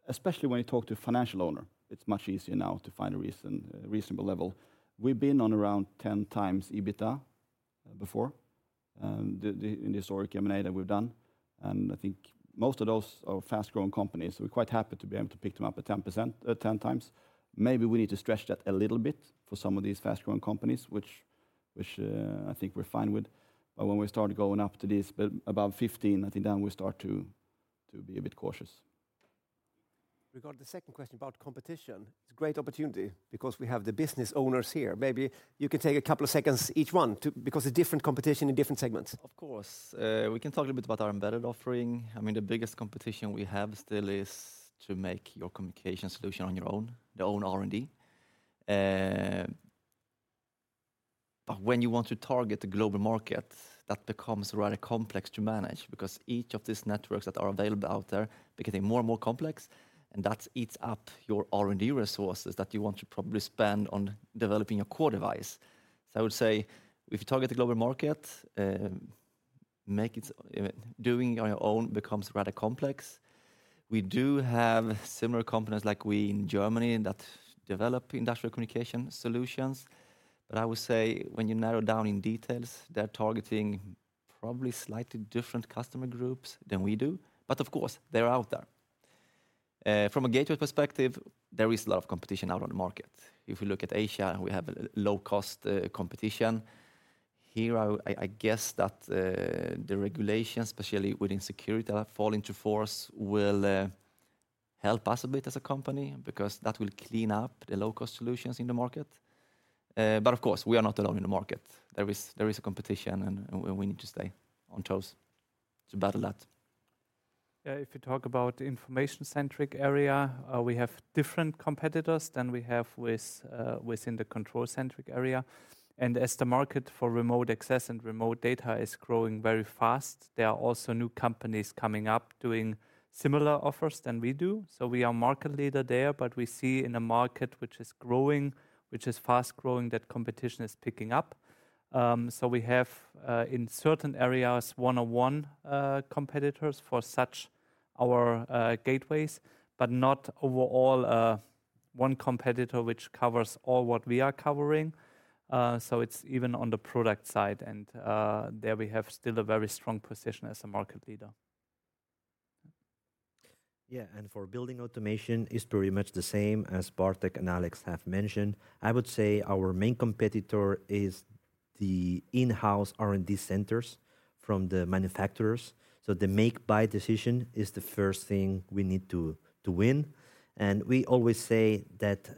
especially when you talk to a financial owner, it's much easier now to find a reasonable level. We've been on around 10 times EBITDA before, in the historic M&A that we've done, and I think most of those are fast-growing companies. We're quite happy to be able to pick them up at 10%, 10 times. Maybe we need to stretch that a little bit for some of these fast-growing companies, which I think we're fine with. But when we start going up to these but above 15, I think then we start to be a bit cautious. Regarding the second question about competition, it's a great opportunity because we have the business owners here. Maybe you can take a couple of seconds, each one, to, because it's different competition in different segments. Of course. We can talk a little bit about our embedded offering. I mean, the biggest competition we have still is to make your communication solution on your own, your own R&D. But when you want to target the global market, that becomes rather complex to manage because each of these networks that are available out there becoming more and more complex, and that eats up your R&D resources that you want to probably spend on developing a core device. So I would say if you target the global market, make it, doing on your own becomes rather complex. We do have similar companies like we in Germany that develop industrial communication solutions, but I would say when you narrow down in details, they're targeting probably slightly different customer groups than we do. But of course, they're out there. From a gateway perspective, there is a lot of competition out on the market. If you look at Asia, we have a low-cost competition. Here, I guess that the regulations, especially within security, that fall into force, will help us a bit as a company because that will clean up the low-cost solutions in the market. But of course, we are not alone in the market. There is competition, and we need to stay on toes to battle that. If you talk about information-centric area, we have different competitors than we have with, within the control-centric area. And as the market for remote access and remote data is growing very fast, there are also new companies coming up doing similar offers than we do. So we are market leader there, but we see in a market which is growing, which is fast-growing, that competition is picking up. So we have, in certain areas, one-on-one, competitors for such our, gateways, but not overall, one competitor which covers all what we are covering. So it's even on the product side, and, there we have still a very strong position as a market leader. Yeah, and for building automation, is pretty much the same as Bartek and Alex have mentioned. I would say our main competitor is the in-house R&D centers from the manufacturers. So the make, buy decision is the first thing we need to win. And we always say that,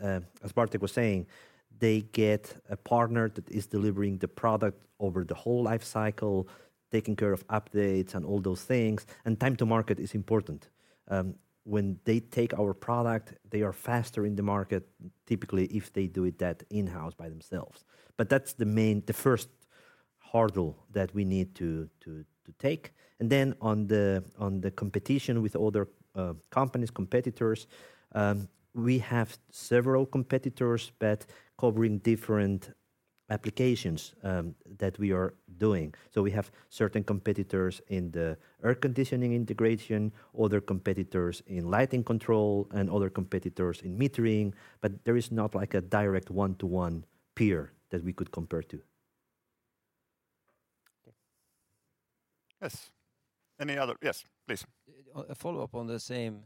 as Bartek was saying, they get a partner that is delivering the product over the whole life cycle, taking care of updates and all those things, and time to market is important. When they take our product, they are faster in the market, typically, if they do it that in-house by themselves. But that's the main, the first hurdle that we need to take. And then on the competition with other companies, competitors, we have several competitors, but covering different applications that we are doing. We have certain competitors in the air conditioning integration, other competitors in lighting control, and other competitors in metering, but there is not like a direct one-to-one peer that we could compare to. Yes. Any other? Yes, please. A follow-up on the same,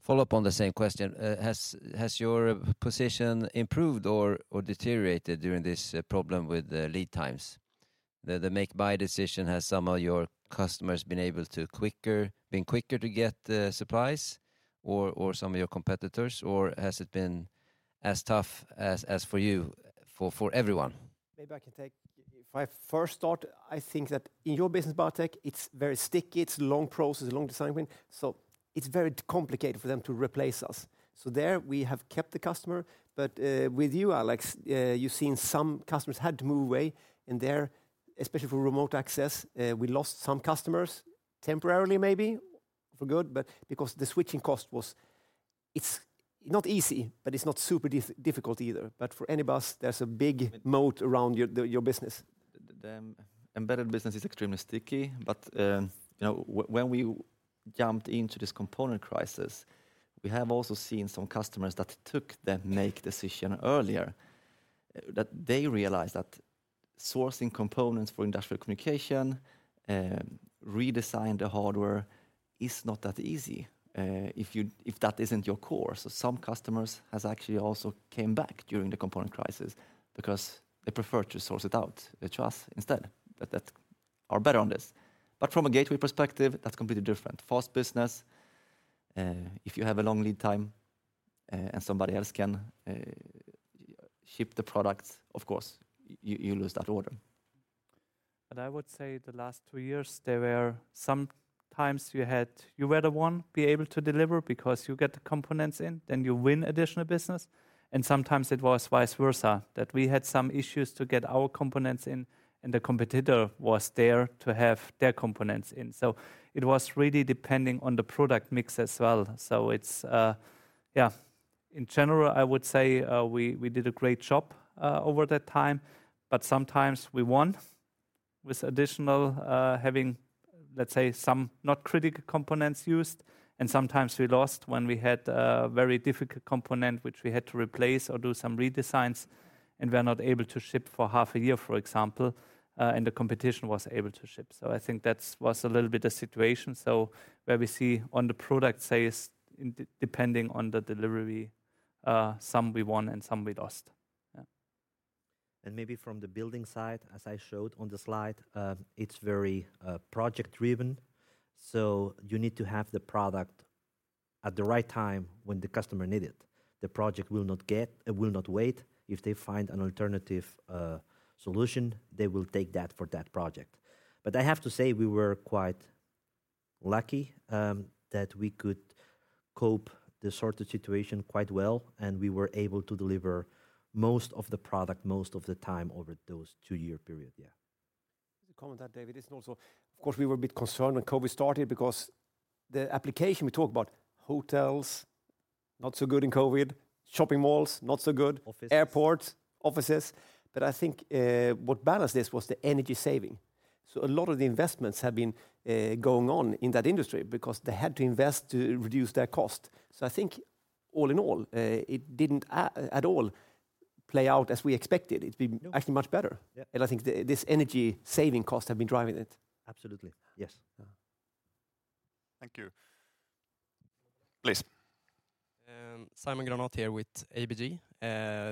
follow up on the same question. Has your position improved or deteriorated during this problem with the lead times? The make, buy decision, has some of your customers been quicker to get the supplies or some of your competitors, or has it been as tough as for you, for everyone? Maybe I can take... If I first start, I think that in your business, Bartek, it's very sticky. It's a long process, a long design win, so it's very complicated for them to replace us. So there, we have kept the customer, but with you, Alex, you've seen some customers had to move away, and there, especially for remote access, we lost some customers temporarily, maybe for good, but because the switching cost was... It's not easy, but it's not super difficult either. But for any of us, there's a big moat around your, the, your business. The embedded business is extremely sticky, but, you know, when we jumped into this component crisis, we have also seen some customers that took that make decision earlier. That they realized that sourcing components for industrial communication, redesign the hardware, is not that easy, if you, if that isn't your core. So some customers has actually also came back during the component crisis because they prefer to source it out to us instead, that, that are better on this. But from a gateway perspective, that's completely different. Fast business, if you have a long lead time, and somebody else can, ship the products, of course, you, you lose that order. I would say the last two years, there were some times you were the one be able to deliver because you get the components in, then you win additional business. And sometimes it was vice versa, that we had some issues to get our components in, and the competitor was there to have their components in. So it was really depending on the product mix as well. So it's, yeah, in general, I would say, we did a great job over that time, but sometimes we won.... with additional, having, let's say, some not critical components used, and sometimes we lost when we had a very difficult component, which we had to replace or do some redesigns, and we are not able to ship for half a year, for example, and the competition was able to ship. So I think that's was a little bit the situation. So where we see on the product sales, in depending on the delivery, some we won and some we lost. Yeah. Maybe from the building side, as I showed on the slide, it's very project-driven, so you need to have the product at the right time when the customer need it. The project will not wait. If they find an alternative solution, they will take that for that project. But I have to say, we were quite lucky that we could cope the sort of situation quite well, and we were able to deliver most of the product most of the time over those two-year period. Yeah. Comment that, David, is also, of course, we were a bit concerned when COVID started because the application we talk about, hotels, not so good in COVID, shopping malls, not so good- Offices. Airports, offices. But I think what balanced this was the energy saving. So a lot of the investments have been going on in that industry because they had to invest to reduce their cost. So I think all in all, it didn't at all play out as we expected. No. It's been actually much better. Yeah. I think this energy saving cost have been driving it. Absolutely. Yes. Thank you. Please. Simon Granath here with ABG.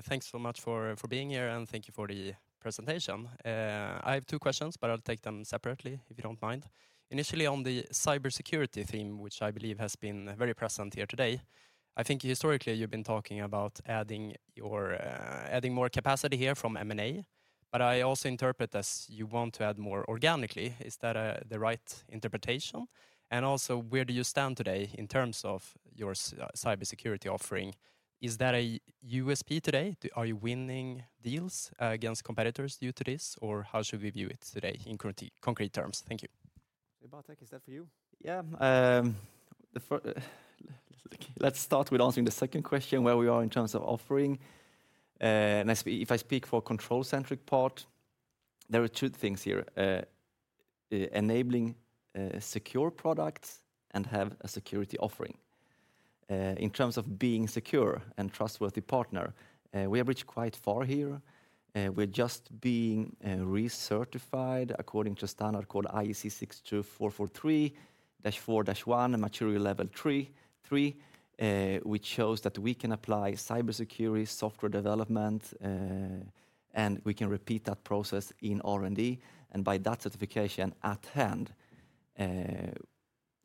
Thanks so much for being here, and thank you for the presentation. I have two questions, but I'll take them separately, if you don't mind. Initially, on the cybersecurity theme, which I believe has been very present here today, I think historically you've been talking about adding more capacity here from M&A, but I also interpret as you want to add more organically. Is that the right interpretation? And also, where do you stand today in terms of your cybersecurity offering? Is that a USP today? Are you winning deals against competitors due to this, or how should we view it today in concrete terms? Thank you. Bartek, is that for you? Yeah. Let's start with answering the second question, where we are in terms of offering. And as we—if I speak for Control-Centric part, there are two things here: enabling secure products and have a security offering. In terms of being secure and trustworthy partner, we have reached quite far here. We're just being recertified according to a standard called IEC 62443-4-1, Maturity Level 3, which shows that we can apply cybersecurity, software development, and we can repeat that process in R&D. And by that certification at hand,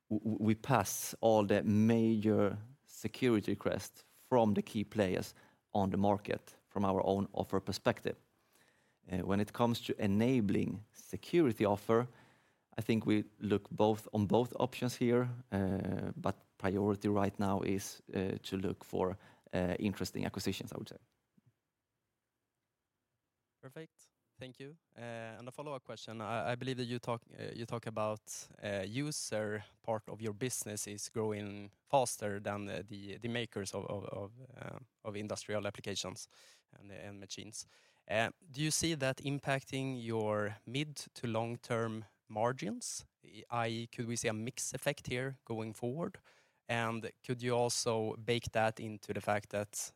we pass all the major security requests from the key players on the market from our own offer perspective. When it comes to enabling security offer, I think we look both on both options here, but priority right now is to look for interesting acquisitions, I would say. Perfect. Thank you. And a follow-up question. I believe that you talk about user part of your business is growing faster than the makers of industrial applications and machines. Do you see that impacting your mid to long-term margins, i.e., could we see a mix effect here going forward? And could you also bake that into the fact that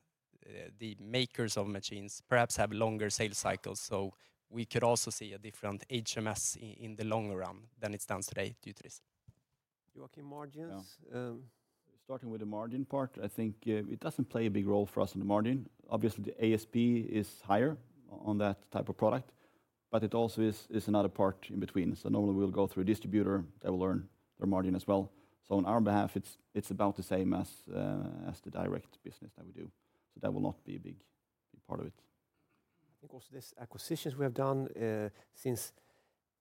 the makers of machines perhaps have longer sales cycles, so we could also see a different HMS in the long run than it stands today due to this? Joakim, margins? Yeah. Um... Starting with the margin part, I think, it doesn't play a big role for us in the margin. Obviously, the ASP is higher on that type of product, but it also is another part in between. So normally, we'll go through a distributor, they will earn their margin as well. So on our behalf, it's about the same as the direct business that we do. So that will not be a big, big part of it. Of course, these acquisitions we have done, since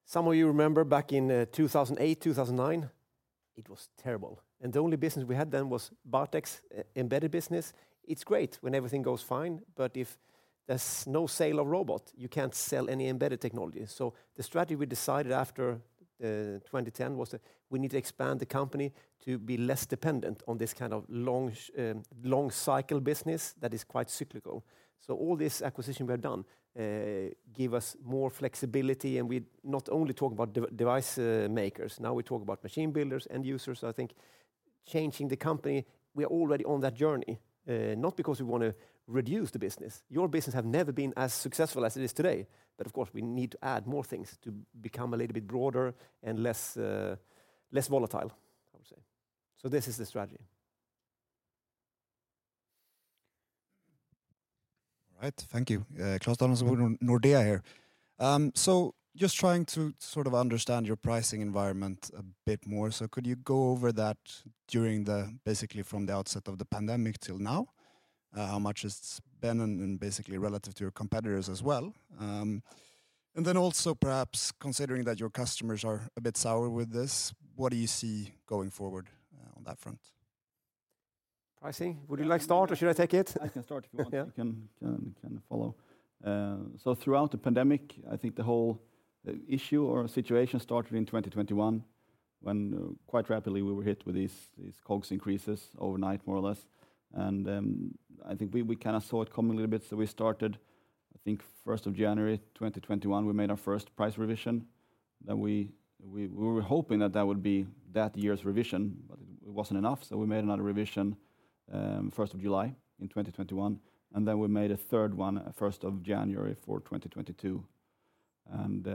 some of you remember back in 2008, 2009, it was terrible, and the only business we had then was Bartek's embedded business. It's great when everything goes fine, but if there's no sale of robot, you can't sell any embedded technology. So the strategy we decided after 2010 was that we need to expand the company to be less dependent on this kind of long cycle business that is quite cyclical. So all this acquisition we have done give us more flexibility, and we not only talk about device makers, now we talk about machine builders and users. So I think changing the company, we are already on that journey, not because we want to reduce the business. Your business have never been as successful as it is today, but of course, we need to add more things to become a little bit broader and less, less volatile, I would say. So this is the strategy. All right. Thank you. Claus Danielsen, Nordea here. So just trying to sort of understand your pricing environment a bit more. So could you go over that during the... basically from the outset of the pandemic till now? How much it's been and, and basically relative to your competitors as well. And then also perhaps considering that your customers are a bit sour with this, what do you see going forward, on that front? Pricing? Would you like to start or should I take it? I can start if you want. Yeah. You can follow. Throughout the pandemic, I think the whole issue or situation started in 2021.... when quite rapidly we were hit with these COGS increases overnight, more or less. And I think we kind of saw it coming a little bit, so we started, I think, first of January 2021, we made our first price revision. Then we were hoping that that would be that year's revision, but it wasn't enough, so we made another revision first of July in 2021, and then we made a third one, first of January for 2022. And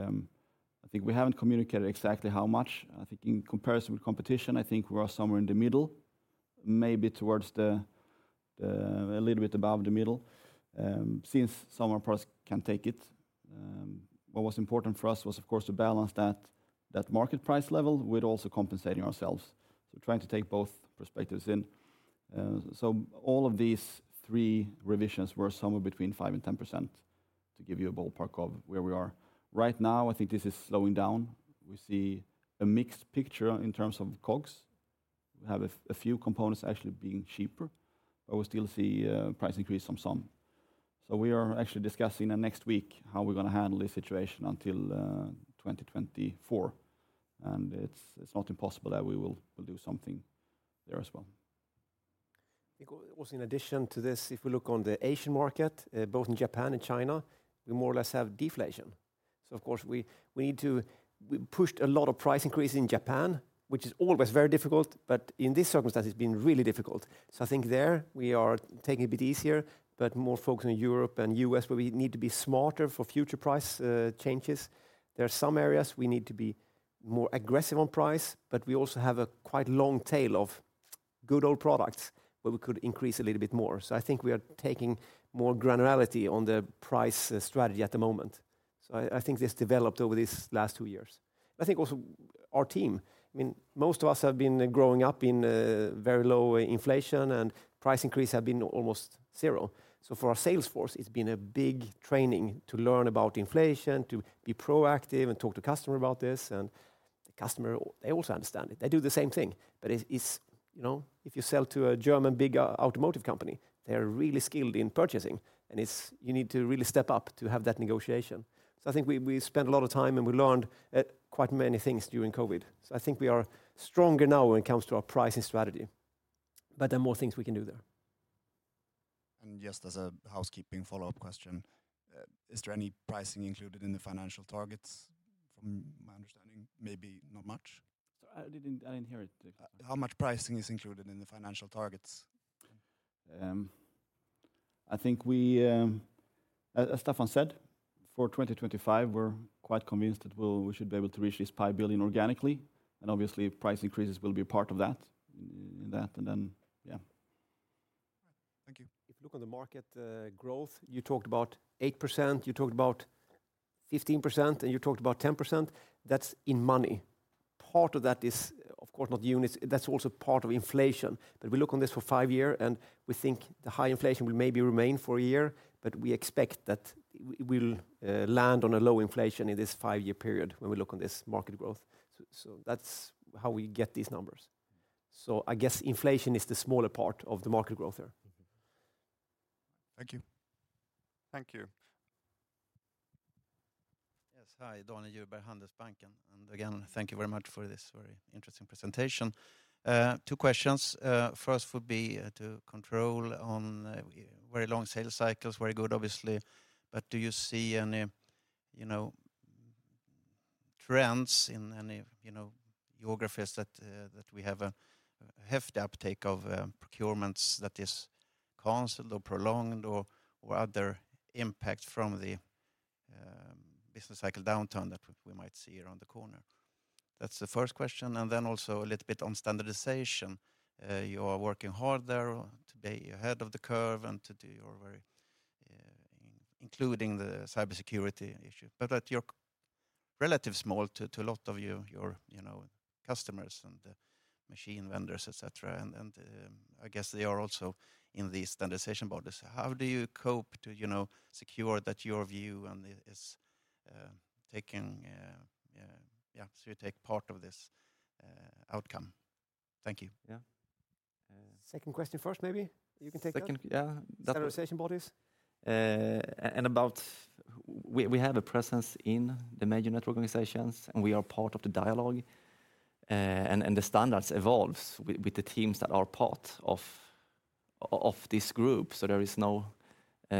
I think we haven't communicated exactly how much. I think in comparison with competition, I think we are somewhere in the middle, maybe towards the a little bit above the middle since some of our products can take it. What was important for us was, of course, to balance that, that market price level with also compensating ourselves. So trying to take both perspectives in. So all of these three revisions were somewhere between 5%-10%, to give you a ballpark of where we are. Right now, I think this is slowing down. We see a mixed picture in terms of COGS. We have a few components actually being cheaper, but we still see a price increase on some. So we are actually discussing in next week how we're going to handle this situation until 2024. And it's not impossible that we will do something there as well. I think also, in addition to this, if we look on the Asian market, both in Japan and China, we more or less have deflation. So of course, we, we pushed a lot of price increase in Japan, which is always very difficult, but in this circumstance, it's been really difficult. So I think there, we are taking a bit easier, but more focus on Europe and US, where we need to be smarter for future price, changes. There are some areas we need to be more aggressive on price, but we also have a quite long tail of good old products where we could increase a little bit more. So I think we are taking more granularity on the price strategy at the moment. So I, I think this developed over these last two years. I think also our team, I mean, most of us have been growing up in very low inflation, and price increase have been almost zero. So for our sales force, it's been a big training to learn about inflation, to be proactive and talk to customer about this, and the customer, they also understand it. They do the same thing. But it's, it's, you know, if you sell to a German big automotive company, they are really skilled in purchasing, and it's you need to really step up to have that negotiation. So I think we spent a lot of time, and we learned quite many things during COVID. So I think we are stronger now when it comes to our pricing strategy, but there are more things we can do there. Just as a housekeeping follow-up question, is there any pricing included in the financial targets? From my understanding, maybe not much. Sorry, I didn't hear it. How much pricing is included in the financial targets? I think we, as Staffan said, for 2025, we're quite convinced that we should be able to reach this 5 billion organically, and obviously, price increases will be a part of that, in that, and then, yeah. Thank you. If you look on the market growth, you talked about 8%, you talked about 15%, and you talked about 10%. That's in money. Part of that is, of course, not units, that's also part of inflation. But we look on this for five-year, and we think the high inflation will maybe remain for a year, but we expect that we'll land on a low inflation in this five-year period when we look on this market growth. So that's how we get these numbers. So I guess inflation is the smaller part of the market growth here. Thank you. Thank you. Yes. Hi, Daniel Djurberg, Handelsbanken. And again, thank you very much for this very interesting presentation. Two questions. First would be to control on very long sales cycles. Very good, obviously, but do you see any, you know, trends in any, you know, geographies that we have a hefty uptake of procurements that is canceled or prolonged, or other impact from the business cycle downturn that we might see around the corner? That's the first question. And then also a little bit on standardization. You are working hard there to be ahead of the curve and to do your very including the cybersecurity issue. But that you're relative small to a lot of your, you know, customers and machine vendors, et cetera. I guess they are also in the standardization bodies. How do you cope to, you know, secure that your view and is taking... Yeah, so you take part of this outcome? Thank you. Yeah. Second question first, maybe you can take that? Second, yeah. Standardization bodies. And about we have a presence in the major network organizations, and we are part of the dialogue, and the standards evolve with the teams that are part of this group. So there is no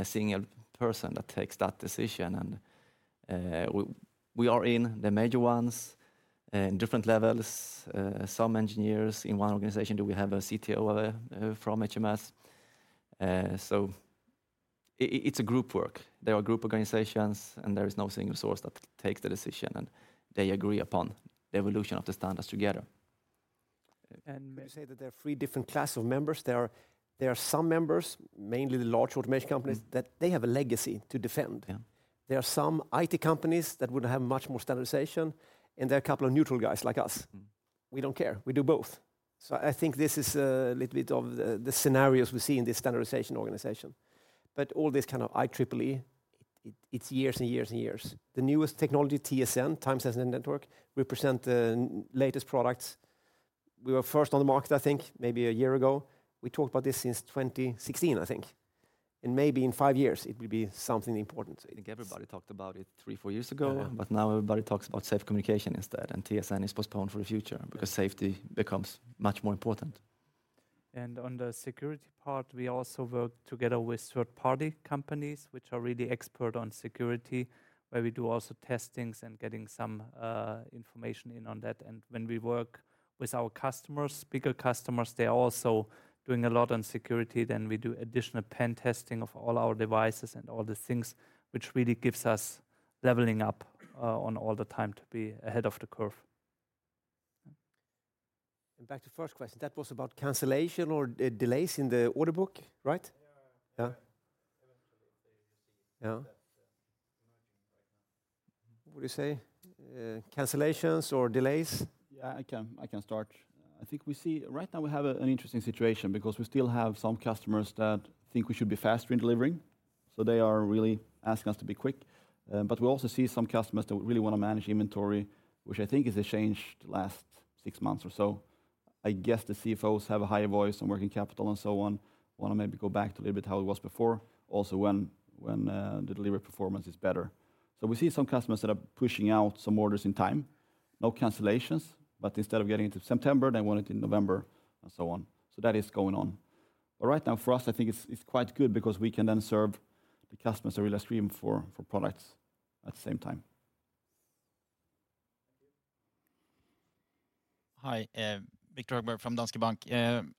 single person that takes that decision, and we are in the major ones in different levels. Some engineers in one organization, do we have a CTO over from HMS? So it's a group work. There are group organizations, and there is no single source that takes the decision, and they agree upon the evolution of the standards together. May I say that there are three different classes of members. There are some members, mainly the large automation companies. Mm. that they have a legacy to defend. Yeah. There are some IT companies that would have much more standardization, and there are a couple of neutral guys like us. Mm. We don't care. We do both. So I think this is a little bit of the scenarios we see in this standardization organization. But all this kind of IEEE, it's years and years and years. The newest technology, TSN, Time-Sensitive Network, we present the latest products... we were first on the market, I think, maybe a year ago. We talked about this since 2016, I think, and maybe in 5 years it will be something important. I think everybody talked about it 3, 4 years ago- Yeah. But now everybody talks about safe communication instead, and TSN is postponed for the future, because safety becomes much more important. On the security part, we also work together with third-party companies, which are really expert on security, where we do also testings and getting some information in on that. When we work with our customers, bigger customers, they are also doing a lot on security. We do additional pen testing of all our devices and all the things, which really gives us leveling up on all the time to be ahead of the curve. Back to the first question, that was about cancellation or delays in the order book, right? Yeah. Yeah. Eventually, they receive that. Yeah. What do you say? Cancellations or delays? Yeah, I can, I can start. I think we see right now we have a, an interesting situation because we still have some customers that think we should be faster in delivering, so they are really asking us to be quick. But we also see some customers that really want to manage inventory, which I think is a change the last six months or so. I guess the CFOs have a higher voice on working capital and so on. Want to maybe go back to a little bit how it was before, also when, when, the delivery performance is better. So we see some customers that are pushing out some orders in time, no cancellations, but instead of getting it into September, they want it in November, and so on. So that is going on. Right now, for us, I think it's quite good because we can then serve the customers a real stream for products at the same time. Hi, Viktor Högberg from Danske Bank.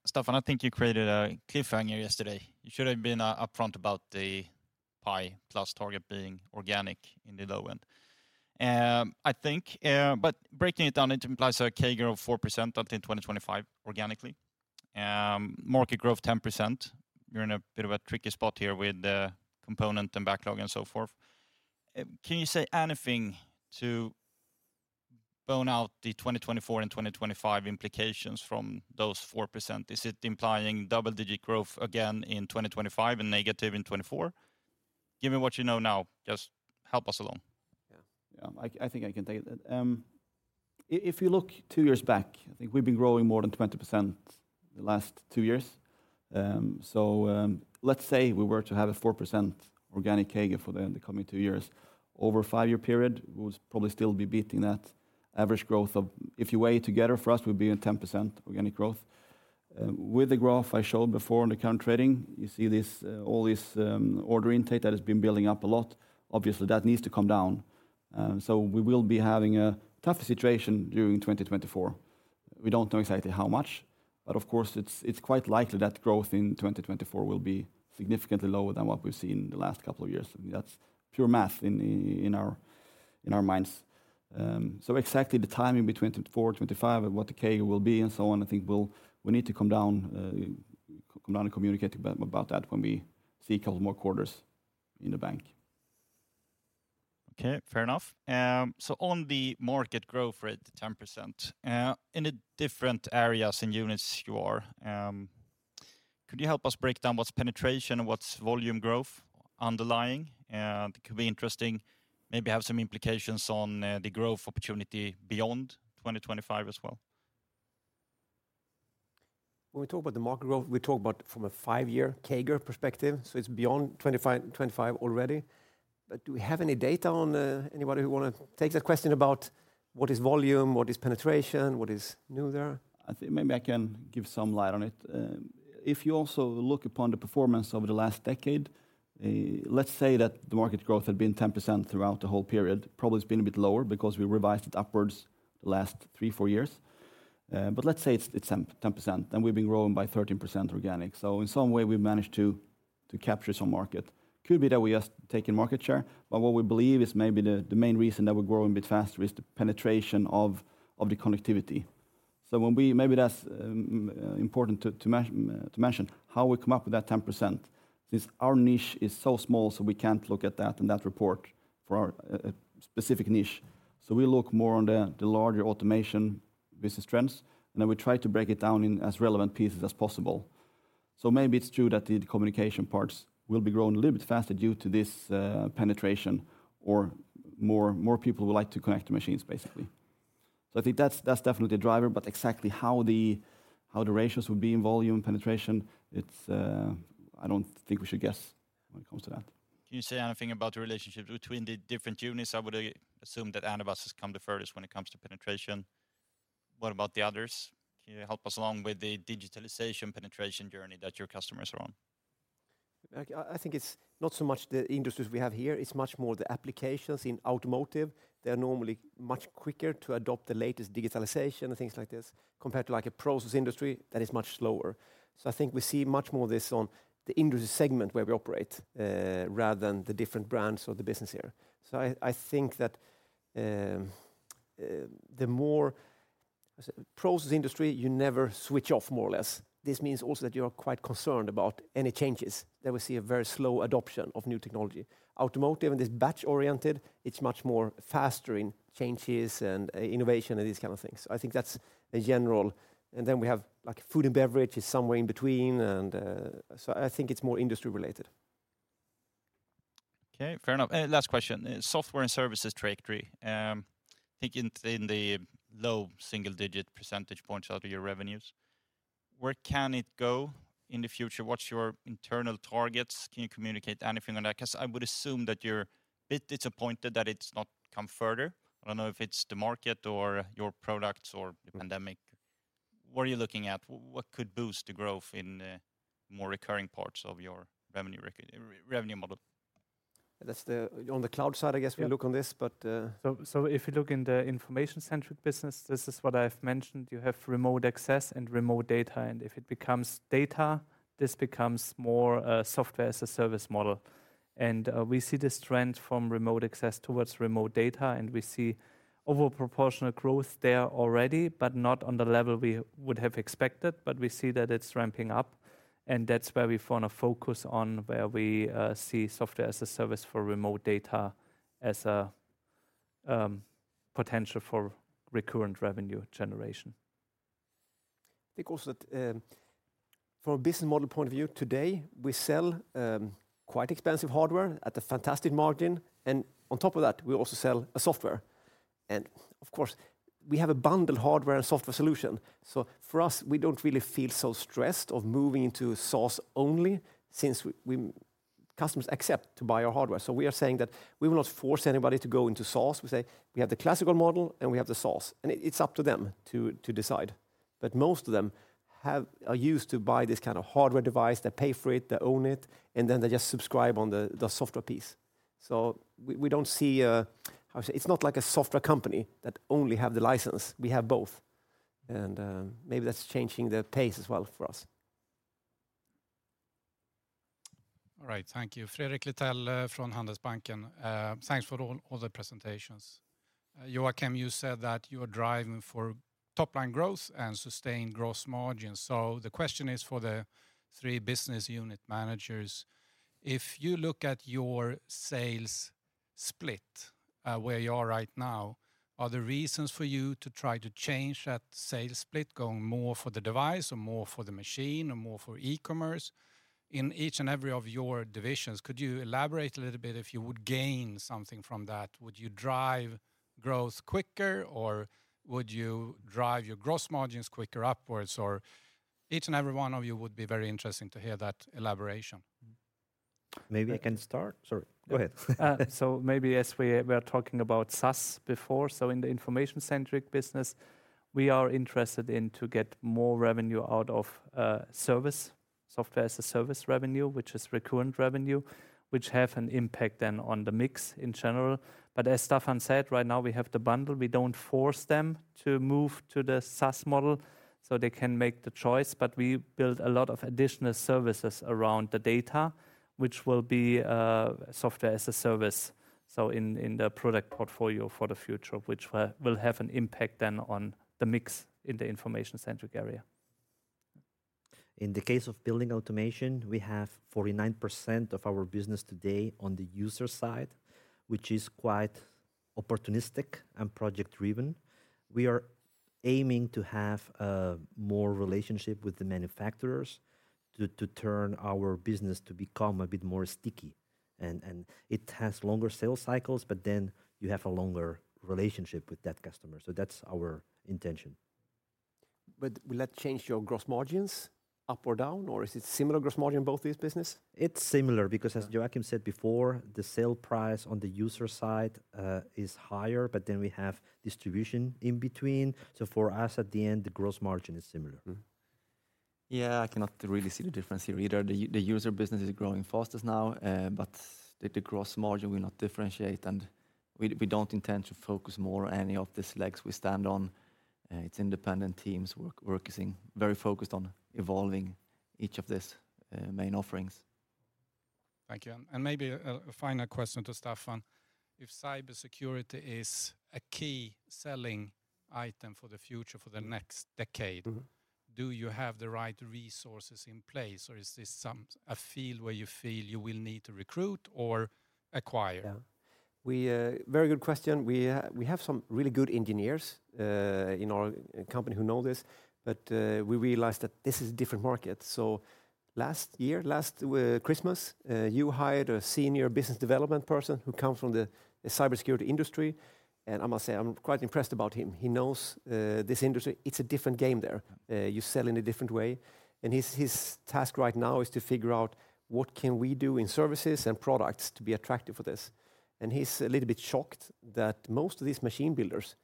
Staffan, I think you created a cliffhanger yesterday. You should have been upfront about the pi plus target being organic in the low end. I think, but breaking it down, it implies a CAGR of 4% until 2025, organically. Market growth, 10%. You're in a bit of a tricky spot here with the component and backlog and so forth. Can you say anything to flesh out the 2024 and 2025 implications from those 4%? Is it implying double-digit growth again in 2025 and negative in 2024? Give me what you know now. Just help us along. Yeah. Yeah. I think I can take that. If you look two years back, I think we've been growing more than 20% the last two years. So, let's say we were to have a 4% organic CAGR for the coming two years. Over a 5-year period, we'll probably still be beating that average growth of... If you weigh it together, for us, we'd be in 10% organic growth. With the graph I showed before on the current trading, you see this all this order intake that has been building up a lot. Obviously, that needs to come down, so we will be having a tough situation during 2024. We don't know exactly how much, but of course, it's quite likely that growth in 2024 will be significantly lower than what we've seen in the last couple of years. That's pure math in our minds. So exactly the timing between 2024, 2025, and what the K will be and so on, I think we need to come down and communicate about that when we see a couple more quarters in the bank. Okay, fair enough. So on the market growth rate, the 10%, in the different areas and units you are, could you help us break down what's penetration and what's volume growth underlying? It could be interesting, maybe have some implications on, the growth opportunity beyond 2025 as well. When we talk about the market growth, we talk about from a 5-year K perspective, so it's beyond 25, 2025 already. But do we have any data on, anybody who wanna take that question about what is volume, what is penetration, what is new there? I think maybe I can give some light on it. If you also look upon the performance over the last decade, let's say that the market growth had been 10% throughout the whole period. Probably it's been a bit lower because we revised it upwards the last three, four years. But let's say it's, it's 10, 10%, and we've been growing by 13% organic. So in some way, we've managed to, to capture some market. Could be that we just taken market share, but what we believe is maybe the, the main reason that we're growing a bit faster is the penetration of, of the connectivity. So when we—maybe that's important to mention, how we come up with that 10%, since our niche is so small, so we can't look at that in that report for our specific niche. So we look more on the larger automation business trends, and then we try to break it down in as relevant pieces as possible. So maybe it's true that the communication parts will be growing a little bit faster due to this penetration or more people would like to connect to machines, basically. So I think that's definitely a driver, but exactly how the ratios would be in volume, penetration, I don't think we should guess when it comes to that. Can you say anything about the relationships between the different units? I would assume that Anybus has come the furthest when it comes to penetration. What about the others? Can you help us along with the digitalization penetration journey that your customers are on? I think it's not so much the industries we have here, it's much more the applications in automotive. They are normally much quicker to adopt the latest digitalization and things like this, compared to like a process industry that is much slower. So I think we see much more of this on the industry segment where we operate, rather than the different brands or the business here. So I think that, the process industry, you never switch off, more or less. This means also that you are quite concerned about any changes. There we see a very slow adoption of new technology. Automotive, and it's batch-oriented, it's much more faster in changes and innovation and these kind of things. I think that's a general... Then we have, like, food and beverage is somewhere in between, and so I think it's more industry related.... Okay, fair enough. Last question. Software and services trajectory. I think in the low single-digit percentage points out of your revenues, where can it go in the future? What's your internal targets? Can you communicate anything on that? 'Cause I would assume that you're a bit disappointed that it's not come further. I don't know if it's the market or your products or the pandemic. What are you looking at? What could boost the growth in more recurring parts of your revenue model? That's the, on the cloud side, I guess- Yeah... we look on this, but, So, if you look in the information-centric business, this is what I've mentioned: you have remote access and remote data. If it becomes data, this becomes more, software as a service model. We see this trend from remote access towards remote data, and we see over proportional growth there already, but not on the level we would have expected. We see that it's ramping up, and that's where we wanna focus on, where we see software as a service for remote data as a potential for recurrent revenue generation. Because at, from a business model point of view, today, we sell quite expensive hardware at a fantastic margin, and on top of that, we also sell a software. Of course, we have a bundle hardware and software solution. So for us, we don't really feel so stressed of moving into SaaS only, since our customers accept to buy our hardware. So we are saying that we will not force anybody to go into SaaS. We say, "We have the classical model, and we have the SaaS," and it's up to them to decide. But most of them are used to buy this kind of hardware device. They pay for it, they own it, and then they just subscribe on the software piece. So we don't see, it's not like a software company that only have the license. We have both, and maybe that's changing the pace as well for us. All right. Thank you. Fredrik Nilsson from Handelsbanken. Thanks for all, all the presentations. Joakim, you said that you are driving for top-line growth and sustained gross margin. So the question is for the three business unit managers: if you look at your sales split, where you are right now, are there reasons for you to try to change that sales split, going more for the device, or more for the machine, or more for e-commerce? In each and every of your divisions, could you elaborate a little bit if you would gain something from that? Would you drive growth quicker, or would you drive your gross margins quicker upwards, or... Each and every one of you would be very interesting to hear that elaboration. Maybe I can start. Sorry, go ahead. So maybe as we, we are talking about SaaS before, so in the information-centric business, we are interested in to get more revenue out of service, software as a service revenue, which is recurrent revenue, which have an impact then on the mix in general. But as Staffan said, right now, we have the bundle. We don't force them to move to the SaaS model, so they can make the choice, but we build a lot of additional services around the data, which will be software as a service, so in the product portfolio for the future, which will have an impact then on the mix in the information-centric area. In the case of building automation, we have 49% of our business today on the user side, which is quite opportunistic and project-driven. We are aiming to have more relationship with the manufacturers to turn our business to become a bit more sticky, and it has longer sales cycles, but then you have a longer relationship with that customer, so that's our intention. But will that change your gross margins up or down, or is it similar gross margin, both these business? It's similar because, as Joakim said before, the sale price on the user side is higher, but then we have distribution in between. So for us, at the end, the gross margin is similar. Mm-hmm. Yeah, I cannot really see the difference here either. The user business is growing fastest now, but the gross margin will not differentiate, and we don't intend to focus more on any of these legs we stand on. It's independent teams. We're focusing, very focused on evolving each of these main offerings. Thank you. And maybe a final question to Staffan. If cybersecurity is a key selling item for the future, for the next decade- Mm-hmm ... do you have the right resources in place, or is this some, a field where you feel you will need to recruit or acquire? Yeah. Very good question. We have some really good engineers in our company who know this, but we realized that this is different market. So last year, last Christmas, you hired a senior business development person who comes from the cybersecurity industry, and I must say, I'm quite impressed about him. He knows this industry. It's a different game there. You sell in a different way, and his task right now is to figure out: What can we do in services and products to be attractive for this? And he's a little bit shocked that most of these machine builders,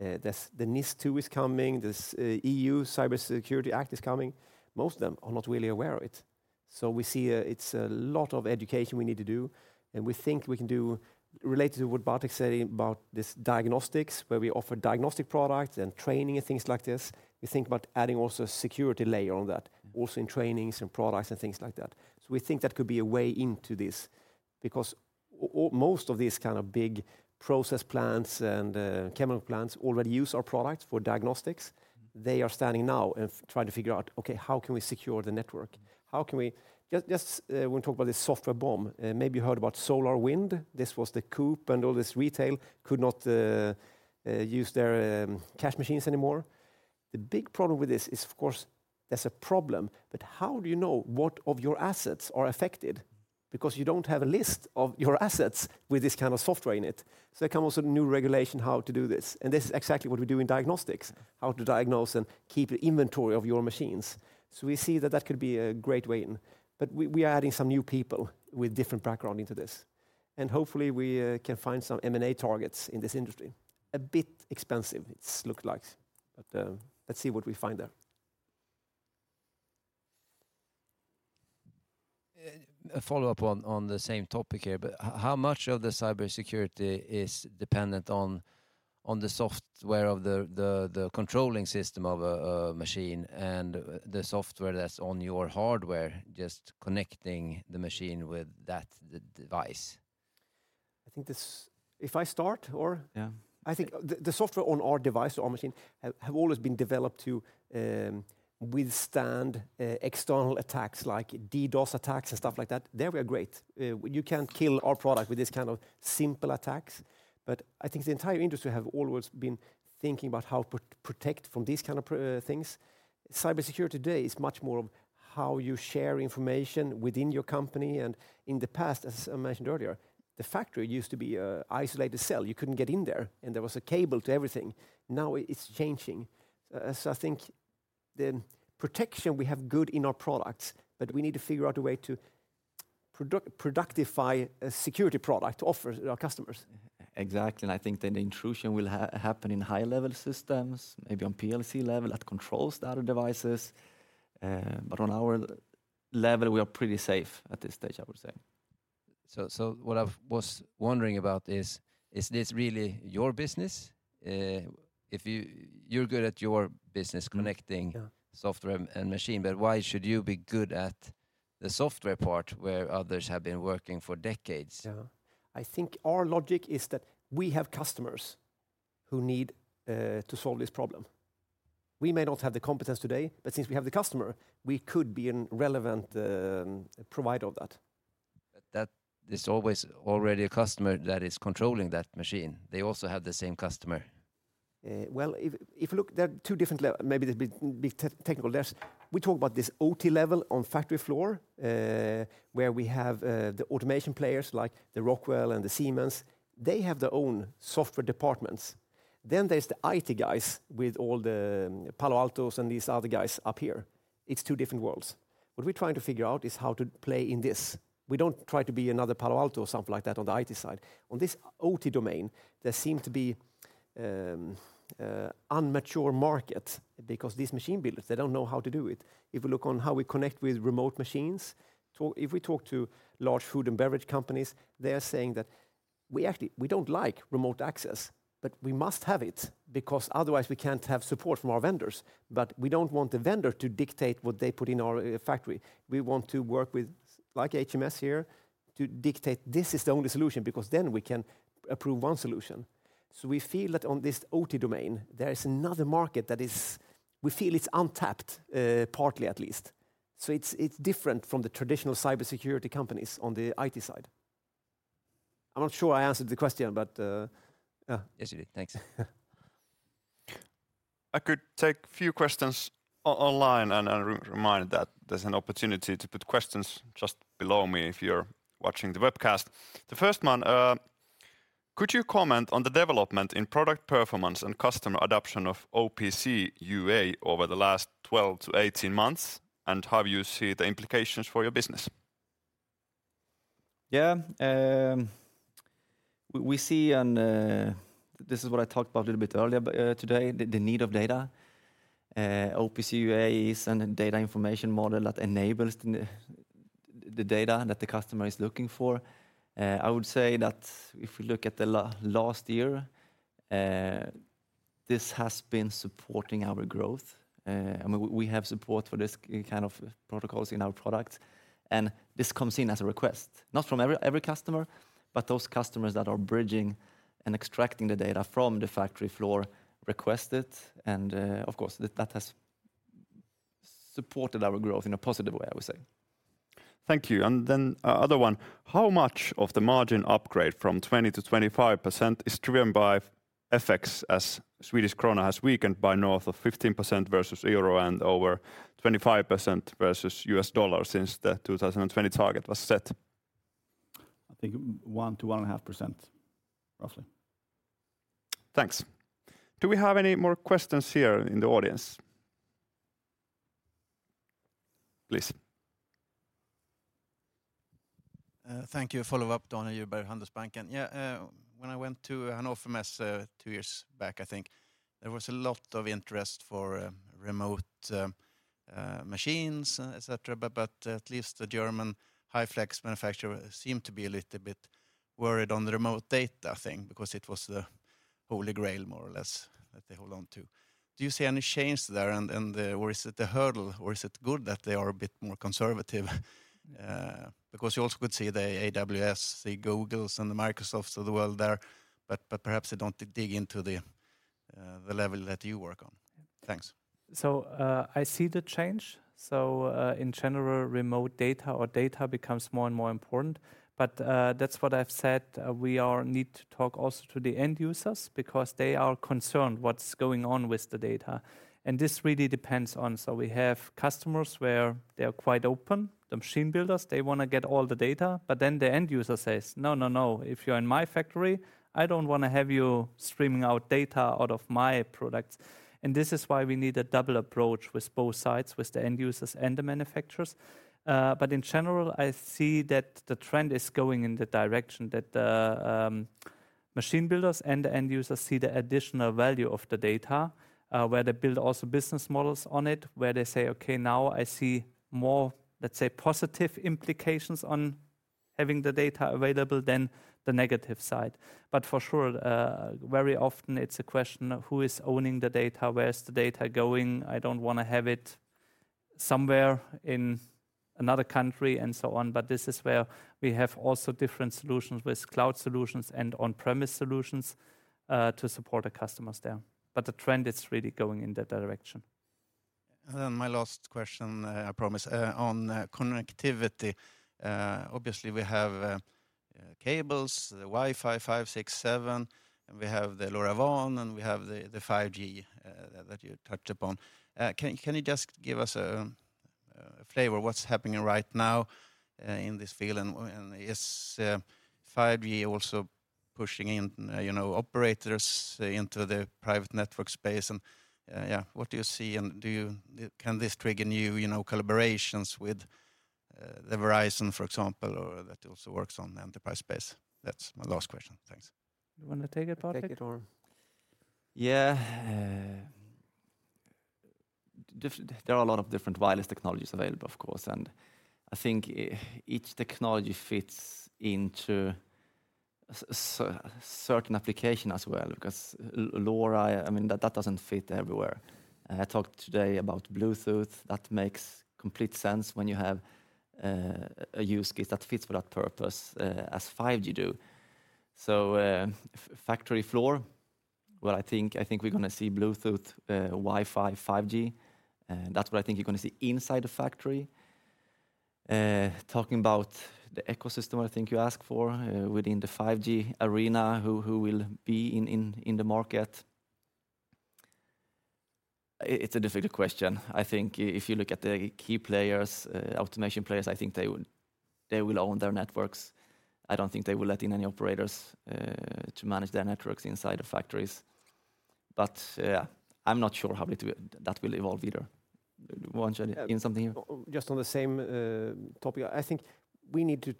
there's the NIS2 is coming, there's EU Cybersecurity Act is coming. Most of them are not really aware of it. So we see, it's a lot of education we need to do, and we think we can do, related to what Bartek said about this diagnostics, where we offer diagnostic products and training and things like this, we think about adding also a security layer on that, also in trainings and products and things like that. So we think that could be a way into this because most of these kind of big process plants and chemical plants already use our products for diagnostics. They are standing now and trying to figure out, "Okay, how can we secure the network? How can we..." Just, we talk about this software bomb. Maybe you heard about SolarWinds. This was the Coop, and all this retail could not use their cash machines anymore. The big problem with this is, of course-... There's a problem, but how do you know what of your assets are affected? Because you don't have a list of your assets with this kind of software in it. So there comes a new regulation how to do this, and this is exactly what we do in diagnostics, how to diagnose and keep an inventory of your machines. So we see that that could be a great way in, but we, we are adding some new people with different background into this, and hopefully we can find some M&A targets in this industry. A bit expensive, it's looked like, but let's see what we find there. A follow-up on the same topic here, but how much of the cybersecurity is dependent on the software of the controlling system of a machine and the software that's on your hardware, just connecting the machine with that, the device? If I start or? Yeah. I think the software on our device or machine have always been developed to withstand external attacks, like DDoS attacks and stuff like that. There we are great. You can't kill our product with this kind of simple attacks. But I think the entire industry have always been thinking about how to protect from these kind of things. Cybersecurity today is much more of how you share information within your company, and in the past, as I mentioned earlier, the factory used to be a isolated cell. You couldn't get in there, and there was a cable to everything. Now, it's changing. So I think the protection we have good in our products, but we need to figure out a way to productify a security product to offer our customers. Exactly, and I think then the intrusion will happen in high-level systems, maybe on PLC level, that controls the other devices. But on our level, we are pretty safe at this stage, I would say. So what I was wondering about is this really your business? If you... You're good at your business, connecting- Yeah - software and machine, but why should you be good at the software part where others have been working for decades? Yeah. I think our logic is that we have customers who need to solve this problem. We may not have the competence today, but since we have the customer, we could be a relevant provider of that. But that, there's always already a customer that is controlling that machine. They also have the same customer. Well, if you look, there are two different levels. Maybe the big technical layers. We talk about this OT level on the factory floor, where we have the automation players, like the Rockwell and the Siemens. They have their own software departments. Then there's the IT guys with all the Palo Altos and these other guys up here. It's two different worlds. What we're trying to figure out is how to play in this. We don't try to be another Palo Alto or something like that on the IT side. On this OT domain, there seem to be an immature market because these machine builders, they don't know how to do it. If you look on how we connect with remote machines, if we talk to large food and beverage companies, they are saying that, "We actually don't like remote access, but we must have it because otherwise we can't have support from our vendors. But we don't want the vendor to dictate what they put in our factory. We want to work with, like HMS here, to dictate this is the only solution, because then we can approve one solution." So we feel that on this OT domain, there is another market that is... We feel it's untapped, partly at least. So it's different from the traditional cybersecurity companies on the IT side. I'm not sure I answered the question, but yeah. Yes, you did. Thanks. I could take few questions online, and, remind that there's an opportunity to put questions just below me if you're watching the webcast. The first one: Could you comment on the development in product performance and customer adoption of OPC UA over the last 12-18 months, and how you see the implications for your business? Yeah, we see and this is what I talked about a little bit earlier, but today the need of data. OPC UA is a data information model that enables the data that the customer is looking for. I would say that if we look at last year this has been supporting our growth and we have support for this kind of protocols in our product. And this comes in as a request, not from every customer, but those customers that are bridging and extracting the data from the factory floor request it and of course that has supported our growth in a positive way, I would say. Thank you. And then, other one: How much of the margin upgrade from 20%-25% is driven by effects as Swedish krona has weakened by north of 15% versus euro and over 25% versus U.S. dollar since the 2020 target was set? I think 1-1.5%, roughly. Thanks. Do we have any more questions here in the audience? Please. Thank you. Follow-up, Daniel Bjurberg, Handelsbanken. Yeah, when I went to Hannover Messe, two years back, I think, there was a lot of interest for remote machines, et cetera, but, but at least the German high-flex manufacturer seemed to be a little bit worried on the remote data thing because it was the holy grail, more or less, that they hold on to. Do you see any change there, and, and, or is it a hurdle, or is it good that they are a bit more conservative? Because you also could see the AWS, the Googles and the Microsofts of the world there, but, but perhaps they don't dig into the level that you work on. Thanks. So, I see the change.... So, in general, remote data or data becomes more and more important. But, that's what I've said, we are need to talk also to the end users because they are concerned what's going on with the data, and this really depends on. So we have customers where they are quite open. The machine builders, they wanna get all the data, but then the end user says: "No, no, no. If you're in my factory, I don't wanna have you streaming out data out of my products." And this is why we need a double approach with both sides, with the end users and the manufacturers. But in general, I see that the trend is going in the direction that the machine builders and the end users see the additional value of the data, where they build also business models on it, where they say, "Okay, now I see more," let's say, "positive implications on having the data available than the negative side." But for sure, very often it's a question of who is owning the data? Where is the data going? I don't wanna have it somewhere in another country, and so on. But this is where we have also different solutions with cloud solutions and on-premise solutions, to support the customers there. But the trend is really going in that direction. And my last question, I promise, on connectivity. Obviously, we have cables, the Wi-Fi 5, 6, 7, and we have the LoRaWAN, and we have the 5G that you touched upon. Can you just give us a flavor of what's happening right now in this field? And is 5G also pushing in, you know, operators into the private network space? And yeah, what do you see, and do you, can this trigger new, you know, collaborations with Verizon, for example, or that also works on the enterprise space? That's my last question. Thanks. You wanna take it, Bartek? Take it or... Yeah. There are a lot of different wireless technologies available, of course, and I think, each technology fits into certain application as well, because LoRa, I mean, that, that doesn't fit everywhere. I talked today about Bluetooth. That makes complete sense when you have, a use case that fits for that purpose, as 5G do. So, factory floor, well, I think, I think we're gonna see Bluetooth, Wi-Fi, 5G, and that's what I think you're gonna see inside the factory. Talking about the ecosystem, I think you asked for, within the 5G arena, who, who will be in, in, in the market? It, it's a difficult question. I think if you look at the key players, automation players, I think they will, they will own their networks. I don't think they will let in any operators to manage their networks inside the factories. But, I'm not sure how that will evolve either. Want to add in something here? Just on the same topic, I think we need to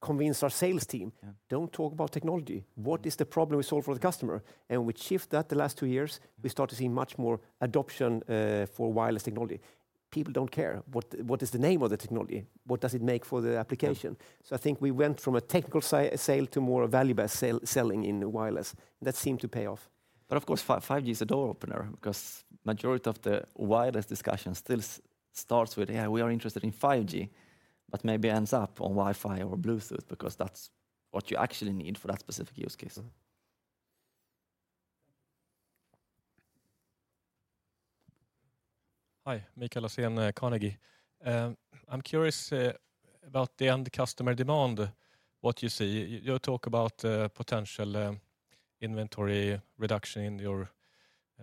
convince our sales team- Yeah... don't talk about technology. What is the problem we solve for the customer? And we shift that the last two years, we start to see much more adoption for wireless technology. People don't care what, what is the name of the technology, what does it make for the application. Yeah. So I think we went from a technical sale to more a value-based selling in the wireless. That seemed to pay off. But of course, 5G is a door opener because majority of the wireless discussion still starts with, "Yeah, we are interested in 5G," but maybe ends up on Wi-Fi or Bluetooth because that's what you actually need for that specific use case. So- Hi, Mikael Laséen, Carnegie. I'm curious about the end customer demand, what you see. You talk about potential inventory reduction in your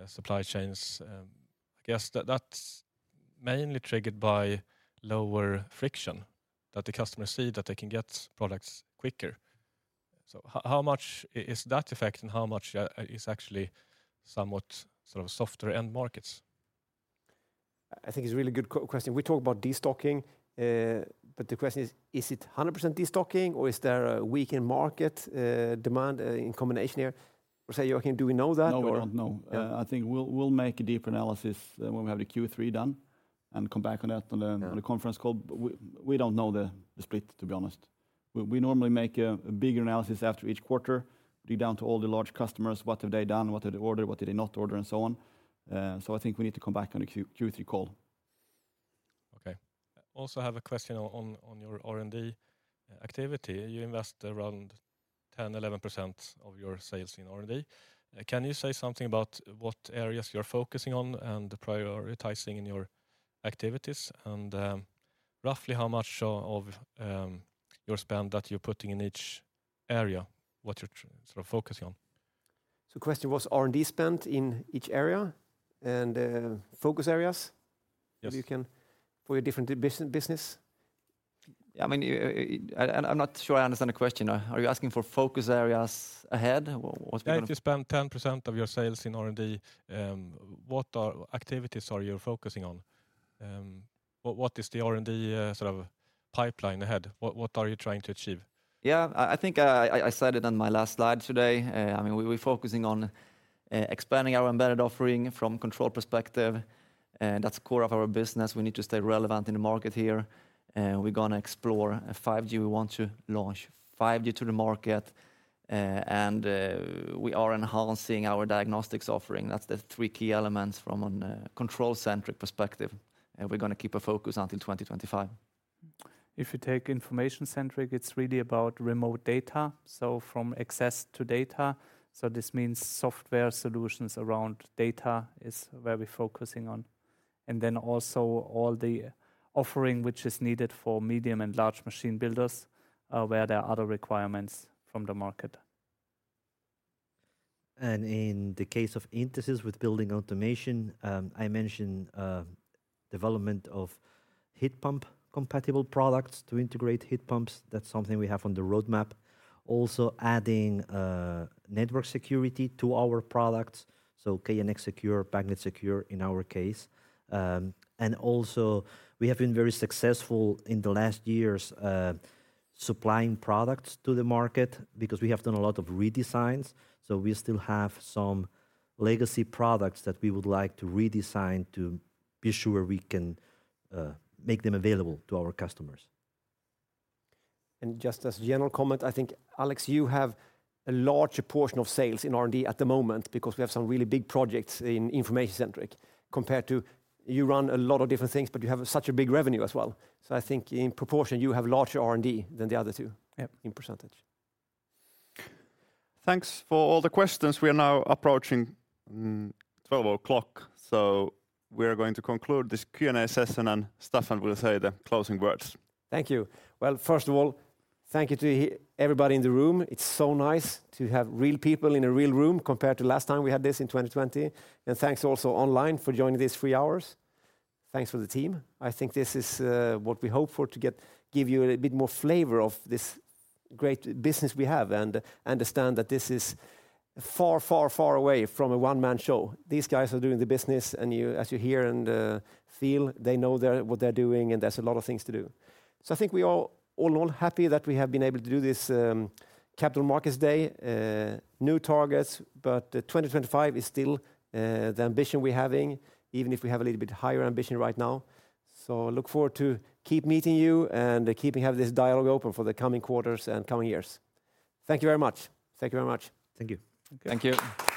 supply chains. I guess that's mainly triggered by lower friction, that the customers see that they can get products quicker. So how much is that effect and how much is actually somewhat sort of softer end markets? I think it's a really good question. We talk about destocking, but the question is: Is it 100% destocking, or is there a weakened market, demand, in combination here? Or say, Joakim, do we know that or- No, we don't know. Yeah. I think we'll make a deeper analysis when we have the Q3 done and come back on that on the- Yeah... on the conference call. But we, we don't know the, the split, to be honest. We, we normally make a, a bigger analysis after each quarter, dig down to all the large customers, what have they done, what did they order, what did they not order, and so on. So I think we need to come back on the Q3 call. Okay. Also, I have a question on your R&D activity. You invest around 10-11% of your sales in R&D. Can you say something about what areas you're focusing on and prioritizing in your activities? And, roughly how much of your spend that you're putting in each area, what you're sort of focusing on? So question was R&D spent in each area and focus areas? Yes. You can... for a different business. I mean, I'm not sure I understand the question now. Are you asking for focus areas ahead? What we're- If you spend 10% of your sales in R&D, what are activities are you focusing on? What, what is the R&D sort of pipeline ahead? What, what are you trying to achieve? Yeah, I think I said it on my last slide today. I mean, we're focusing on expanding our embedded offering from control perspective, and that's core of our business. We need to stay relevant in the market here. We're gonna explore 5G. We want to launch 5G to the market, and we are enhancing our diagnostics offering. That's the three key elements from a control-centric perspective, and we're gonna keep a focus until 2025.... If you take information-centric, it's really about remote data, so from access to data. So this means software solutions around data is where we're focusing on, and then also all the offering which is needed for medium and large machine builders, where there are other requirements from the market. In the case of Intesis with building automation, I mentioned development of heat pump-compatible products to integrate heat pumps. That's something we have on the roadmap. Also, adding network security to our products, so KNX Secure, PROFINET Secure in our case. And also we have been very successful in the last years supplying products to the market because we have done a lot of redesigns, so we still have some legacy products that we would like to redesign to be sure we can make them available to our customers. And just as a general comment, I think, Alex, you have a larger portion of sales in R&D at the moment because we have some really big projects in information-centric, compared to you run a lot of different things, but you have such a big revenue as well. So I think in proportion, you have larger R&D than the other two- Yeah... in percentage. Thanks for all the questions. We are now approaching 12:00, so we are going to conclude this Q&A session, and Staffan will say the closing words. Thank you. Well, first of all, thank you to everybody in the room. It's so nice to have real people in a real room compared to last time we had this in 2020. And thanks also online for joining these three hours. Thanks for the team. I think this is what we hope for, to give you a bit more flavor of this great business we have and understand that this is far, far, far away from a one-man show. These guys are doing the business, and as you hear and feel, they know what they're doing, and there's a lot of things to do. So, I think we all, all happy that we have been able to do this Capital Markets Day, new targets, but 2025 is still the ambition we're having, even if we have a little bit higher ambition right now. So look forward to keep meeting you and keeping have this dialogue open for the coming quarters and coming years. Thank you very much. Thank you very much. Thank you. Thank you.